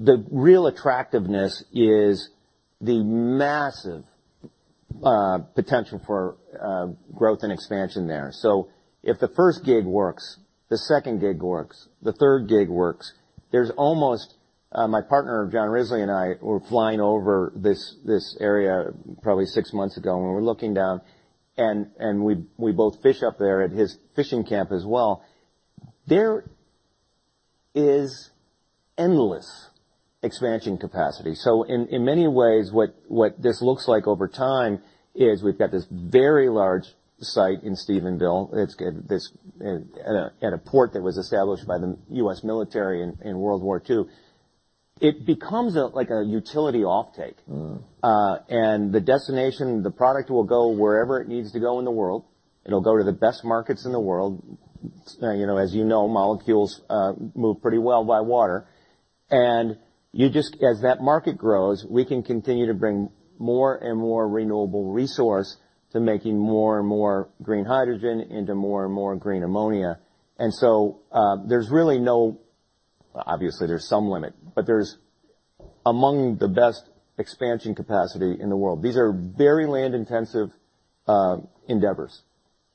The real attractiveness is the massive potential for growth and expansion there. If the first gig works, the second gig works, the third gig works, there's almost, my partner, John Risley, and I were flying over this area probably six months ago, and we're looking down and we both fish up there at his fishing camp as well. There is endless expansion capacity. In many ways, what this looks like over time is we've got this very large site in Stephenville. It's got at a port that was established by the U.S. military in World War II. It becomes a like a utility offtake. The destination, the product will go wherever it needs to go in the world. It'll go to the best markets in the world. You know, as you know, molecules move pretty well by water. As that market grows, we can continue to bring more and more renewable resource to making more and more green hydrogen into more and more green ammonia. There's really no. Obviously, there's some limit, but there's among the best expansion capacity in the world. These are very land-intensive endeavors.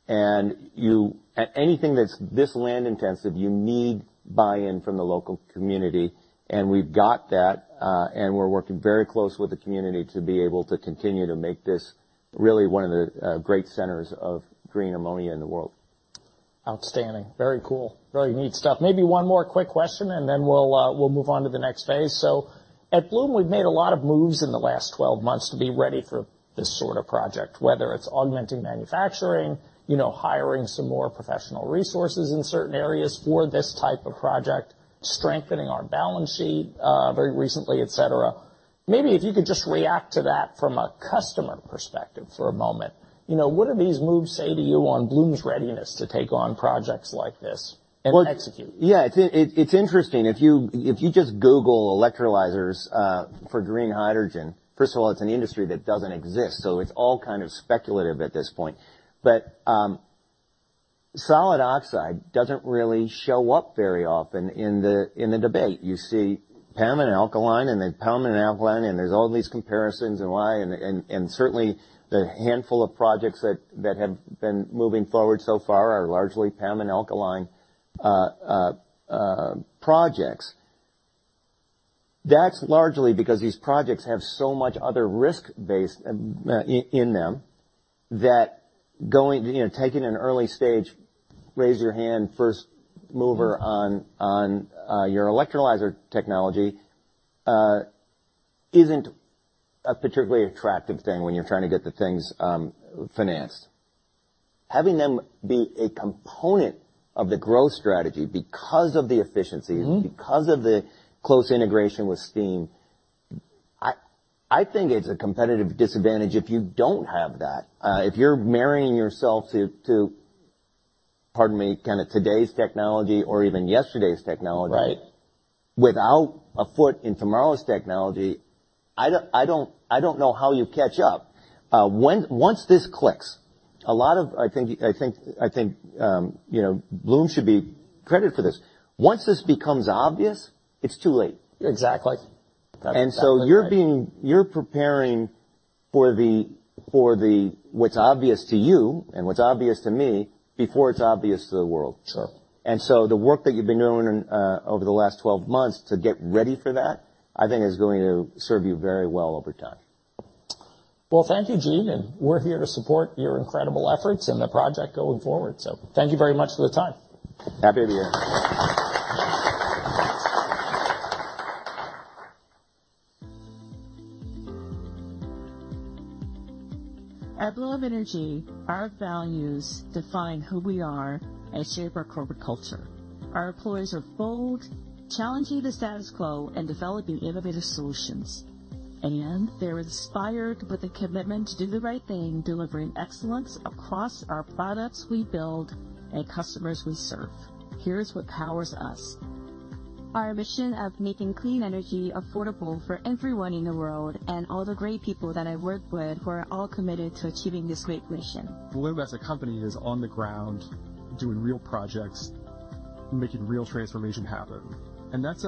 Anything that's this land intensive, you need buy-in from the local community, and we've got that, and we're working very close with the community to be able to continue to make this really one of the great centers of green ammonia in the world. Outstanding. Very cool. Really neat stuff. Maybe one more quick question, and then we'll move on to the next phase. At Bloom, we've made a lot of moves in the last 12 months to be ready for this sort of project, whether it's augmenting manufacturing, you know, hiring some more professional resources in certain areas for this type of project, strengthening our balance sheet, very recently, et cetera. Maybe if you could just react to that from a customer perspective for a moment. You know, what do these moves say to you on Bloom's readiness to take on projects like this and execute? Yeah. It's interesting. If you just Google electrolyzers for green hydrogen, first of all, it's an industry that doesn't exist, so it's all kind of speculative at this point. Solid oxide doesn't really show up very often in the debate. You see PEM and Alkaline and then PEM and Alkaline, and there's all these comparisons and why. Certainly the handful of projects that have been moving forward so far are largely PEM and Alkaline projects. That's largely because these projects have so much other risk base in them that going, you know, taking an early stage, raise your hand first mover on your electrolyzer technology isn't a particularly attractive thing when you're trying to get the things financed. Having them be a component of the growth strategy because of the efficiencies because of the close integration with steam, I think it's a competitive disadvantage if you don't have that. If you're marrying yourself to, pardon me, kinda today's technology or even yesterday's technology without a foot in tomorrow's technology, I don't know how you catch up. Once this clicks, a lot of, I think, you know, Bloom should be credited for this. Once this becomes obvious, it's too late. Exactly. You're preparing for the what's obvious to you and what's obvious to me before it's obvious to the world. Sure. The work that you've been doing, over the last 12 months to get ready for that, I think is going to serve you very well over time. Well, thank you, Gene. We're here to support your incredible efforts and the project going forward. Thank you very much for the time. Happy to be here. At Bloom Energy, our values define who we are and shape our corporate culture. Our employees are bold, challenging the status quo and developing innovative solutions, and they're inspired with a commitment to do the right thing, delivering excellence across our products we build and customers we serve. Here's what powers us. Our mission of making clean energy affordable for everyone in the world, and all the great people that I work with who are all committed to achieving this great mission. Bloom, as a company, is on the ground doing real projects, making real transformation happen. That's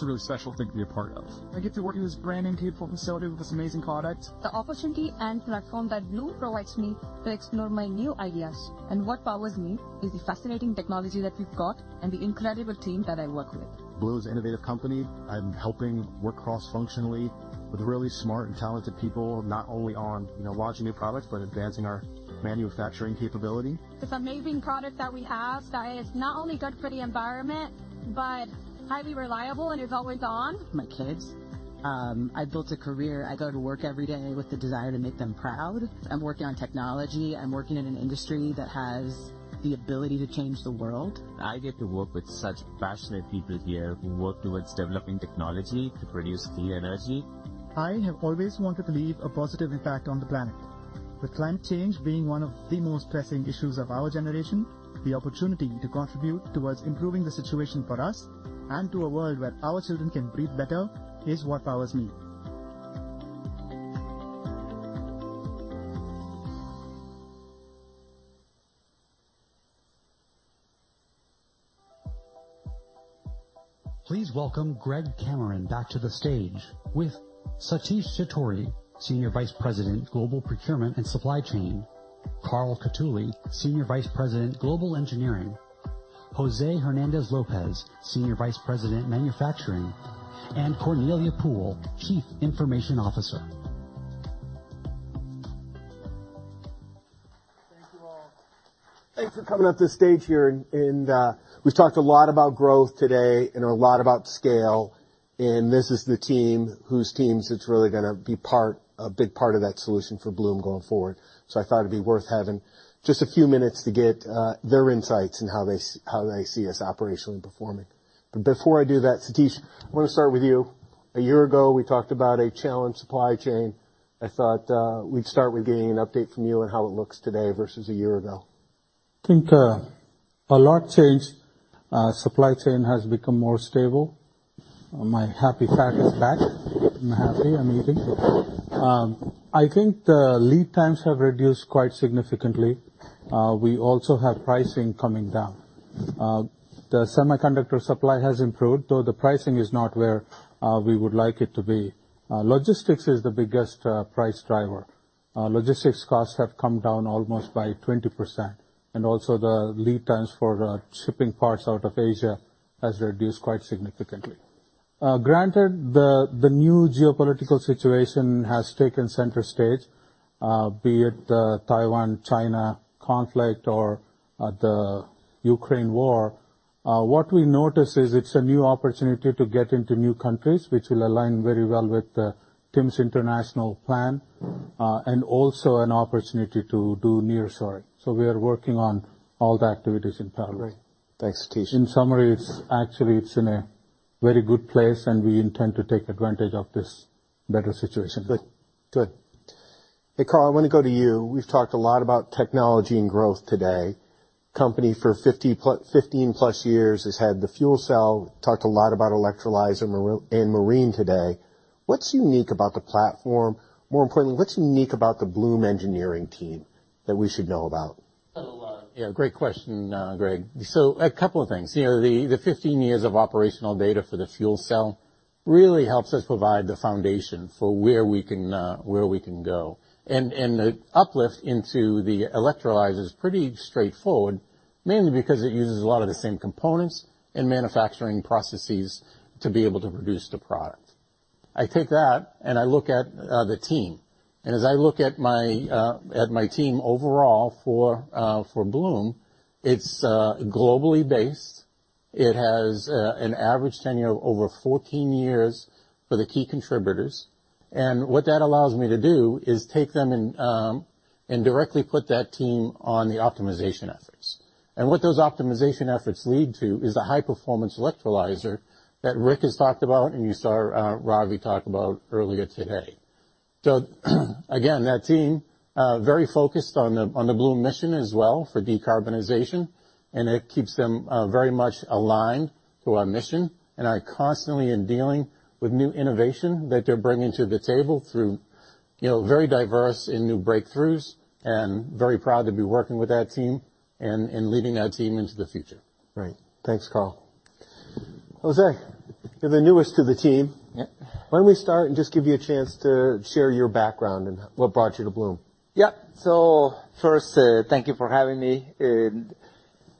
a really special thing to be a part of. I get to work in this brand new beautiful facility with this amazing product. The opportunity and platform that Bloom provides me to explore my new ideas. What powers me is the fascinating technology that we've got and the incredible team that I work with. Bloom's innovative company. I'm helping work cross-functionally with really smart and talented people, not only on, you know, launching new products, but advancing our manufacturing capability. This amazing product that we have that is not only good for the environment, but highly reliable and is always on. My kids. I built a career. I go to work every day with the desire to make them proud. I'm working on technology. I'm working in an industry that has the ability to change the world. I get to work with such passionate people here who work towards developing technology to produce clean energy. I have always wanted to leave a positive impact on the planet. With climate change being one of the most pressing issues of our generation, the opportunity to contribute towards improving the situation for us and to a world where our children can breathe better is what powers me. Please welcome Greg Cameron back to the stage with Satish Chitoori, Senior Vice President, Global Procurement and Supply Chain. Carl Cottuli, Senior Vice President, Global Engineering. Jose Hernandez Lopez, Senior Vice President, Manufacturing. Cornelia Poole, Chief Information Officer. Thank you all. Thanks for coming up to stage here and we've talked a lot about growth today and a lot about scale, and this is whose teams that's really gonna be part, a big part of that solution for Bloom going forward. I thought it'd be worth having just a few minutes to get their insights on how they see us operationally performing. Before I do that, Satish, I wanna start with you. A year ago, we talked about a challenged supply chain. I thought we'd start with getting an update from you on how it looks today versus a year ago. I think a lot changed. Supply chain has become more stable. My happy fat is back. I'm happy, I'm eating. I think the lead times have reduced quite significantly. We also have pricing coming down. The semiconductor supply has improved, though the pricing is not where we would like it to be. Logistics is the biggest price driver. Logistics costs have come down almost by 20%, and also the lead times for shipping parts out of Asia has reduced quite significantly. Granted, the new geopolitical situation has taken center stage, be it Taiwan-China conflict or the Ukraine war. What we notice is it's a new opportunity to get into new countries, which will align very well with Tim's international plan, and also an opportunity to do near shore. We are working on all the activities in parallel. Great. Thanks, Satish. In summary, it's actually it's in a very good place, and we intend to take advantage of this better situation. Good. Good. Hey, Carl, I wanna go to you. We've talked a lot about technology and growth today. Company for 15 plus years has had the fuel cell. Talked a lot about electrolyzer and marine today. What's unique about the platform? More importantly, what's unique about the Bloom engineering team that we should know about? Yeah, great question, Greg. A couple of things. You know, the 15 years of operational data for the fuel cell really helps us provide the foundation for where we can, where we can go. The uplift into the electrolyzer is pretty straightforward, mainly because it uses a lot of the same components and manufacturing processes to be able to produce the product. I take that and I look at the team. As I look at my team overall for Bloom, it's globally based. It has an average tenure of over 14 years for the key contributors. What that allows me to do is take them and directly put that team on the optimization efforts. What those optimization efforts lead to is the high performance electrolyzer that Rick has talked about, and you saw Ravi talk about earlier today. Again, that team, very focused on the Bloom mission as well for decarbonization, and it keeps them very much aligned to our mission. Are constantly in dealing with new innovation that they're bringing to the table. You know, very diverse in new breakthroughs, and very proud to be working with that team and leading that team into the future. Great. Thanks, Carl. Jose, you're the newest to the team. Yeah. Why don't we start and just give you a chance to share your background and what brought you to Bloom? Yeah. First, thank you for having me.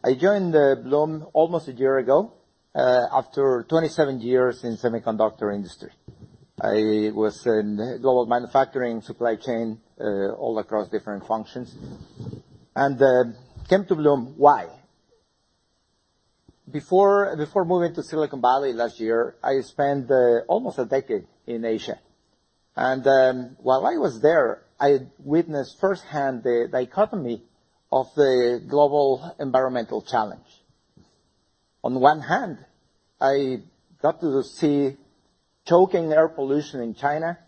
I joined Bloom almost a year ago after 27 years in semiconductor industry. I was in global manufacturing, supply chain, all across different functions. Came to Bloom why? Before moving to Silicon Valley last year, I spent almost a decade in Asia. While I was there, I witnessed firsthand the dichotomy of the global environmental challenge. On one hand, I got to see choking air pollution in China,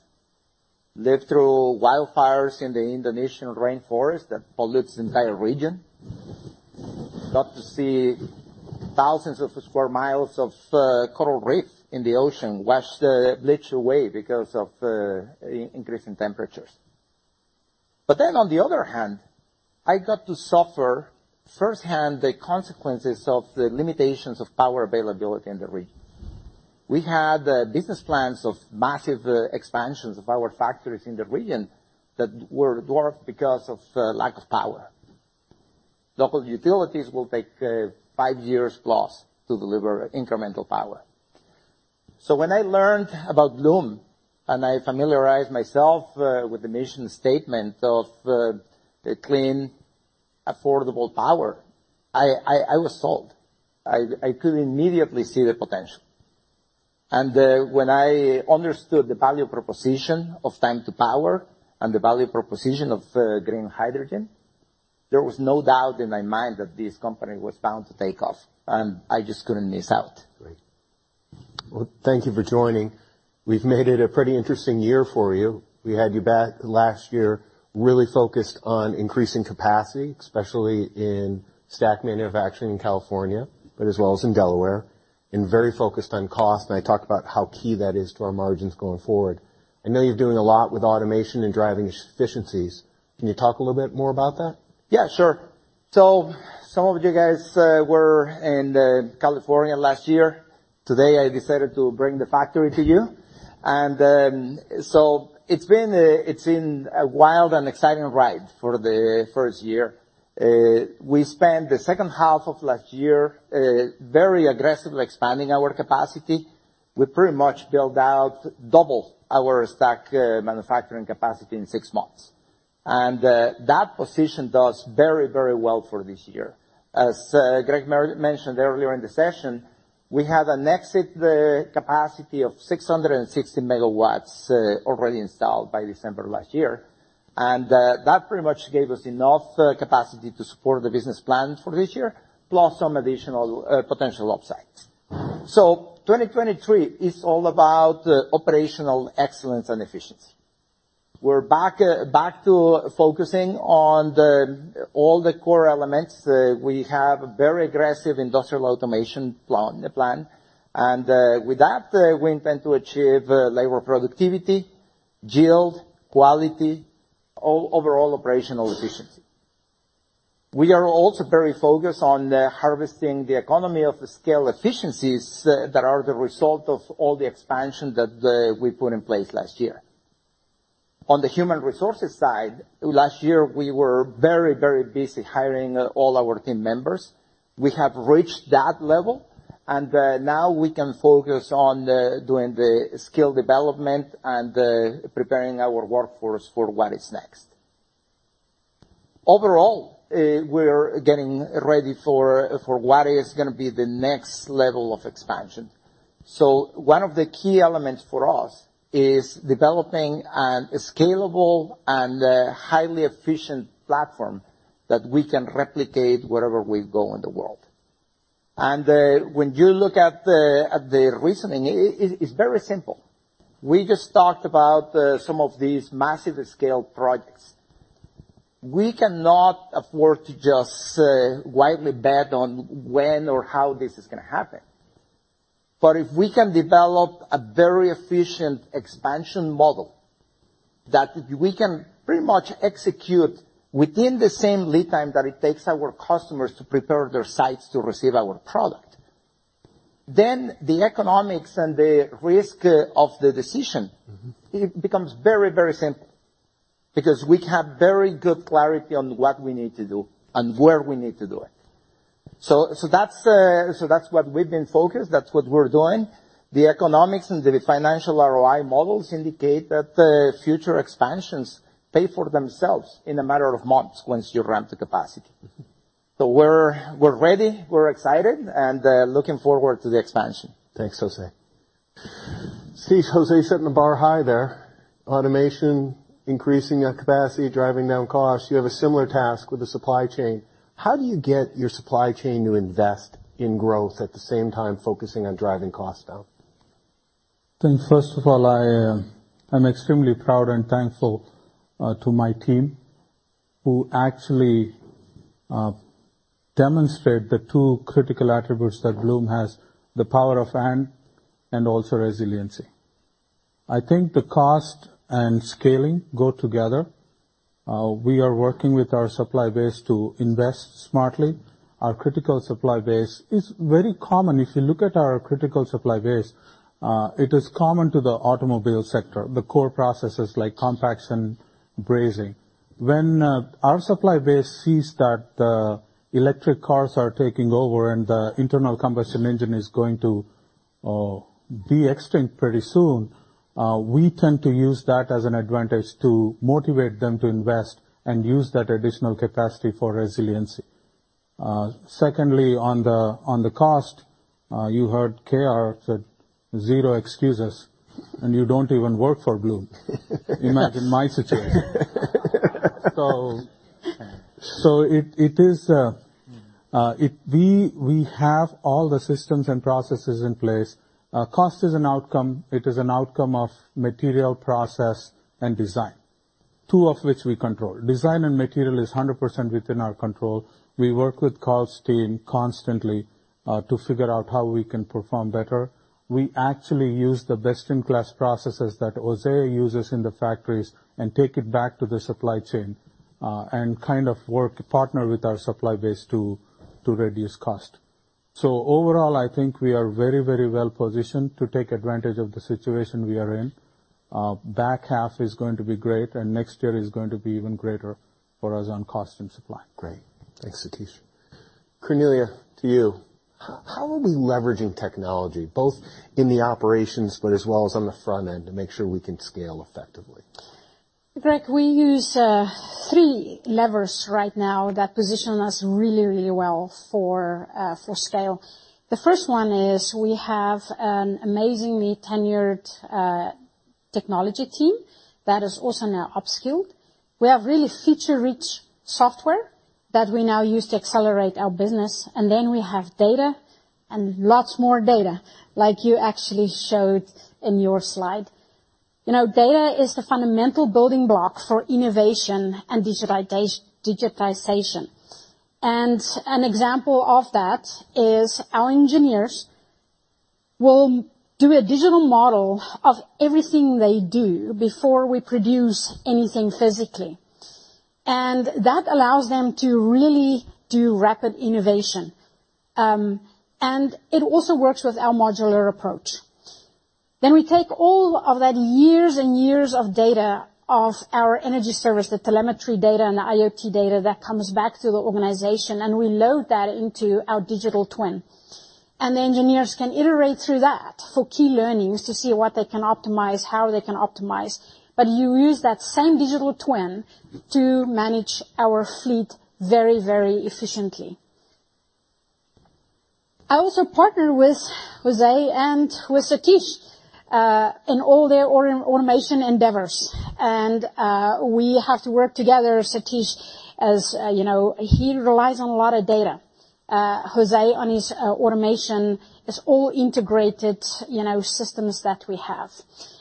live through wildfires in the Indonesian rainforest that pollutes the entire region. Got to see thousands of square miles of coral reef in the ocean washed bleached away because of increasing temperatures. On the other hand, I got to suffer firsthand the consequences of the limitations of power availability in the region. We had business plans of massive expansions of our factories in the region that were dwarfed because of lack of power. Local utilities will take 5 years plus to deliver incremental power. When I learned about Bloom, and I familiarized myself with the mission statement of the clean, affordable power, I was sold. I could immediately see the potential. When I understood the value proposition of time to power and the value proposition of green hydrogen, there was no doubt in my mind that this company was bound to take off, and I just couldn't miss out. Great. Well, thank you for joining. We've made it a pretty interesting year for you. We had you back last year, really focused on increasing capacity, especially in stack manufacturing in California, but as well as in Delaware, and very focused on cost. I talked about how key that is to our margins going forward. I know you're doing a lot with automation and driving efficiencies. Can you talk a little bit more about that? Yeah, sure. Some of you guys were in California last year. Today, I decided to bring the factory to you. It's been a wild and exciting ride for the first year. We spent the second half of last year very aggressively expanding our capacity. We pretty much built out double our stack manufacturing capacity in 6 months. That position does very, very well for this year. As Greg mentioned earlier in the session, we had an exit capacity of 660 megawatts already installed by December last year. That pretty much gave us enough capacity to support the business plan for this year, plus some additional potential upsides. 2023 is all about operational excellence and efficiency. We're back to focusing on the, all the core elements. We have very aggressive industrial automation plan. With that, we intend to achieve, labor productivity, yield, quality, overall operational efficiency. We are also very focused on, harvesting the economy of the scale efficiencies that are the result of all the expansion that, we put in place last year. On the human resources side, last year, we were very, very busy hiring all our team members. We have reached that level, and, now we can focus on, doing the skill development and, preparing our workforce for what is next. Overall, we're getting ready for what is gonna be the next level of expansion. One of the key elements for us is developing a scalable and highly efficient platform that we can replicate wherever we go in the world. When you look at the reasoning, it is very simple. We just talked about some of these massive scale projects. We cannot afford to just wildly bet on when or how this is going to happen. If we can develop a very efficient expansion model that we can pretty much execute within the same lead time that it takes our customers to prepare their sites to receive our product, the economics and the risk of the decision. It becomes very, very simple because we have very good clarity on what we need to do and where we need to do it. That's what we're doing. The economics and the financial ROI models indicate that future expansions pay for themselves in a matter of months once you ramp to capacity. We're ready, we're excited, and looking forward to the expansion. Thanks, Jose. Satish, Jose setting the bar high there. Automation, increasing, capacity, driving down costs. You have a similar task with the supply chain. How do you get your supply chain to invest in growth at the same time focusing on driving costs down? First of all, I'm extremely proud and thankful to my team who actually demonstrate the two critical attributes that Bloom has, the power of and also resiliency. I think the cost and scaling go together. We are working with our supply base to invest smartly. Our critical supply base is very common. If you look at our critical supply base, it is common to the automobile sector, the core processes like compaction, brazing. When our supply base sees that the electric cars are taking over and the internal combustion engine is going to be extinct pretty soon, we tend to use that as an advantage to motivate them to invest and use that additional capacity for resiliency. Secondly, on the cost, you heard K.R. said zero excuses, and you don't even work for Bloom. Imagine my situation. It is, we have all the systems and processes in place. Cost is an outcome. It is an outcome of material, process, and design, two of which we control. Design and material is 100% within our control. We work with Carl's team constantly, to figure out how we can perform better. We actually use the best-in-class processes that Jose uses in the factories and take it back to the supply chain, and kind of work to partner with our supply base to reduce cost. Overall, I think we are very, very well positioned to take advantage of the situation we are in. Back half is going to be great, and next year is going to be even greater for us on cost and supply. Great. Thanks, Satish. Cornelia, to you. How are we leveraging technology both in the operations but as well as on the front end to make sure we can scale effectively? Greg, we use three levers right now that position us really, really well for scale. The first one is we have an amazingly tenured technology team that is also now upskilled. We have really feature-rich software that we now use to accelerate our business, and then we have data and lots more data like you actually showed in your slide. You know, data is the fundamental building block for innovation and digitization. An example of that is our engineers will do a digital model of everything they do before we produce anything physically. That allows them to really do rapid innovation. It also works with our modular approach. We take all of that years and years of data of our energy service, the telemetry data and the IoT data that comes back to the organization, and we load that into our digital twin. The engineers can iterate through that for key learnings to see what they can optimize, how they can optimize. You use that same digital twin to manage our fleet very, very efficiently. I also partner with Jose and with Satish in all their automation endeavors. We have to work together. Satish as, you know, he relies on a lot of data. Jose on his automation is all integrated, you know, systems that we have.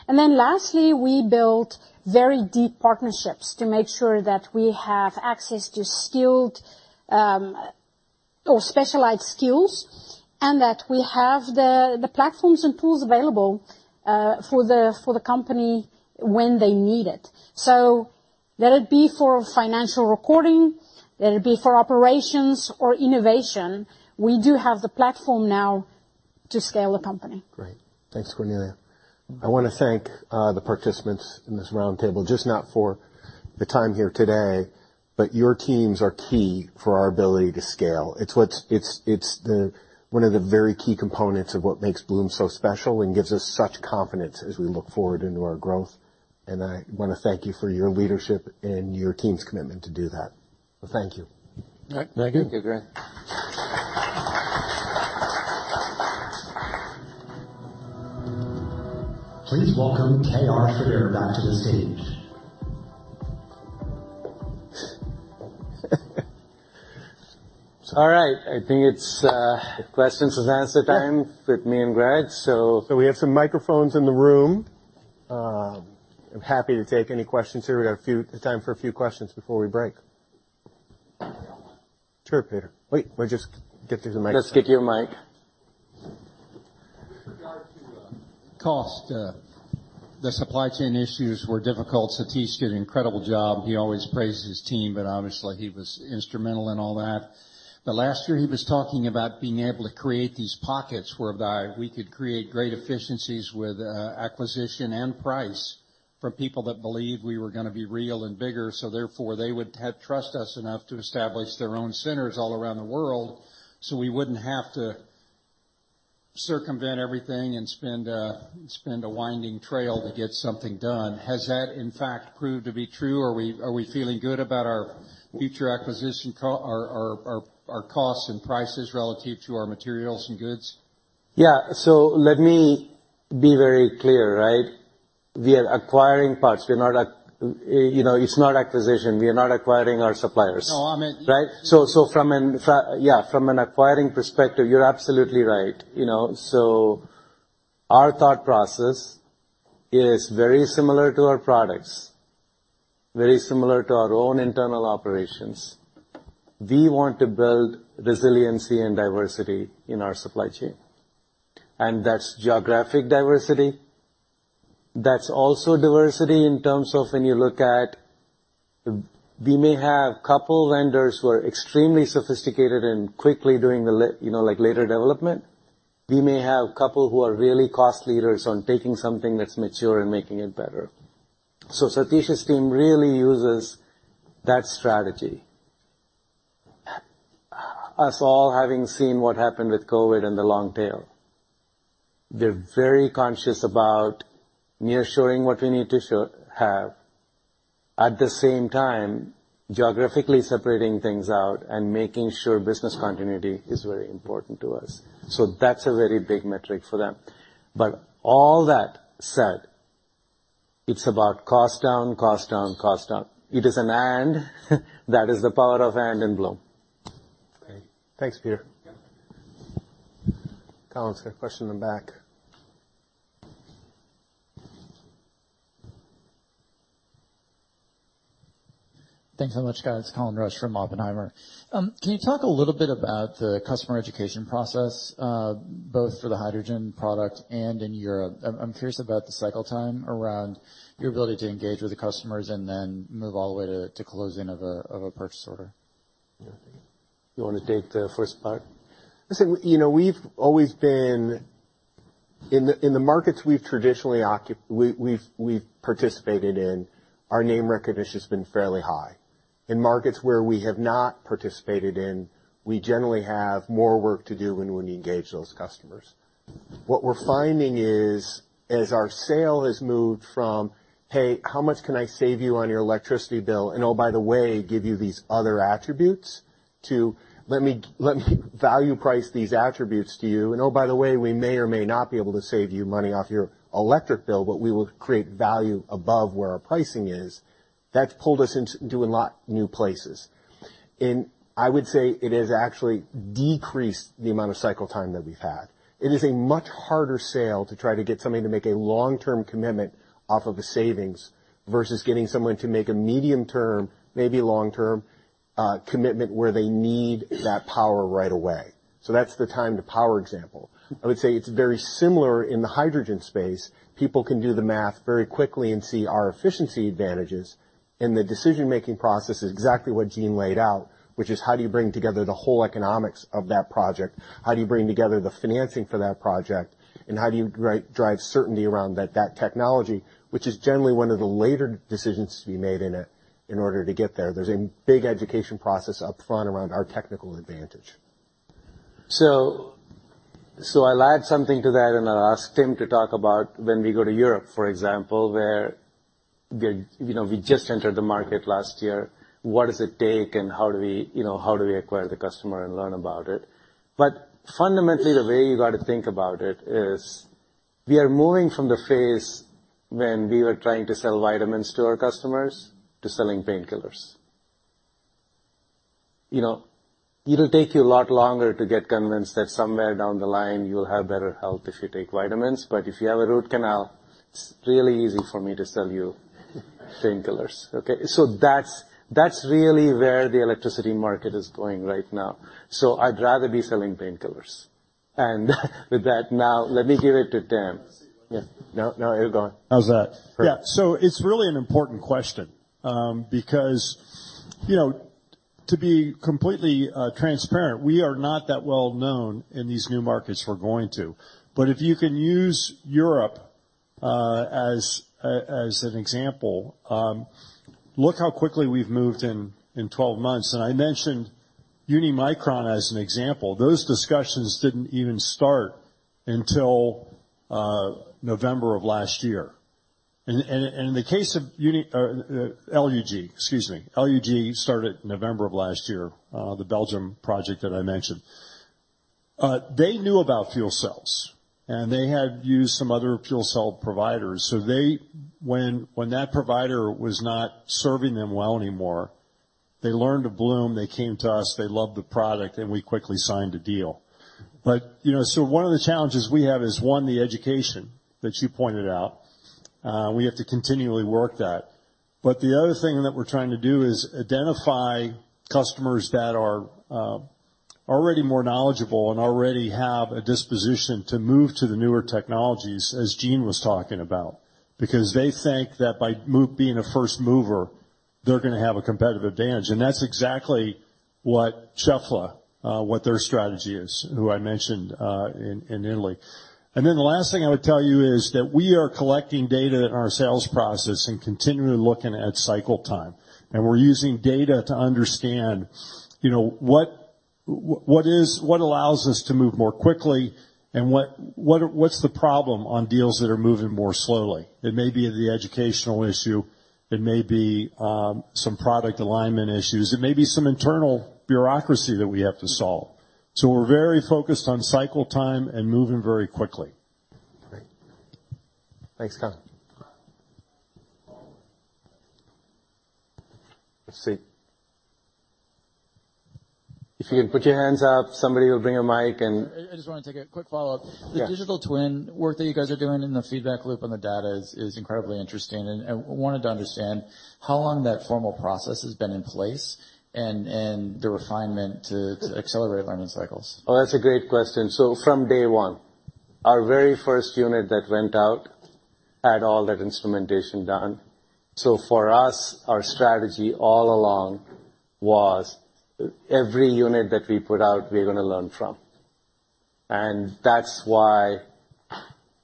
lastly, we build very deep partnerships to make sure that we have access to skilled or specialized skills, and that we have the platforms and tools available for the company when they need it. Let it be for financial reporting, let it be for operations or innovation, we do have the platform now to scale the company. Great. Thanks, Cornelia. I wanna thank the participants in this roundtable just not for the time here today, but your teams are key for our ability to scale. It's the one of the very key components of what makes Bloom so special and gives us such confidence as we look forward into our growth. I wanna thank you for your leadership and your team's commitment to do that. Thank you. All right. Thank you. Thank you, Greg. Please welcome K.R. Sridhar back to the stage. All right. I think it's, questions is answer time with me and Greg. We have some microphones in the room. I'm happy to take any questions here. Time for a few questions before we break. Sure, Peter. Wait, just get to the mic. Let's get you a mic. With regard to cost, the supply chain issues were difficult. Satish did an incredible job. He always praises his team, but obviously he was instrumental in all that. Last year, he was talking about being able to create these pockets whereby we could create great efficiencies with acquisition and price for people that believed we were gonna be real and bigger, so therefore, they would have trust us enough to establish their own centers all around the world, so we wouldn't have to circumvent everything and spend a winding trail to get something done. Has that, in fact, proved to be true? Are we feeling good about our future acquisition or our costs and prices relative to our materials and goods? Yeah. Let me be very clear, right? We are acquiring parts. We're not, you know, it's not acquisition. We are not acquiring our suppliers. Right? Yeah, from an acquiring perspective, you're absolutely right. You know. Our thought process is very similar to our products, very similar to our own internal operations. We want to build resiliency and diversity in our supply chain. That's geographic diversity. That's also diversity in terms of when you look at, we may have a couple vendors who are extremely sophisticated and quickly doing you know, like, later development. We may have a couple who are really cost leaders on taking something that's mature and making it better. Satish's team really uses that strategy. Us all having seen what happened with COVID and the long tail, they're very conscious about nearshoring what we need to have. At the same time, geographically separating things out and making sure business continuity is very important to us. That's a very big metric for them. All that said, it's about cost down, cost down, cost down. It is an and. That is the power of Bloom. Great. Thanks, Peter. Colin, there's a question in the back. Thanks so much, guys. Colin Rusch from Oppenheimer. Can you talk a little bit about the customer education process, both for the hydrogen product and in Europe? I'm curious about the cycle time around your ability to engage with the customers and then move all the way to closing of a purchase order. You wanna take the first part? Listen, you know, In the markets we've traditionally participated in, our name recognition's been fairly high. In markets where we have not participated in, we generally have more work to do when we engage those customers. What we're finding is, as our sale has moved from, "Hey, how much can I save you on your electricity bill, and oh, by the way, give you these other attributes?" To, "Let me, let me value price these attributes to you, and oh, by the way, we may or may not be able to save you money off your electric bill, but we will create value above where our pricing is," that's pulled us into a lot new places. I would say it has actually decreased the amount of cycle time that we've had. It is a much harder sale to try to get somebody to make a long-term commitment off of a savings versus getting someone to make a medium term, maybe long-term, commitment, where they need that power right away. That's the time to power example. I would say it's very similar in the hydrogen space. People can do the math very quickly and see our efficiency advantages, the decision-making process is exactly what Gene laid out, which is, how do you bring together the whole economics of that project? How do you bring together the financing for that project? How do you drive certainty around that technology, which is generally one of the later decisions to be made in order to get there? There's a big education process up front around our technical advantage. I'll add something to that, and I'll ask Tim to talk about when we go to Europe, for example, where, you know, we just entered the market last year. What does it take and how do we, you know, how do we acquire the customer and learn about it? Fundamentally, the way you gotta think about it is we are moving from the phase when we were trying to sell vitamins to our customers, to selling painkillers. You know, it'll take you a lot longer to get convinced that somewhere down the line you'll have better health if you take vitamins, but if you have a root canal, it's really easy for me to sell you painkillers, okay. That's, that's really where the electricity market is going right now. I'd rather be selling painkillers. With that, now let me give it to Tim. Yeah. No, no, you're going. How's that? Great. Yeah. It's really an important question, because, you know, to be completely transparent, we are not that well known in these new markets we're going to. If you can use Europe as an example, look how quickly we've moved in 12 months. I mentioned Unimicron as an example. Those discussions didn't even start until November of last year. And in the case of LUG, excuse me. LUG started November of last year, the Belgium project that I mentioned. They knew about fuel cells, and they had used some other fuel cell providers, so When that provider was not serving them well anymore, they learned of Bloom, they came to us, they loved the product, and we quickly signed a deal. You know, one of the challenges we have is, one, the education that you pointed out. We have to continually work that. The other thing that we're trying to do is identify customers that are already more knowledgeable and already have a disposition to move to the newer technologies, as Gene was talking about. Because they think that by being a first mover, they're gonna have a competitive advantage. That's exactly what Schaeffler, what their strategy is, who I mentioned in Italy. The last thing I would tell you is that we are collecting data in our sales process and continually looking at cycle time, and we're using data to understand, you know, what allows us to move more quickly and what's the problem on deals that are moving more slowly. It may be the educational issue. It may be some product alignment issues. It may be some internal bureaucracy that we have to solve. We're very focused on cycle time and moving very quickly. Great. Thanks, Colin. Let's see. If you can put your hands up, somebody will bring a mic and- I just wanna take a quick follow-up. The digital twin work that you guys are doing in the feedback loop on the data is incredibly interesting, and I wanted to understand how long that formal process has been in place and the refinement to accelerate learning cycles. Oh, that's a great question. From day 1, our very first unit that went out had all that instrumentation done. For us, our strategy all along was every unit that we put out, we're gonna learn from. That's why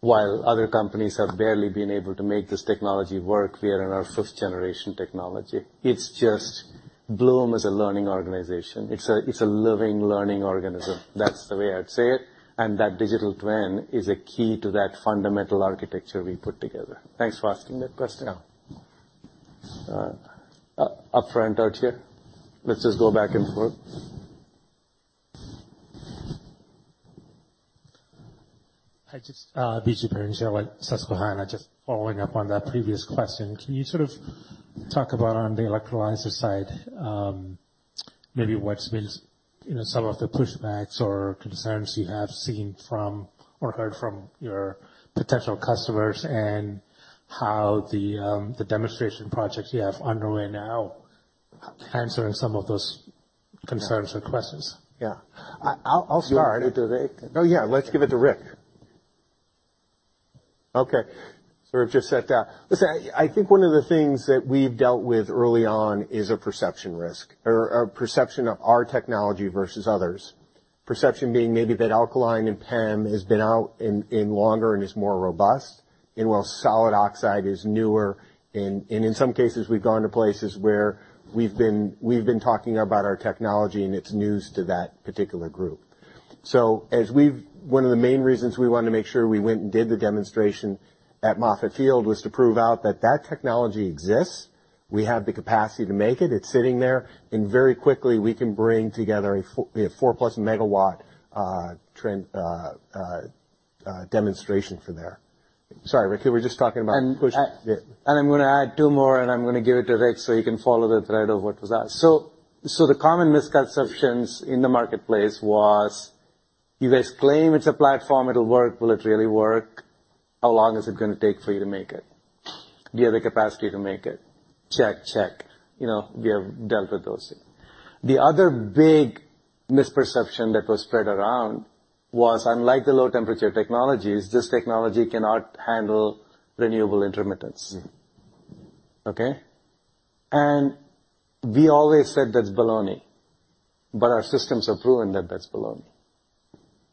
while other companies have barely been able to make this technology work, we are on our fifth generation technology. It's just Bloom is a learning organization. It's a living, learning organism. That's the way I'd say it, and that digital twin is a key to that fundamental architecture we put together. Thanks for asking that question upfront out here. Let's just go back and forth. Hi, just Biju Perincheril. Just following up on that previous question, can you sort of talk about on the electrolyzer side, maybe what's been you know, some of the pushbacks or concerns you have seen from or heard from your potential customers and how the demonstration projects you have underway now answering some of those concerns or questions? Yeah. I'll start. Do you want me to take it? No, yeah, let's give it to Rick. Okay. Sort of just set that. Listen, I think one of the things that we've dealt with early on is a perception risk or a perception of our technology versus others. Perception being maybe that alkaline and PEM has been out in longer and is more robust, and while solid oxide is newer and in some cases, we've gone to places where we've been talking about our technology and it's news to that particular group. One of the main reasons we wanna make sure we went and did the demonstration at Moffett Field was to prove out that technology exists. We have the capacity to make it. It's sitting there, and very quickly, we can bring together a 4-plus megawatt demonstration for there. Sorry, Rick, you were just talking about push- And, uh- Yeah. I'm gonna add two more, and I'm gonna give it to Rick so you can follow the thread of what was asked. The common misconceptions in the marketplace was you guys claim it's a platform, it'll work. Will it really work? How long is it gonna take for you to make it? Do you have the capacity to make it? Check, check. You know, we have dealt with those. Other big misperception that was spread around was unlike the low-temperature technologies, this technology cannot handle renewable intermittence. Okay? We always said that's baloney, our systems have proven that that's baloney.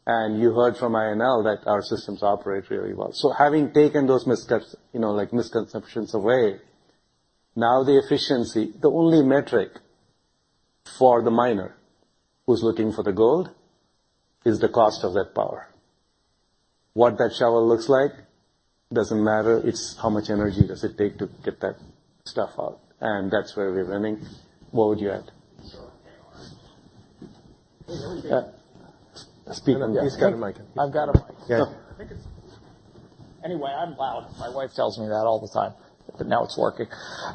You heard from INL that our systems operate really well. Having taken those missteps, you know, like misconceptions away, now the efficiency, the only metric for the miner who's looking for the gold is the cost of that power. What that shovel looks like doesn't matter, it's how much energy does it take to get that stuff out, and that's where we're winning. What would you add? Speak up, yeah. He's got a mic. I've got a mic. Yeah. Anyway, I'm loud. My wife tells me that all the time, now it's working.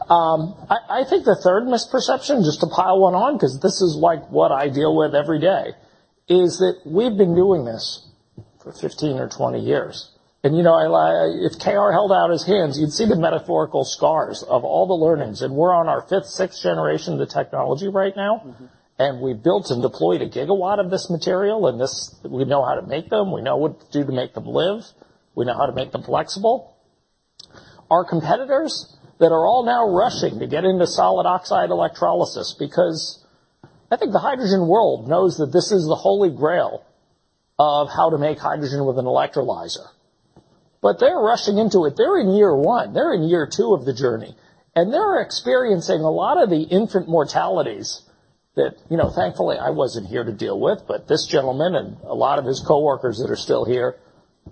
I think the third misperception, just to pile one on, 'cause this is like what I deal with every day, is that we've been doing this for 15 or 20 years. You know, if K.R. held out his hands, you'd see the metaphorical scars of all the learnings, and we're on our 5th, 6th generation of the technology right now. We built and deployed 1 gigawatt of this material and we know how to make them, we know what to do to make them live, we know how to make them flexible. Our competitors that are all now rushing to get into solid oxide electrolysis because I think the hydrogen world knows that this is the holy grail of how to make hydrogen with an electrolyzer. They're rushing into it. They're in year one. They're in year two of the journey, and they're experiencing a lot of the infant mortalities that, you know, thankfully, I wasn't here to deal with, but this gentleman and a lot of his coworkers that are still here,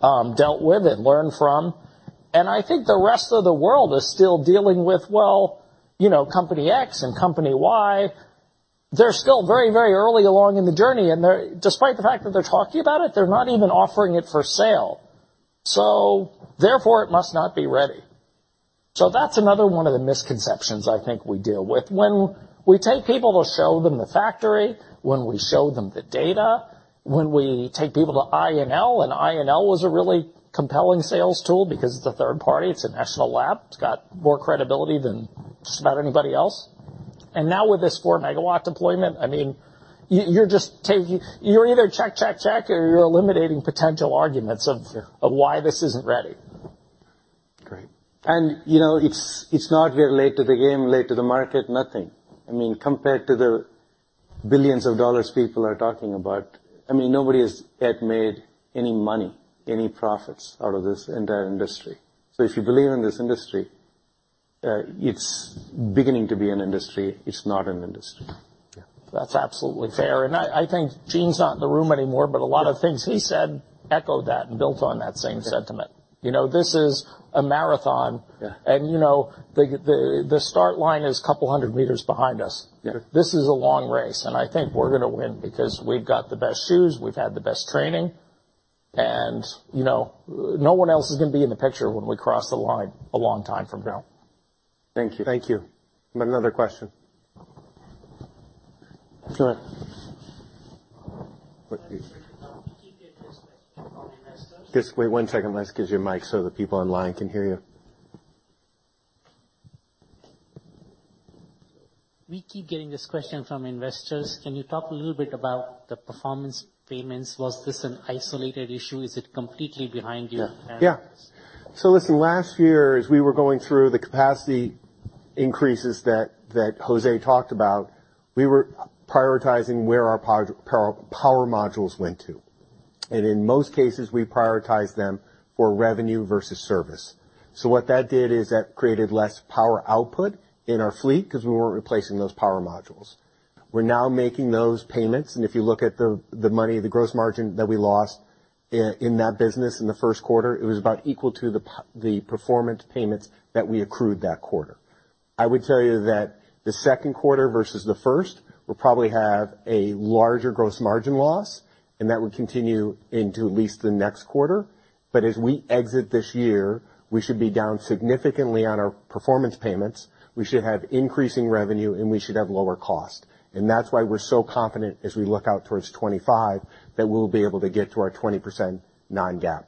dealt with and learned from. I think the rest of the world is still dealing with, well, you know, company X and company Y, they're still very, very early along in the journey, and despite the fact that they're talking about it, they're not even offering it for sale. Therefore, it must not be ready. That's another one of the misconceptions I think we deal with. When we take people to show them the factory, when we show them the data, when we take people to INL, and INL was a really compelling sales tool because it's a third party, it's a national lab, it's got more credibility than just about anybody else. Now with this 4-megawatt deployment, I mean, you're just taking you're either check, check, or you're eliminating potential arguments of. Sure. Of why this isn't ready. Great. You know, it's not, we're late to the game, late to the market, nothing. I mean, compared to the billions of dollars people are talking about, I mean, nobody has yet made any money, any profits out of this entire industry. If you believe in this industry, it's beginning to be an industry. It's not an industry. That's absolutely fair. I think Gene's not in the room anymore, but a lot of things he said echoed that and built on that same sentiment. You know, this is a marathon. Yeah. you know, the start line is a couple hundred meters behind us. Yeah. This is a long race, and I think we're gonna win because we've got the best shoes, we've had the best training. You know, no one else is gonna be in the picture when we cross the line a long time from now. Thank you. Thank you. Another question. Sure. Just wait one second. Let's give you a mic so the people online can hear you. We keep getting this question from investors. Can you talk a little bit about the performance payments? Was this an isolated issue? Is it completely behind you? Yeah. listen, last year, as we were going through the capacity increases that Jose talked about, we were prioritizing where our power modules went to. In most cases, we prioritized them for revenue versus service. What that did is that created less power output in our fleet because we weren't replacing those power modules. We're now making those payments, and if you look at the money, the gross margin that we lost in that business in the first quarter, it was about equal to the performance payments that we accrued that quarter. I would tell you that the second quarter versus the first will probably have a larger gross margin loss, and that would continue into at least the next quarter. As we exit this year, we should be down significantly on our performance payments. We should have increasing revenue, and we should have lower cost. That's why we're so confident as we look out towards 2025 that we'll be able to get to our 20% non-GAAP.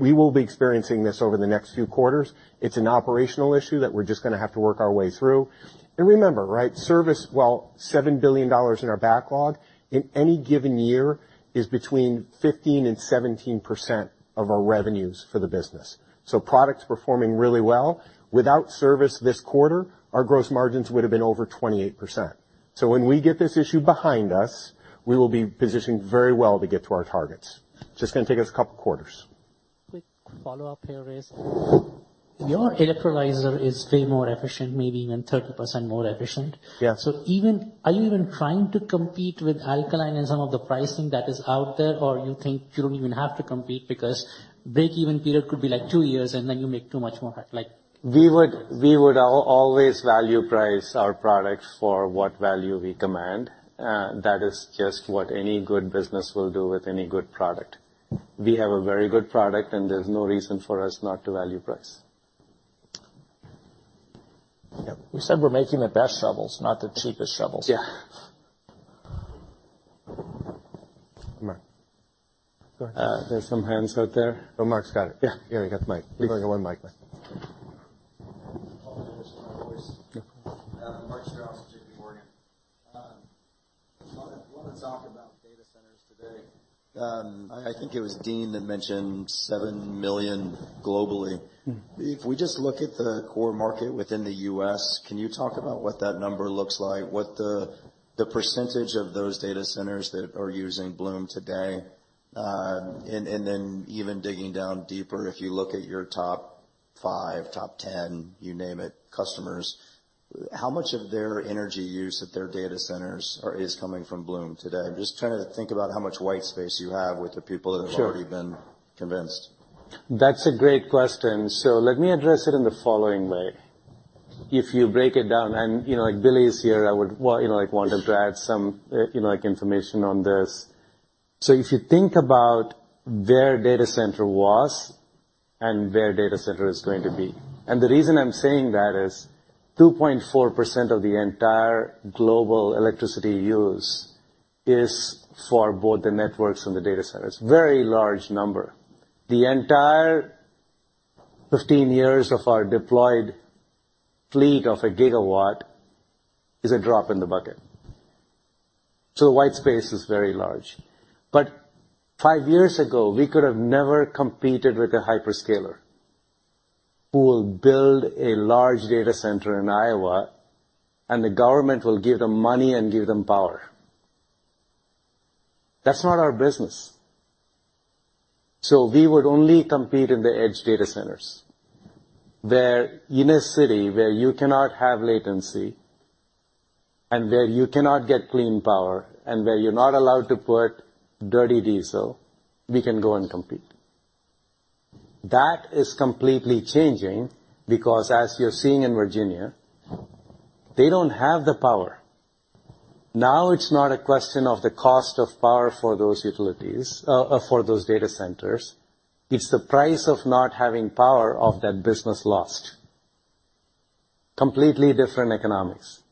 We will be experiencing this over the next few quarters. It's an operational issue that we're just gonna have to work our way through. Remember, right, service, while $7 billion in our backlog, in any given year is between 15%-17% of our revenues for the business. Product's performing really well. Without service this quarter, our gross margins would've been over 28%. When we get this issue behind us, we will be positioned very well to get to our targets. Just gonna take us a couple quarters. Quick follow-up here is, your electrolyzer is way more efficient, maybe even 30% more efficient. Yeah. Are you even trying to compete with alkaline and some of the pricing that is out there? You think you don't even have to compete because break-even period could be, like, 2 years, and then you make too much more profit, like? We would always value price our product for what value we command. That is just what any good business will do with any good product. We have a very good product, and there's no reason for us not to value price. Yeah. We said we're making the best shovels, not the cheapest shovels. Yeah. Mark. Go ahead. There's some hands out there. Oh, Mark's got it. Yeah. Yeah, you got the mic. You're going to one mic. Apologies for my voice. No problem. Mark Strouse from J.P. Morgan. want to, want to talk about data centers today. I think it was Dean that mentioned 7 million globally. If we just look at the core market within the U.S., can you talk about what that number looks like? What the percentage of those data centers that are using Bloom today, and then even digging down deeper, if you look at your top five, top 10, you name it, customers, how much of their energy use at their data centers is coming from Bloom today? I'm just trying to think about how much white space you have with the people that have- Sure. already been convinced. That's a great question. Let me address it in the following way. If you break it down, and, you know, like, Billy is here, I would, you know, like, want him to add some, you know, like, information on this. If you think about where data center was and where data center is going to be, and the reason I'm saying that is 2.4% of the entire global electricity use is for both the networks and the data centers. Very large number. The entire 15 years of our deployed fleet of a gigawatt is a drop in the bucket. White space is very large. Five years ago, we could have never competed with a hyperscaler who will build a large data center in Iowa, and the government will give them money and give them power. That's not our business. We would only compete in the edge data centers, where in a city where you cannot have latency and where you cannot get clean power and where you're not allowed to put dirty diesel, we can go and compete. That is completely changing because as you're seeing in Virginia, they don't have the power. Now it's not a question of the cost of power for those utilities, for those data centers, it's the price of not having power of that business lost. Completely different economics.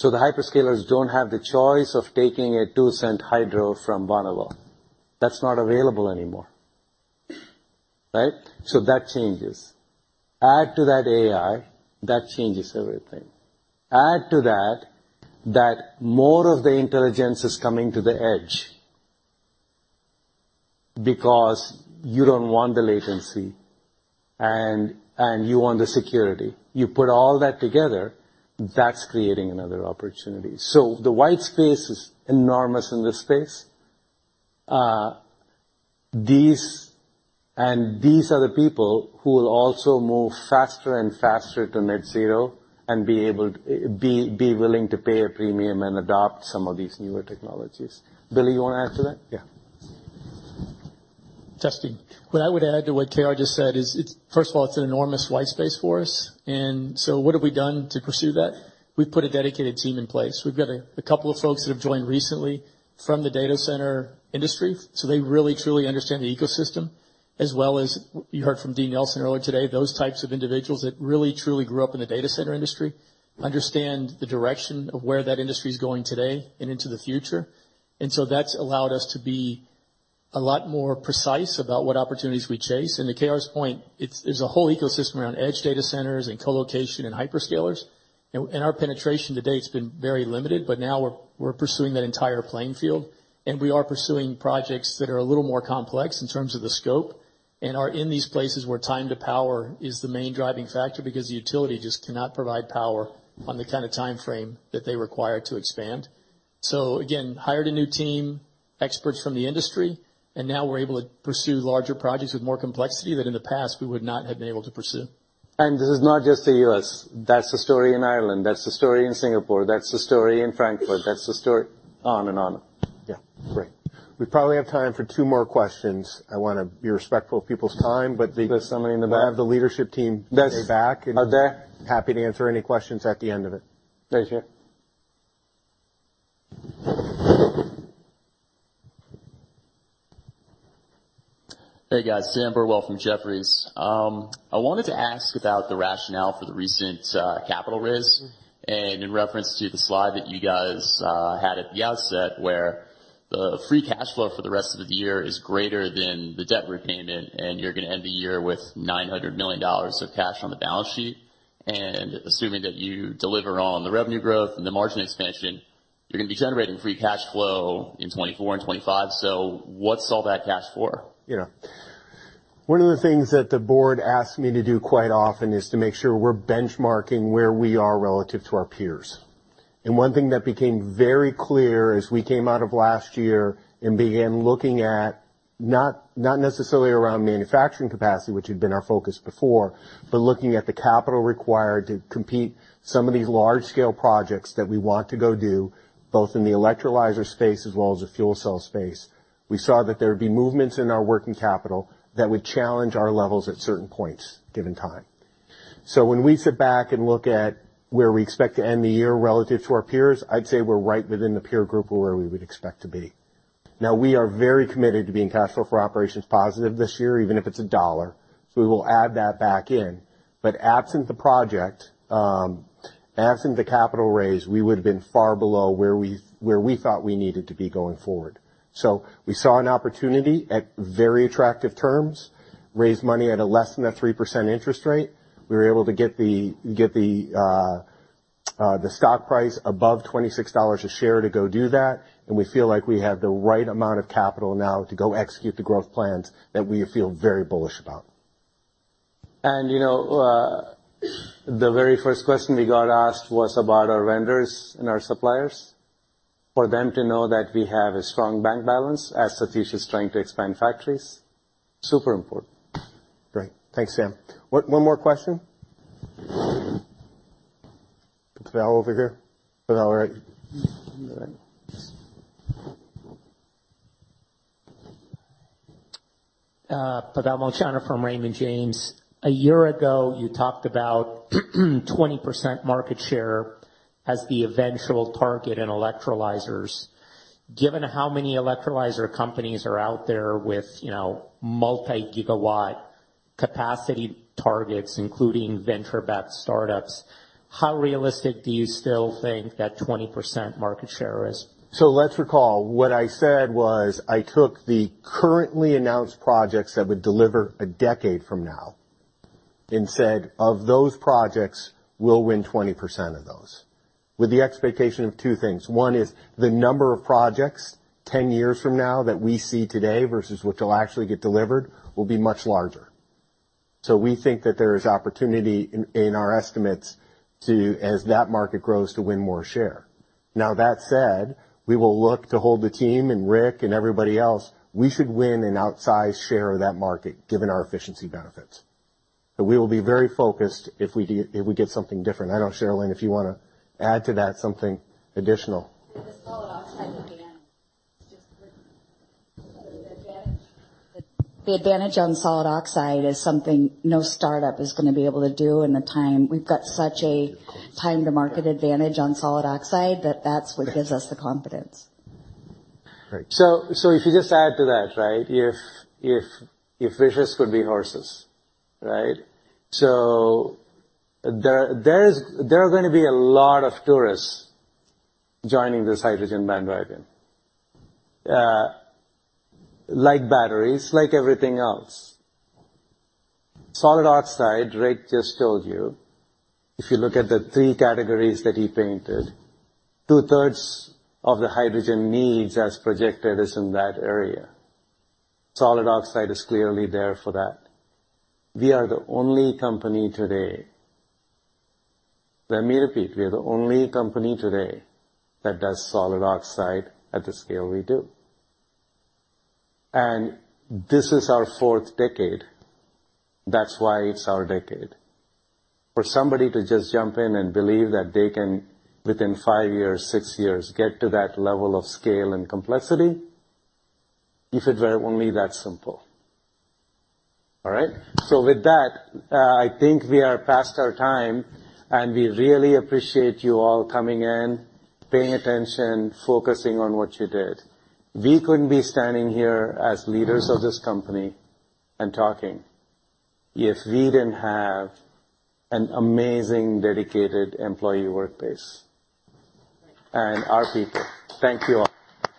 The hyperscalers don't have the choice of taking a $0.02 hydro from Bonneville. That's not available anymore, right? That changes. Add to that AI, that changes everything. Add to that more of the intelligence is coming to the edge because you don't want the latency, and you want the security. You put all that together, that's creating another opportunity. The white space is enormous in this space. These are the people who will also move faster and faster to net zero and be willing to pay a premium and adopt some of these newer technologies. Billy, you wanna add to that? Yeah. Just to, what I would add to what K.R. just said is it's first of all, it's an enormous white space for us. What have we done to pursue that? We've put a dedicated team in place. We've got a couple of folks that have joined recently from the data center industry, so they really, truly understand the ecosystem as well as you heard from Dean Nelson earlier today, those types of individuals that really, truly grew up in the data center industry, understand the direction of where that industry is going today and into the future. That's allowed us to be a lot more precise about what opportunities we chase. To K.R.'s point, it's there's a whole ecosystem around edge data centers and colocation and hyperscalers. Our penetration to date has been very limited. Now we're pursuing that entire playing field, and we are pursuing projects that are a little more complex in terms of the scope, and are in these places where time to power is the main driving factor because the utility just cannot provide power on the kind of timeframe that they require to expand. Again, hired a new team, experts from the industry, and now we're able to pursue larger projects with more complexity that in the past we would not have been able to pursue. This is not just the U.S. That's the story in Ireland, that's the story in Singapore, that's the story in Frankfurt, that's the story on and on. Yeah. Great. We probably have time for two more questions. I wanna be respectful of people's time, but. There's somebody in the back. I have the leadership team way back. Are there? Happy to answer any questions at the end of it. Thank you. Hey, guys. Sam Burwell from Jefferies. I wanted to ask about the rationale for the recent capital raise. In reference to the slide that you guys had at the outset where the free cash flow for the rest of the year is greater than the debt repayment, and you're gonna end the year with $900 million of cash on the balance sheet. Assuming that you deliver on the revenue growth and the margin expansion, you're gonna be generating free cash flow in 2024 and 2025. What's all that cash for? You know, one of the things that the board asks me to do quite often is to make sure we're benchmarking where we are relative to our peers. One thing that became very clear as we came out of last year and began looking at not necessarily around manufacturing capacity, which had been our focus before, but looking at the capital required to compete some of these large-scale projects that we want to go do, both in the electrolyzer space as well as the fuel cell space. We saw that there would be movements in our working capital that would challenge our levels at certain points given time. When we sit back and look at where we expect to end the year relative to our peers, I'd say we're right within the peer group of where we would expect to be. We are very committed to being cash flow for operations positive this year, even if it's $1. We will add that back in. Absent the project, absent the capital raise, we would have been far below where we thought we needed to be going forward. We saw an opportunity at very attractive terms, raise money at a less than a 3% interest rate. We were able to get the stock price above $26 a share to go do that. We feel like we have the right amount of capital now to go execute the growth plans that we feel very bullish about. You know, the very first question we got asked was about our vendors and our suppliers. For them to know that we have a strong bank balance as the future is trying to expand factories, super important. Great. Thanks, Sam. One more question. Val, over here. Val, right. All right. Pavel Molchanov from Raymond James. A year ago, you talked about 20% market share as the eventual target in electrolyzers. Given how many electrolyzer companies are out there with, you know, multi-gigawatt capacity targets, including venture-backed startups, how realistic do you still think that 20% market share is? Let's recall, what I said was I took the currently announced projects that would deliver a decade from now and said, of those projects, we'll win 20% of those, with the expectation of 2 things. One is the number of projects 10 years from now that we see today versus what will actually get delivered will be much larger. We think that there is opportunity in our estimates to, as that market grows, to win more share. Now, that said, we will look to hold the team and Rick and everybody else, we should win an outsized share of that market given our efficiency benefits. We will be very focused if we get something different. I know, Sharelynn, if you wanna add to that something additional? The solid oxide again, just the advantage. The advantage on solid oxide is something no startup is gonna be able to do in the time. We've got such a time-to-market advantage on solid oxide that that's what gives us the confidence. Great. If you just add to that, right? If wishes could be horses, right? There are gonna be a lot of tourists joining this hydrogen bandwagon, like batteries, like everything else. Solid oxide, Rick just told you, if you look at the three categories that he painted, two-thirds of the hydrogen needs as projected is in that area. Solid oxide is clearly there for that. We are the only company today. Let me repeat, we are the only company today that does solid oxide at the scale we do. This is our fourth decade. That's why it's our decade. For somebody to just jump in and believe that they can, within five years, six years, get to that level of scale and complexity, if it were only that simple. All right? With that, I think we are past our time, and we really appreciate you all coming in, paying attention, focusing on what you did. We couldn't be standing here as leaders of this company and talking if we didn't have an amazing, dedicated employee workplace and our people. Thank you all.